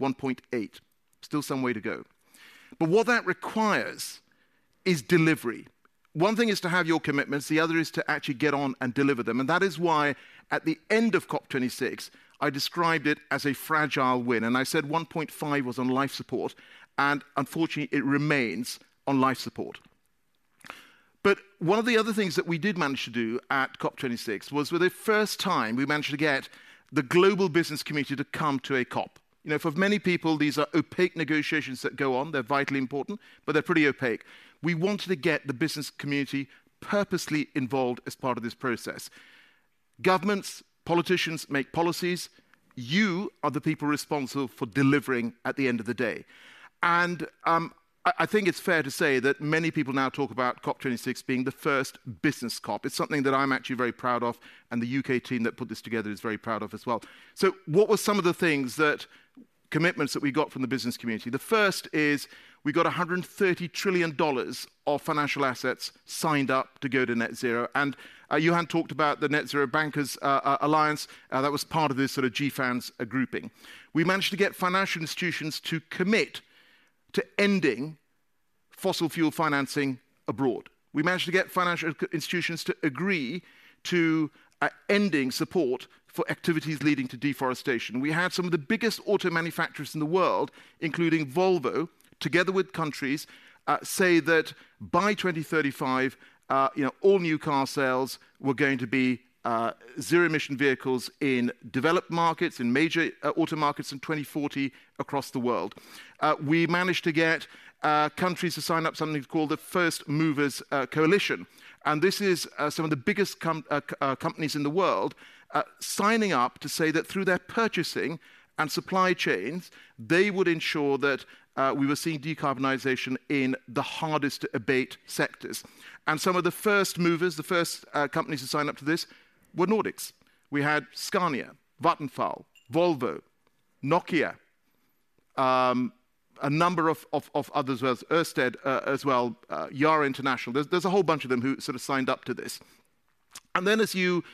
1.8. Still some way to go. But what that requires is delivery. One thing is to have your commitments, the other is to actually get on and deliver them, and that is why, at the end of COP26, I described it as a fragile win, and I said 1.5 was on life support, and unfortunately, it remains on life support. But one of the other things that we did manage to do at COP26 was, for the first time, we managed to get the global business community to come to a COP. You know, for many people, these are opaque negotiations that go on. They're vitally important, but they're pretty opaque. We wanted to get the business community purposely involved as part of this process. Governments, politicians make policies. You are the people responsible for delivering at the end of the day. I think it's fair to say that many people now talk about COP26 being the first business COP. It's something that I'm actually very proud of, and the U.K. team that put this together is very proud of as well. So what were some of the commitments that we got from the business community? The first is we got $130 trillion of financial assets signed up to go to net zero. Johan talked about the Net-Zero Banking Alliance that was part of this sort of GFANZ grouping. We managed to get financial institutions to commit to ending fossil fuel financing abroad. We managed to get financial institutions to agree to ending support for activities leading to deforestation. We had some of the biggest auto manufacturers in the world, including Volvo, together with countries, say that by 2035, you know, all new car sales were going to be zero-emission vehicles in developed markets, in major auto markets in 2040 across the world. We managed to get countries to sign up something called the First Movers Coalition, and this is some of the biggest companies in the world signing up to say that through their purchasing and supply chains, they would ensure that we were seeing decarbonization in the hardest-to-abate sectors. Some of the first movers, the first companies to sign up to this were Nordics. We had Scania, Vattenfall, Volvo, Nokia, a number of others, as well as Ørsted, as well, Yara International. There's a whole bunch of them who sort of signed up to this. And then, as you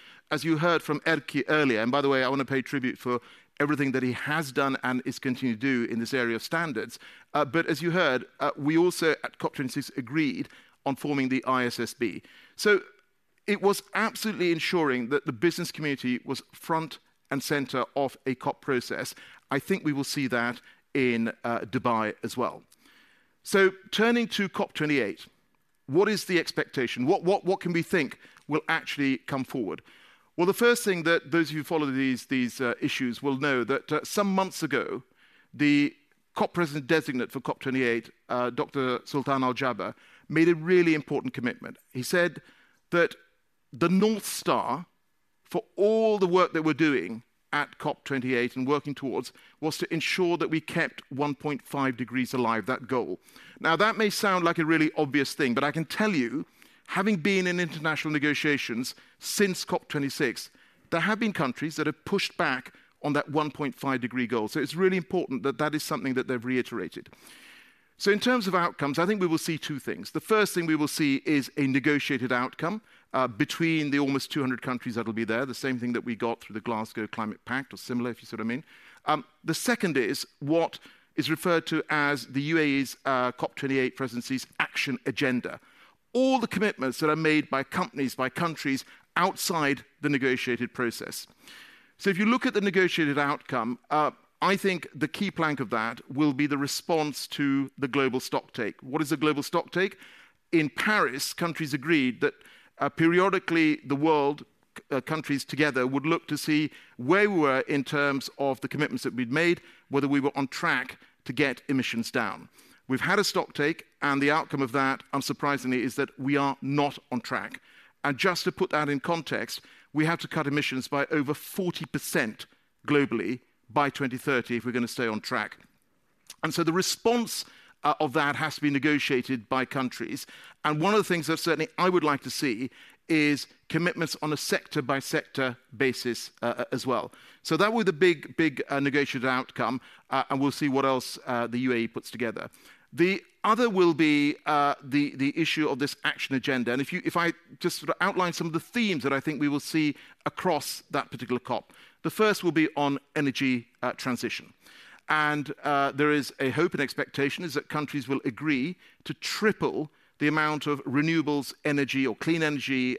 heard from Erkki earlier, and by the way, I want to pay tribute for everything that he has done and is continuing to do in this area of standards. But as you heard, we also at COP26 agreed on forming the ISSB. So it was absolutely ensuring that the business community was front and center of a COP process. I think we will see that in Dubai as well. So turning to COP28. What is the expectation? What can we think will actually come forward? Well, the first thing that those of you who follow these issues will know that some months ago, the COP president designate for COP28, Dr. Sultan Al Jaber, made a really important commitment. He said that the North Star for all the work that we're doing at COP28 and working towards, was to ensure that we kept 1.5 degrees alive, that goal. Now, that may sound like a really obvious thing, but I can tell you, having been in international negotiations since COP26, there have been countries that have pushed back on that 1.5 degree goal. So it's really important that that is something that they've reiterated. So in terms of outcomes, I think we will see two things. The first thing we will see is a negotiated outcome, between the almost 200 countries that will be there, the same thing that we got through the Glasgow Climate Pact, or similar, if you see what I mean. The second is what is referred to as the UAE's, COP28 Presidency's action agenda. All the commitments that are made by companies, by countries, outside the negotiated process. So if you look at the negotiated outcome, I think the key plank of that will be the response to the global stocktake. What is a global stocktake? In Paris, countries agreed that, periodically, the world, countries together, would look to see where we were in terms of the commitments that we'd made, whether we were on track to get emissions down. We've had a stocktake, and the outcome of that, unsurprisingly, is that we are not on track. And just to put that in context, we have to cut emissions by over 40% globally by 2030 if we're gonna stay on track. And so the response, of that has to be negotiated by countries. One of the things that certainly I would like to see is commitments on a sector-by-sector basis, as well. That were the big, big negotiated outcome, and we'll see what else the UAE puts together. The other will be the issue of this action agenda. And if I just sort of outline some of the themes that I think we will see across that particular COP. The first will be on energy transition. And there is a hope and expectation is that countries will agree to triple the amount of renewables energy or clean energy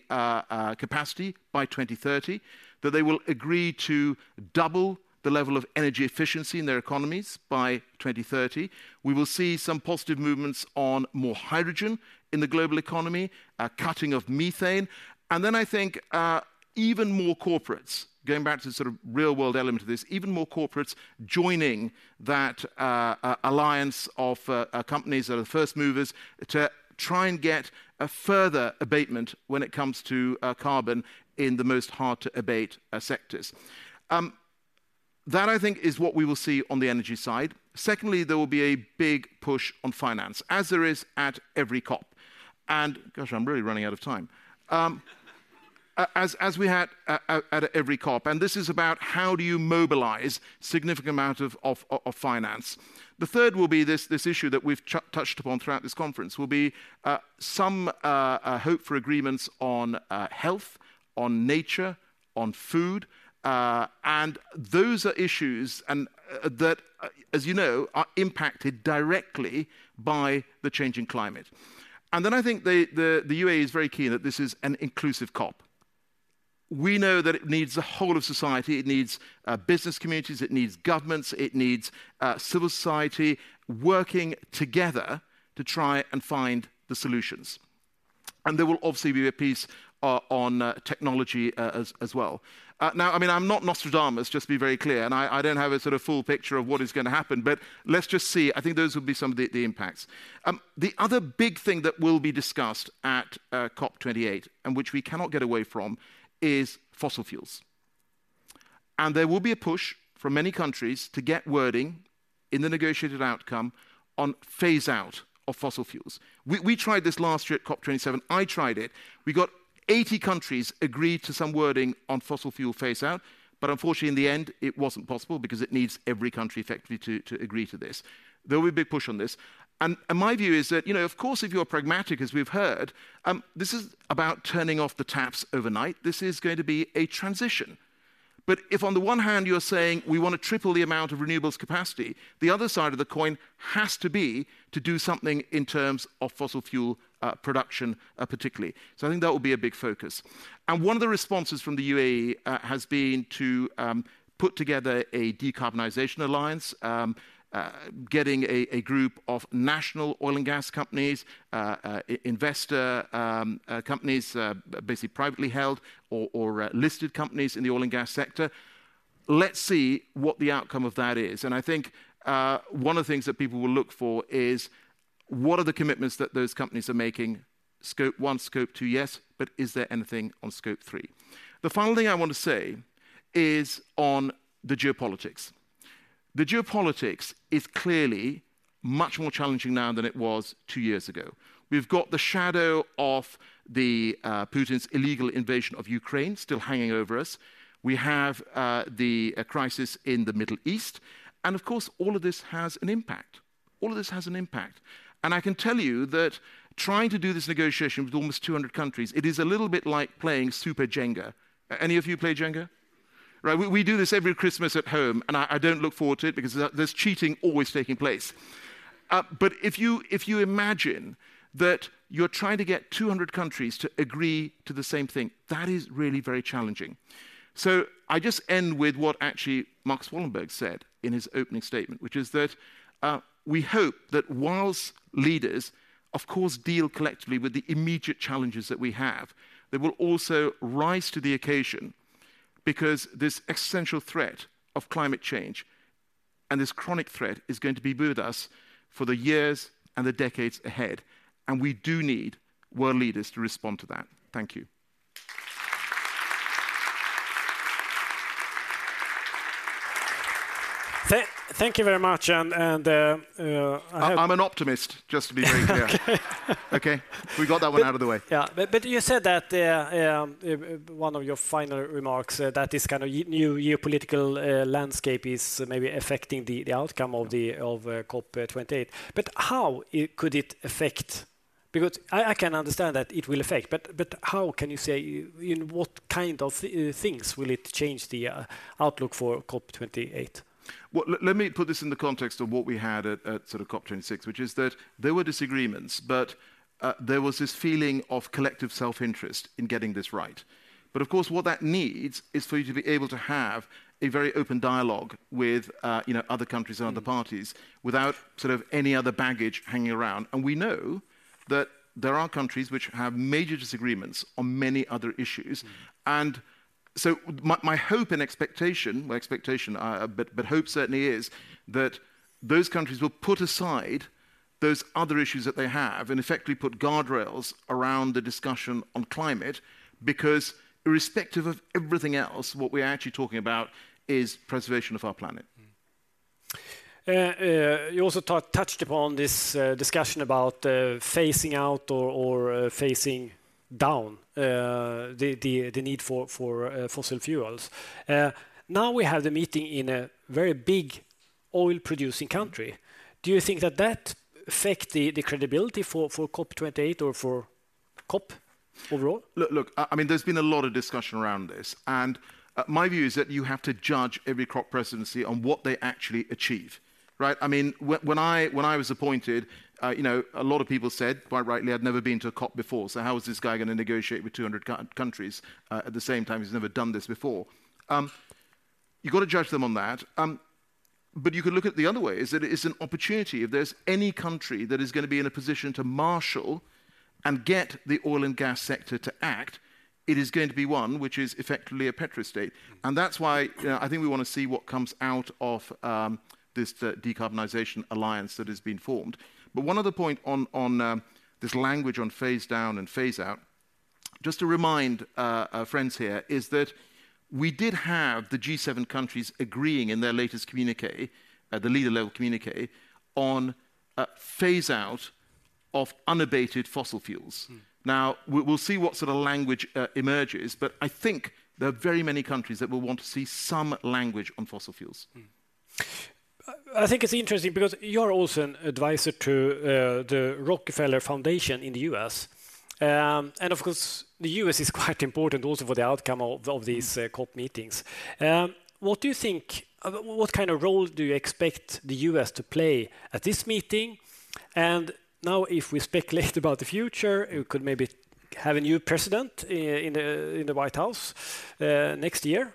capacity by 2030, that they will agree to double the level of energy efficiency in their economies by 2030. We will see some positive movements on more hydrogen in the global economy, a cutting of methane. And then I think, even more corporates, going back to the sort of real-world element of this, even more corporates joining that, alliance of, companies that are the first movers to try and get a further abatement when it comes to, carbon in the most hard-to-abate, sectors. That, I think, is what we will see on the energy side. Secondly, there will be a big push on finance, as there is at every COP. And, Gosh, I'm really running out of time. As we had at every COP, and this is about how do you mobilize significant amount of finance. The third will be this, this issue that we've touched upon throughout this conference, will be some hope for agreements on health, on nature, on food, and those are issues and that, as you know, are impacted directly by the changing climate. And then I think the UAE is very keen that this is an inclusive COP. We know that it needs the whole of society, it needs business communities, it needs governments, it needs civil society working together to try and find the solutions. And there will obviously be a piece on technology as well. Now, I mean, I'm not Nostradamus, just to be very clear, and I don't have a sort of full picture of what is gonna happen, but let's just see. I think those will be some of the, the impacts. The other big thing that will be discussed at COP28, and which we cannot get away from, is fossil fuels. There will be a push from many countries to get wording in the negotiated outcome on phase out of fossil fuels. We tried this last year at COP27. I tried it. We got 80 countries agreed to some wording on fossil fuel phase out, but unfortunately, in the end, it wasn't possible because it needs every country effectively to agree to this. There will be a big push on this. My view is that, you know, of course, if you're pragmatic, as we've heard, this is about turning off the taps overnight. This is going to be a transition. But if on the one hand, you're saying we wanna triple the amount of renewables capacity, the other side of the coin has to be to do something in terms of fossil fuel production, particularly. So I think that will be a big focus. And one of the responses from the UAE has been to put together a decarbonization alliance, getting a group of national oil and gas companies, investor, basically privately held or listed companies in the oil and gas sector. Let's see what the outcome of that is. And I think one of the things that people will look for is: What are the commitments that those companies are making? Scope 1, Scope 2, yes, but is there anything on Scope 3? The final thing I want to say is on the geopolitics. The geopolitics is clearly much more challenging now than it was two years ago. We've got the shadow of the Putin's illegal invasion of Ukraine still hanging over us. We have the crisis in the Middle East, and of course, all of this has an impact. All of this has an impact. And I can tell you that trying to do this negotiation with almost 200 countries, it is a little bit like playing super Jenga. Any of you play Jenga? Right, we, we do this every Christmas at home, and I, I don't look forward to it because there, there's cheating always taking place. But if you, if you imagine that you're trying to get 200 countries to agree to the same thing, that is really very challenging. I just end with what actually Marcus Wallenberg said in his opening statement, which is that, we hope that while leaders, of course, deal collectively with the immediate challenges that we have, they will also rise to the occasion because this existential threat of climate change and this chronic threat is going to be with us for the years and the decades ahead, and we do need world leaders to respond to that. Thank you. Thank you very much, and I- I'm an optimist, just to be very clear. Okay? We got that one out of the way. Yeah. But you said that one of your final remarks that this kind of new geopolitical landscape is maybe affecting the outcome of COP28. But how could it affect? Because I can understand that it will affect, but how can you say, in what kind of things will it change the outlook for COP28? Well, let me put this in the context of what we had at sort of COP26, which is that there were disagreements, but there was this feeling of collective self-interest in getting this right. But of course, what that needs is for you to be able to have a very open dialogue with, you know, other countries and other parties- Mm... without sort of any other baggage hanging around. We know that there are countries which have major disagreements on many other issues. Mm. And so my hope and expectation, well, expectation, but hope certainly is, that those countries will put aside those other issues that they have, and effectively put guardrails around the discussion on climate. Because irrespective of everything else, what we are actually talking about is preservation of our planet. You also touched upon this discussion about phasing out or phasing down the need for fossil fuels. Now we have the meeting in a very big oil-producing country. Do you think that that affect the credibility for COP28 or for COP overall? Look, look, I mean, there's been a lot of discussion around this, and, my view is that you have to judge every COP presidency on what they actually achieve, right? I mean, when I, when I was appointed, you know, a lot of people said, quite rightly, I'd never been to a COP before, "So how is this guy going to negotiate with 200 countries at the same time? He's never done this before." You've got to judge them on that. But you can look at the other way, is that it's an opportunity. If there's any country that is going to be in a position to marshal and get the oil and gas sector to act, it is going to be one which is effectively a petrostate. Mm. And that's why, I think we want to see what comes out of this Decarbonization Alliance that has been formed. But one other point on, on, this language on phase down and phase out, just to remind our friends here, is that we did have the G7 countries agreeing in their latest communiqué, the leader-level communiqué, on a phase out of unabated fossil fuels. Mm. Now, we'll see what sort of language emerges, but I think there are very many countries that will want to see some language on fossil fuels. I think it's interesting because you're also an advisor to the Rockefeller Foundation in the U.S. And of course, the U.S. is quite important also for the outcome of these COP meetings. What do you think, what kind of role do you expect the U.S. to play at this meeting? And now, if we speculate about the future, we could maybe have a new president in the White House next year.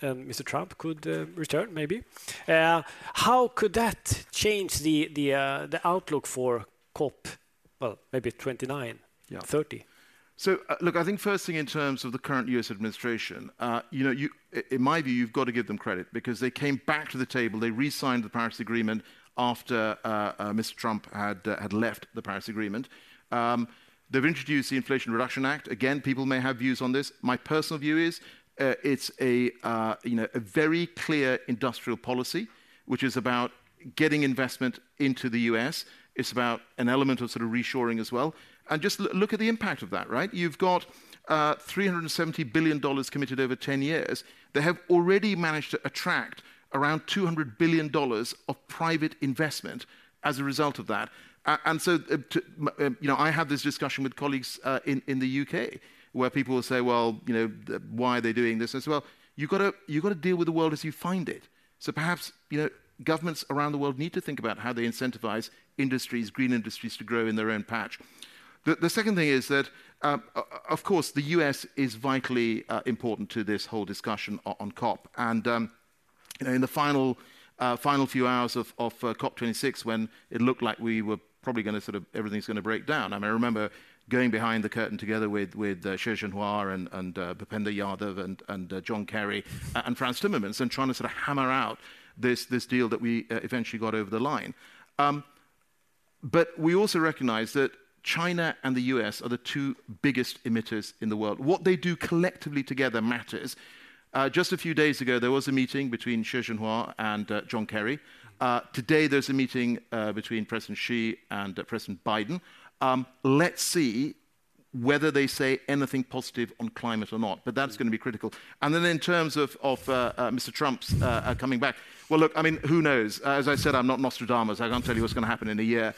Mr. Trump could return maybe. How could that change the outlook for COP, well, maybe '29- Yeah... '30? So, look, I think first thing, in terms of the current U.S. administration, you know, you, in my view, you've got to give them credit. Because they came back to the table, they re-signed the Paris Agreement after, Mr. Trump had, had left the Paris Agreement. They've introduced the Inflation Reduction Act. Again, people may have views on this. My personal view is, it's a, you know, a very clear industrial policy, which is about getting investment into the U.S... It's about an element of sort of reshoring as well. And just look at the impact of that, right? You've got, $370 billion committed over 10 years. They have already managed to attract around $200 billion of private investment as a result of that. And so, to you know, I had this discussion with colleagues in the U.K., where people will say, "Well, you know, why are they doing this?" I say, "Well, you've got to, you've got to deal with the world as you find it." So perhaps, you know, governments around the world need to think about how they incentivize industries, green industries, to grow in their own patch. The second thing is that, of course, the US is vitally important to this whole discussion on COP. And, you know, in the final final few hours of COP26, when it looked like we were probably going to sort of... Everything's going to break down. I mean, I remember going behind the curtain together with Xie Zhenhua and Bhupender Yadav and John Kerry and Frans Timmermans and trying to sort of hammer out this deal that we eventually got over the line. But we also recognize that China and the U.S. are the two biggest emitters in the world. What they do collectively together matters. Just a few days ago, there was a meeting between Xie Zhenhua and John Kerry. Today there's a meeting between President Xi and President Biden. Let's see whether they say anything positive on climate or not. But that's going to be critical. And then in terms of Mr. Trump's coming back, well, look, I mean, who knows? As I said, I'm not Nostradamus. I can't tell you what's going to happen in a year.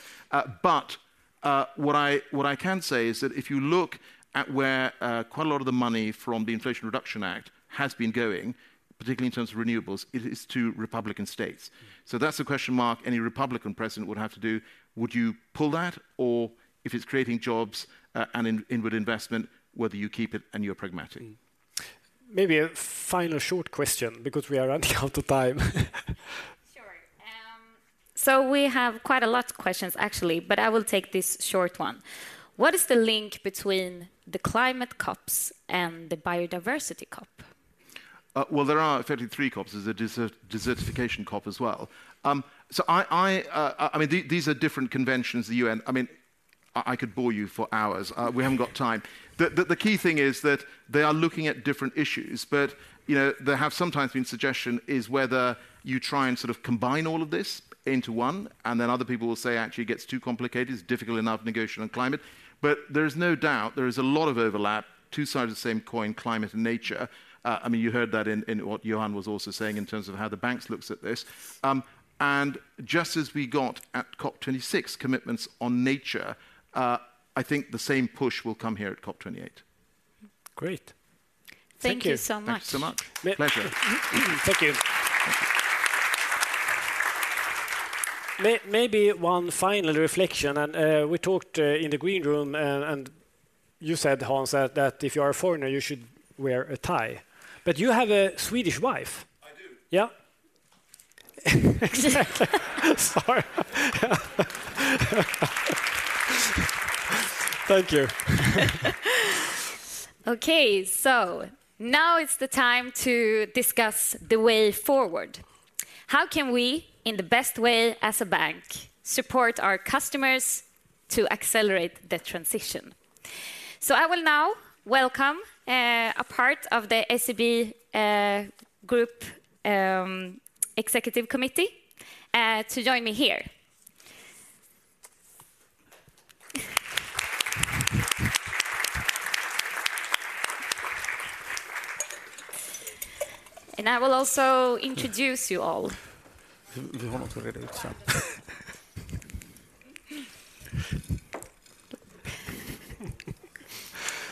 But what I can say is that if you look at where quite a lot of the money from the Inflation Reduction Act has been going, particularly in terms of renewables, it is to Republican states. That's a question mark any Republican president would have to do: Would you pull that? Or if it's creating jobs, and inward investment, whether you keep it and you're pragmatic. Mm. Maybe a final short question, because we are running out of time.... So we have quite a lot questions, actually, but I will take this short one. What is the link between the climate COPs and the biodiversity COP? Well, there are effectively three COPs. There's a desertification COP as well. So I mean, these are different conventions, the UN. I mean, I could bore you for hours. We haven't got time. The key thing is that they are looking at different issues, but, you know, there have sometimes been suggestion is whether you try and sort of combine all of this into one, and then other people will say, actually, it gets too complicated. It's difficult enough to negotiate on climate. But there is no doubt there is a lot of overlap, two sides of the same coin, climate and nature. I mean, you heard that in what Johan was also saying in terms of how the banks looks at this. Just as we got at COP26, commitments on nature, I think the same push will come here at COP28. Great. Thank you so much. Thanks so much. Pleasure. Thank you. Maybe one final reflection, and we talked in the green room, and you said, Hans, that if you are a foreigner, you should wear a tie. But you have a Swedish wife. I do. Yeah. Sorry. Thank you. Okay, so now it's the time to discuss the way forward. How can we, in the best way, as a bank, support our customers to accelerate the transition? So I will now welcome a part of the SEB Group Executive Committee to join me here. And I will also introduce you all.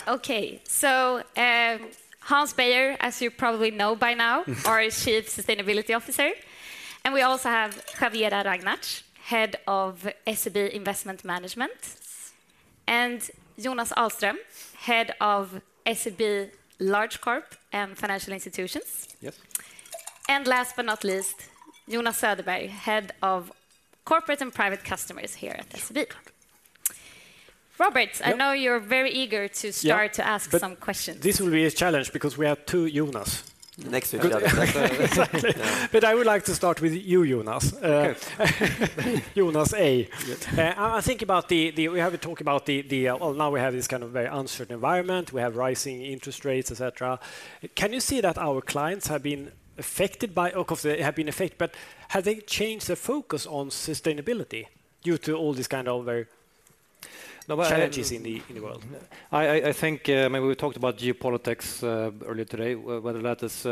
Okay, so Hans Beyer, as you probably know by now, our Chief Sustainability Officer, and we also have Javiera Ragnartz, Head of SEB Investment Management, and Jonas Ahlström, Head of SEB Large Corporates and Financial Institutions. Yes. And last but not least, Jonas Söderberg, Head of Corporate and Private Customers here at SEB. Robert- Yep. I know you're very eager to start- Yeah to ask some questions. This will be a challenge because we have two Jonas. Next week. Exactly. But I would like to start with you, Jonas. Okay.... Jonas A. Yes. I think about the—we have a talk about the—now we have this kind of very uncertain environment. We have rising interest rates, et cetera. Can you see that our clients have been affected by...? Of course, they have been affected, but have they changed their focus on sustainability due to all these kind of very challenges in the world? I think maybe we talked about geopolitics earlier today, whether that is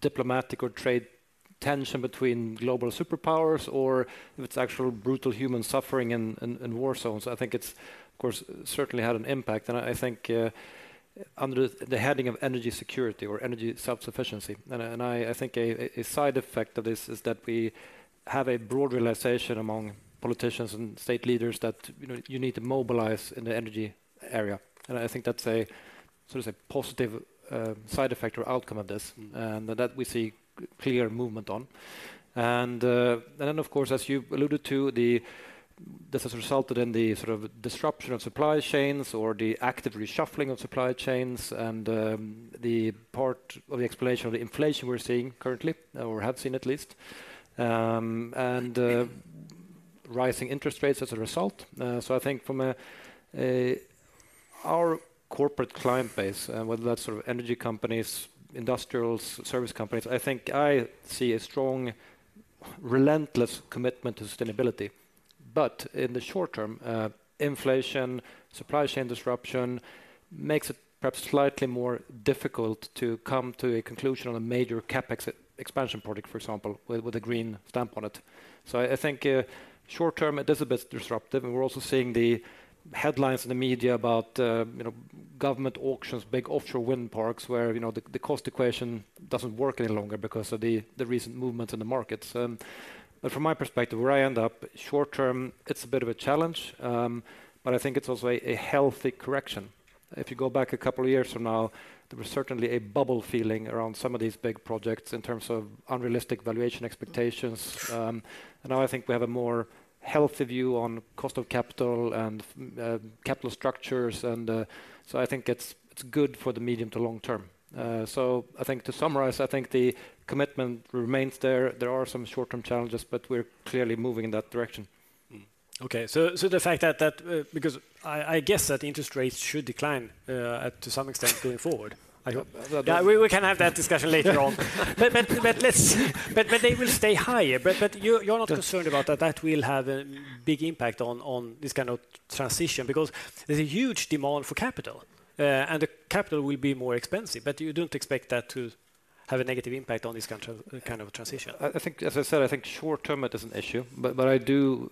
diplomatic or trade tension between global superpowers or if it's actual brutal human suffering in war zones. I think it's certainly had an impact, and I think under the heading of energy security or energy self-sufficiency, and I think a side effect of this is that we have a broad realization among politicians and state leaders that, you know, you need to mobilize in the energy area. And I think that's a sort of a positive side effect or outcome of this, and that we see clear movement on. Of course, as you alluded to, this has resulted in the sort of disruption of supply chains or the active reshuffling of supply chains and the part of the explanation of the inflation we're seeing currently, or have seen at least, and rising interest rates as a result. So I think from a our corporate client base, whether that's sort of energy companies, industrials, service companies, I think I see a strong, relentless commitment to sustainability. But in the short term, inflation, supply chain disruption, makes it perhaps slightly more difficult to come to a conclusion on a major CapEx expansion product, for example, with a green stamp on it. So I think, short term, it is a bit disruptive, and we're also seeing the headlines in the media about, you know, government auctions, big offshore wind parks, where, you know, the cost equation doesn't work any longer because of the recent movement in the markets. But from my perspective, where I end up, short term, it's a bit of a challenge, but I think it's also a healthy correction. If you go back a couple of years from now, there was certainly a bubble feeling around some of these big projects in terms of unrealistic valuation expectations. And now I think we have a more healthy view on cost of capital and capital structures, and so I think it's good for the medium to long term. So I think to summarize, I think the commitment remains there. There are some short-term challenges, but we're clearly moving in that direction. Okay. So the fact that because I guess that interest rates should decline to some extent going forward, I hope. Well, yeah. Yeah, we can have that discussion later on. But they will stay higher. But you're not concerned about that, that will have a big impact on this kind of transition, because there's a huge demand for capital, and the capital will be more expensive, but you don't expect that to have a negative impact on this kind of transition? I think, as I said, I think short term, it is an issue, but I do,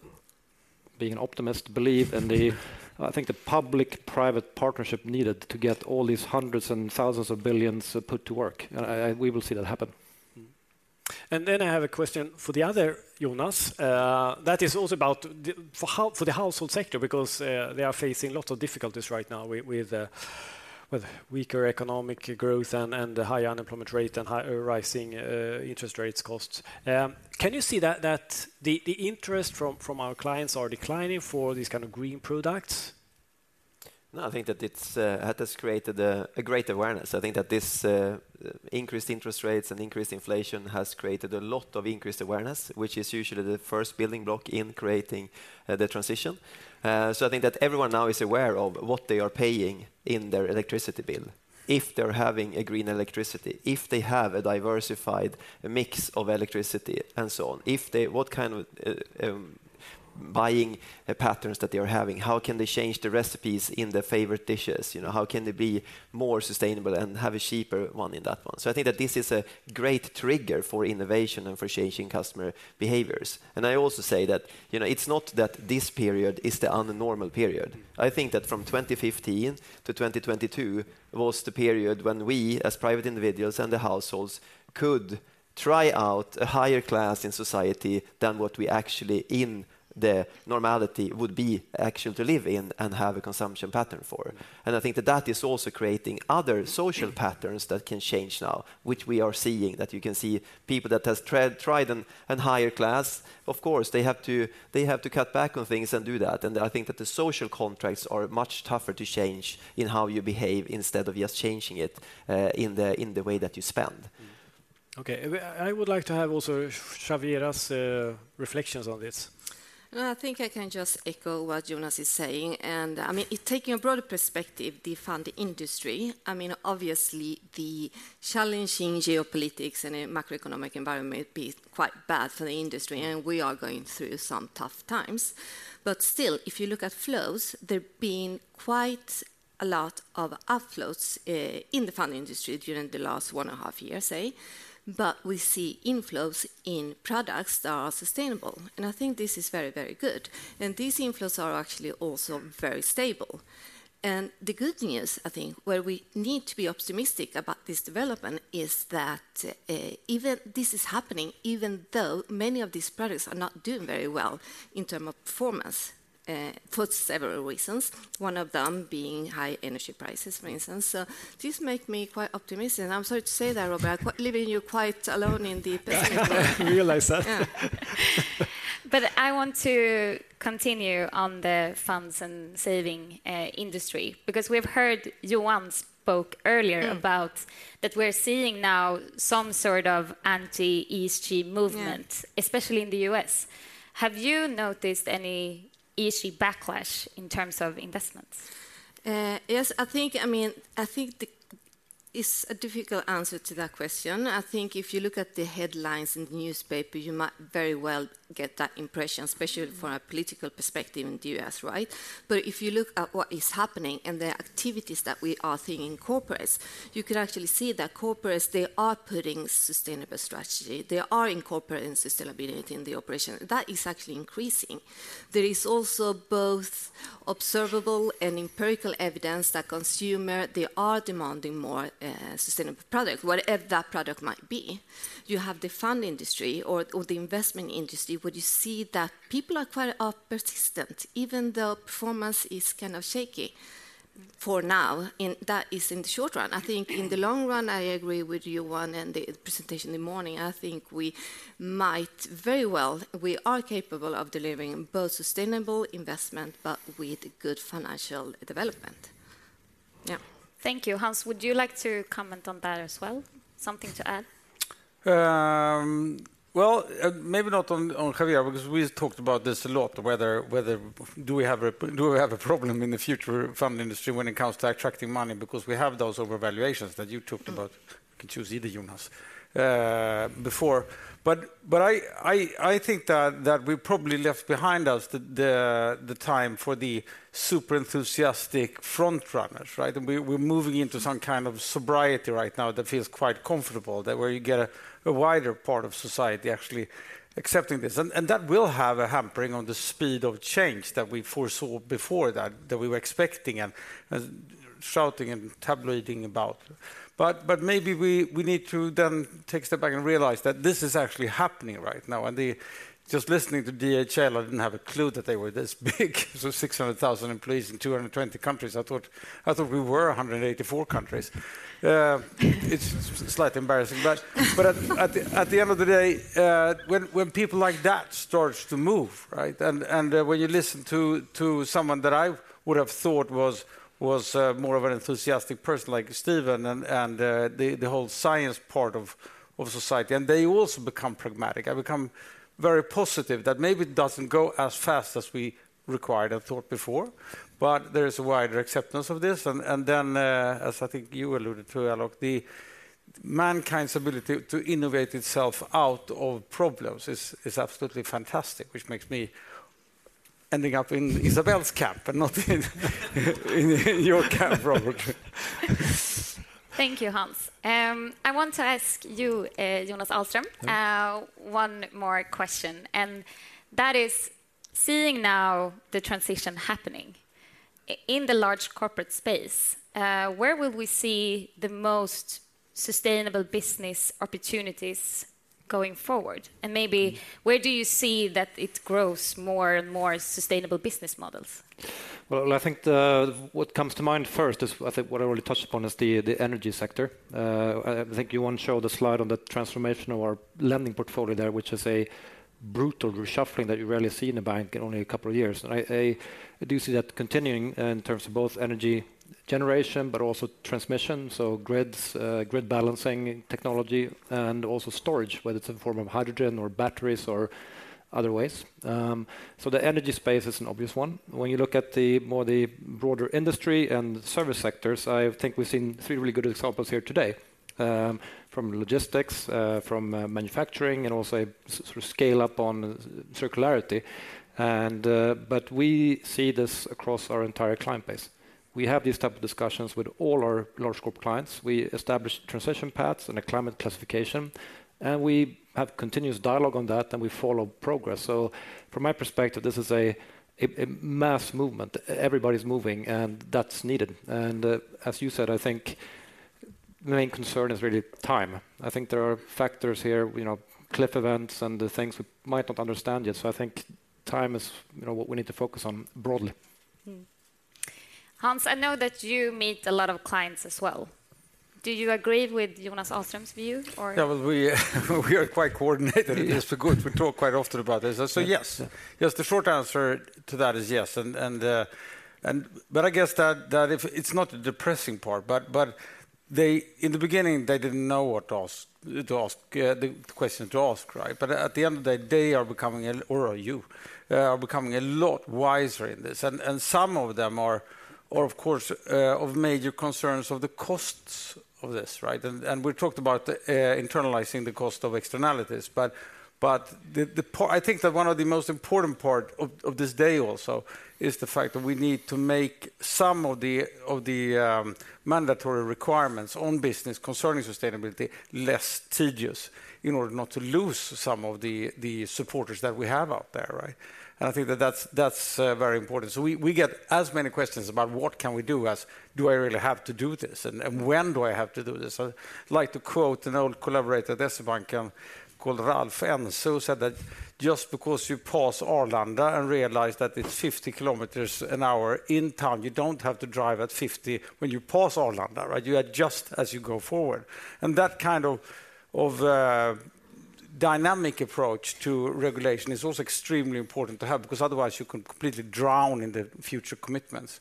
being an optimist, believe in the public-private partnership needed to get all these hundreds and thousands of billions put to work, and we will see that happen. Mm-hmm. And then I have a question for the other Jonas that is also about the household sector, because they are facing lots of difficulties right now with weaker economic growth and the high unemployment rate and high rising interest rates costs. Can you see that the interest from our clients are declining for these kind of green products? No, I think that it has just created a great awareness. I think that this increased interest rates and increased inflation has created a lot of increased awareness, which is usually the first building block in creating the transition. So I think that everyone now is aware of what they are paying in their electricity bill if they're having a green electricity, if they have a diversified mix of electricity, and so on. If they what kind of buying patterns that they are having, how can they change the recipes in their favorite dishes? You know, how can they be more sustainable and have a cheaper one in that one? So I think that this is a great trigger for innovation and for changing customer behaviors. And I also say that, you know, it's not that this period is the abnormal period. I think that from 2015 to 2022 was the period when we, as private individuals and the households, could try out a higher class in society than what we actually, in the normality, would be actually to live in and have a consumption pattern for. And I think that that is also creating other social patterns that can change now, which we are seeing, that you can see people that has tried, tried in an higher class, of course, they have to, they have to cut back on things and do that. And I think that the social contracts are much tougher to change in how you behave instead of just changing it, in the, in the way that you spend. Okay. I would like to have also Javiera's reflections on this. Well, I think for several reasons, one of them being high energy prices, for instance. So this makes me quite optimistic, and I'm sorry to say that, Robert, but leaving you quite alone in the perspective. I realize that. Yeah. But I want to continue on the funds and saving industry, because we've heard Johan spoke earlier- Mm. about that we're seeing now some sort of anti-ESG movement. Yeah... especially in the US. Have you noticed any ESG backlash in terms of investments? Yes, I think, I mean, I think it's a difficult answer to that question. I think if you look at the headlines in the newspaper, you might very well get that impression, especially from a political perspective in the U.S., right? But if you look at what is happening and the activities that we are seeing in corporates, you can actually see that corporates, they are putting sustainable strategy. They are incorporating sustainability in the operation. That is actually increasing. There is also both observable and empirical evidence that consumer, they are demanding more, sustainable product, whatever that product might be. You have the fund industry or the investment industry, where you see that people are quite, persistent, even though performance is kind of shaky for now, and that is in the short run. I think in the long run, I agree with Johan in the presentation in the morning. I think we might very well... We are capable of delivering both sustainable investment, but with good financial development. Yeah. Thank you. Hans, would you like to comment on that as well? Something to add? Well, maybe not on Javiera, because we talked about this a lot, whether do we have a problem in the future fund industry when it comes to attracting money, because we have those overvaluations that you talked about- Mm... You can choose either, Jonas, before. But I think that we probably left behind us the time for the super enthusiastic front runners, right? And we're moving into some kind of sobriety right now that feels quite comfortable, where you get a wider part of society actually accepting this. And that will have a hampering on the speed of change that we foresaw before, that we were expecting and shouting and tabloiding about. But maybe we need to then take a step back and realize that this is actually happening right now. And the... Just listening to DHL, I didn't have a clue that they were this big. So 600,000 employees in 220 countries. I thought we were 184 countries. It's slightly embarrassing, but at the end of the day, when people like that starts to move, right, and when you listen to someone that I would have thought was more of an enthusiastic person, like Steven and the whole science part of society, and they also become pragmatic. I become very positive that maybe it doesn't go as fast as we required and thought before, but there is a wider acceptance of this. And then, as I think you alluded to, Alok, the mankind's ability to innovate itself out of problems is absolutely fantastic, which makes me ending up in Isabelle's camp and not in your camp, Robert. Thank you, Hans. I want to ask you, Jonas Ahlström- Yeah... one more question, and that is, seeing now the transition happening in the large corporate space, where will we see the most sustainable business opportunities?... going forward? And maybe where do you see that it grows more and more sustainable business models? Well, I think what comes to mind first is, I think what I already touched upon, is the energy sector. I think you want to show the slide on the transformation of our lending portfolio there, which is a brutal reshuffling that you rarely see in a bank in only a couple of years. And I do see that continuing in terms of both energy generation, but also transmission, so grids, grid balancing technology, and also storage, whether it's in the form of hydrogen or batteries or other ways. So the energy space is an obvious one. When you look at the broader industry and service sectors, I think we've seen three really good examples here today, from logistics, from manufacturing, and also scale up on circularity. But we see this across our entire client base. We have these type of discussions with all our large corporate clients. We establish transition paths and a climate classification, and we have continuous dialogue on that, and we follow progress. So from my perspective, this is a mass movement. Everybody's moving, and that's needed. As you said, I think the main concern is really time. I think there are factors here, you know, cliff events and the things we might not understand yet. So I think time is, you know, what we need to focus on broadly. Mm. Hans, I know that you meet a lot of clients as well. Do you agree with Jonas Ahlström's view, or- Yeah, well, we are quite coordinated. It's good. We talk quite often about this. So yes. Yes, the short answer to that is yes. And but I guess that if... It's not the depressing part, but they, in the beginning, they didn't know what to ask, the question to ask, right? But at the end of the day, they are becoming, or you are becoming a lot wiser in this. And some of them are, of course, of major concerns of the costs of this, right? We talked about internalizing the cost of externalities, but I think that one of the most important part of this day also is the fact that we need to make some of the mandatory requirements on business concerning sustainability less tedious, in order not to lose some of the supporters that we have out there, right? And I think that that's very important. So we get as many questions about: What can we do, as do I really have to do this, and when do I have to do this? I'd like to quote an old collaborator at SEB Bank called Ralf Enso, said that, "Just because you pass Arlanda and realize that it's 50 kilometers an hour in town, you don't have to drive at 50 when you pass Arlanda," right? You adjust as you go forward. And that kind of, of, dynamic approach to regulation is also extremely important to have, because otherwise you can completely drown in the future commitments.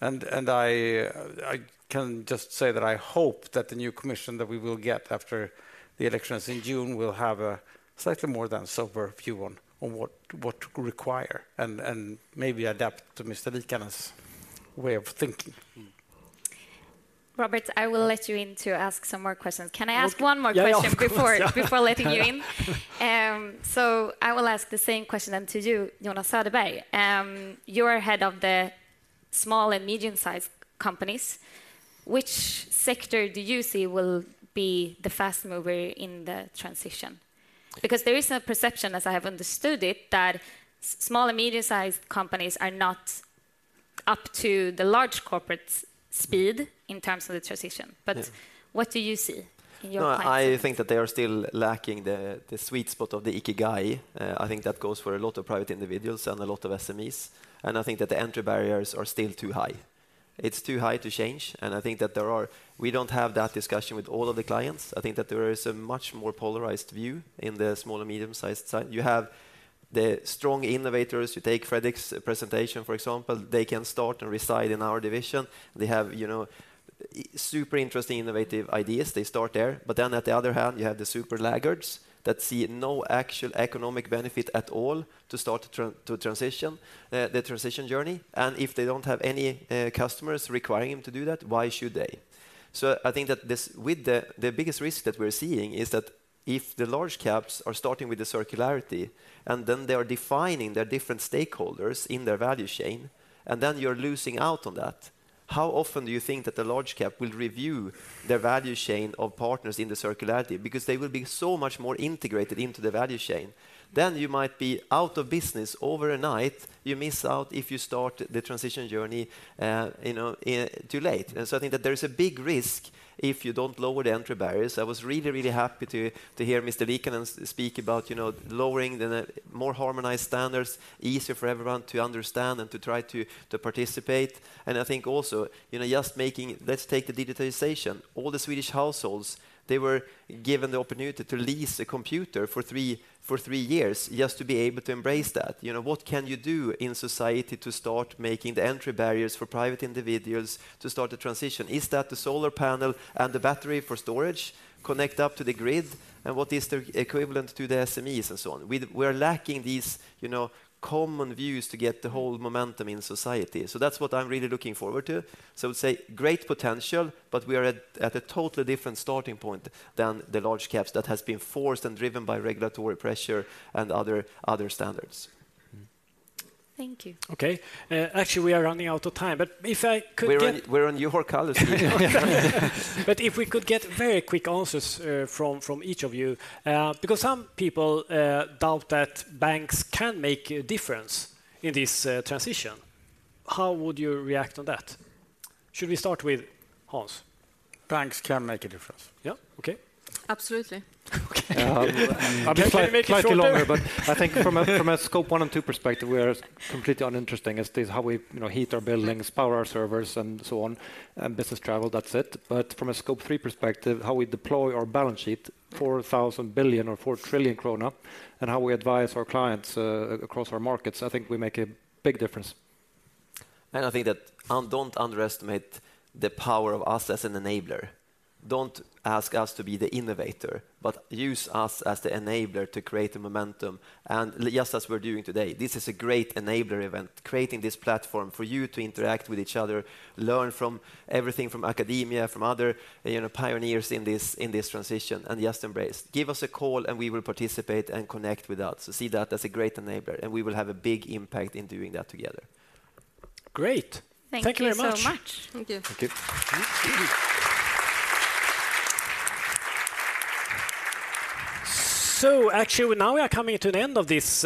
And, and I, I can just say that I hope that the new commission that we will get after the elections in June will have a slightly more than sober view on, on what to require and, and maybe adapt to Mr. Vikner's way of thinking. Robert, I will let you in to ask some more questions. Can I ask one more question? Yeah, yeah, of course. Before letting you in? So I will ask the same question then to you, Jonas Söderberg. You're head of the small and medium-sized companies. Which sector do you see will be the fast mover in the transition? Because there is a perception, as I have understood it, that small and medium-sized companies are not up to the large corporate speed in terms of the transition. Yeah. What do you see in your clients? No, I think that they are still lacking the sweet spot of the Ikigai. I think that goes for a lot of private individuals and a lot of SMEs, and I think that the entry barriers are still too high. It's too high to change, and I think that there are... We don't have that discussion with all of the clients. I think that there is a much more polarized view in the small and medium-sized side. You have the strong innovators. You take Fredrik's presentation, for example. They can start and reside in our division. They have, you know, super interesting innovative ideas. They start there. But then, on the other hand, you have the super laggards that see no actual economic benefit at all to start to transition the transition journey, and if they don't have any customers requiring them to do that, why should they? So I think that this, with the biggest risk that we're seeing is that if the large caps are starting with the circularity, and then they are defining their different stakeholders in their value chain, and then you're losing out on that, how often do you think that the large cap will review their value chain of partners in the circularity? Because they will be so much more integrated into the value chain. Then you might be out of business overnight. You miss out if you start the transition journey, you know, too late. I think that there is a big risk if you don't lower the entry barriers. I was really, really happy to, to hear Mr. Vikner speak about, you know, lowering the, the more harmonized standards, easier for everyone to understand and to try to, to participate. I think also, you know, just making... Let's take the digitization. All the Swedish households, they were given the opportunity to lease a computer for three, for three years just to be able to embrace that. You know, what can you do in society to start making the entry barriers for private individuals to start the transition? Is that the solar panel and the battery for storage, connect up to the grid? And what is the equivalent to the SMEs and so on? We, we're lacking these, you know, common views to get the whole momentum in society. So that's what I'm really looking forward to. I would say great potential, but we are at a totally different starting point than the large caps that has been forced and driven by regulatory pressure and other standards. Mm-hmm. Thank you. Okay, actually, we are running out of time, but if I could get- We're on your calendar. But if we could get very quick answers from each of you. Because some people doubt that banks can make a difference in this transition... how would you react on that? Should we start with Hans? Banks can make a difference. Yeah. Okay. Absolutely. Okay. Yeah, I'm quite quite longer, but I think from a Scope 1 and 2 perspective, we are completely uninteresting as it is, how we, you know, heat our buildings, power our servers, and so on, and business travel, that's it. But from a Scope 3 perspective, how we deploy our balance sheet, 4,000 billion or 4 trillion krona, and how we advise our clients across our markets, I think we make a big difference. And I think that, don't underestimate the power of us as an enabler. Don't ask us to be the innovator, but use us as the enabler to create the momentum, and just as we're doing today, this is a great enabler event, creating this platform for you to interact with each other, learn from everything, from academia, from other, you know, pioneers in this, in this transition, and just embrace. Give us a call, and we will participate and connect with that. So see that as a great enabler, and we will have a big impact in doing that together. Great. Thank you very much. Thank you so much. Thank you. Thank you. So actually, now we are coming to the end of this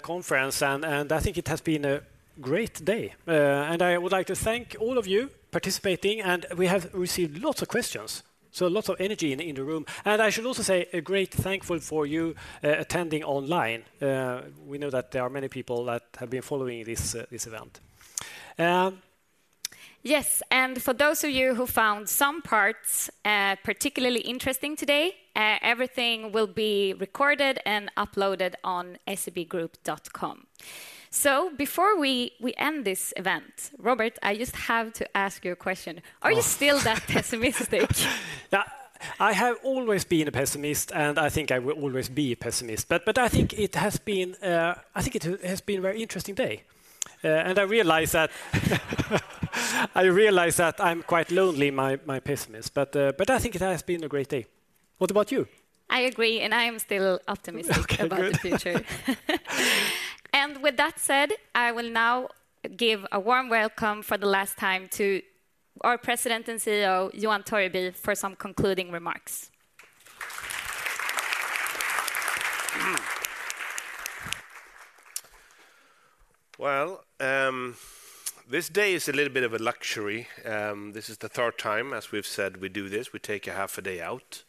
conference, and I think it has been a great day. And I would like to thank all of you participating, and we have received lots of questions, so lots of energy in the room. And I should also say a great thankful for you attending online. We know that there are many people that have been following this event. Yes, and for those of you who found some parts particularly interesting today, everything will be recorded and uploaded on SEBgroup.com. So before we end this event, Robert, I just have to ask you a question: Are you still that pessimistic? Yeah, I have always been a pessimist, and I think I will always be a pessimist. But, but I think it has been, I think it has been a very interesting day. And I realize that, I realize that I'm quite lonely, my, my pessimism, but, but I think it has been a great day. What about you? I agree, and I am still optimistic- Okay, good... about the future. With that said, I will now give a warm welcome for the last time to our President and CEO, Johan Torgeby, for some concluding remarks. Well, this day is a little bit of a luxury. This is the third time, as we've said, we do this. We take a half a day out.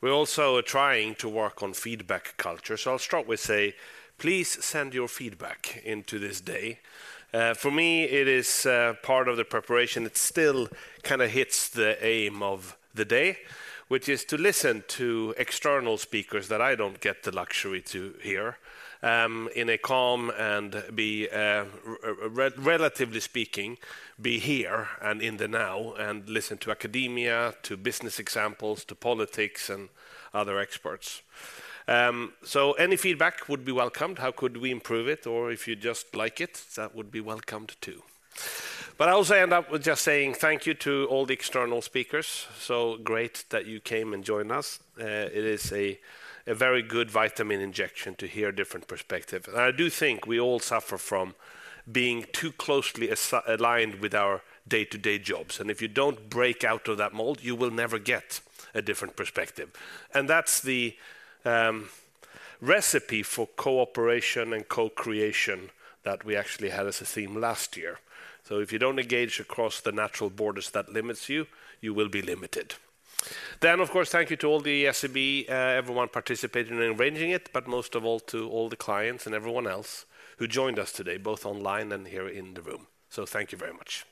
We're also trying to work on feedback culture. So I'll start with say, please send your feedback into this day. For me, it is part of the preparation. It still kinda hits the aim of the day, which is to listen to external speakers that I don't get the luxury to hear in a calm and, relatively speaking, be here and in the now and listen to academia, to business examples, to politics, and other experts. So any feedback would be welcomed. How could we improve it? Or if you just like it, that would be welcomed, too. But I also end up with just saying thank you to all the external speakers. So great that you came and joined us. It is a very good vitamin injection to hear a different perspective. And I do think we all suffer from being too closely aligned with our day-to-day jobs. And if you don't break out of that mold, you will never get a different perspective. And that's the recipe for cooperation and co-creation that we actually had as a theme last year. So if you don't engage across the natural borders that limits you, you will be limited. Then, of course, thank you to all the SEB everyone participating in arranging it, but most of all, to all the clients and everyone else who joined us today, both online and here in the room. So thank you very much.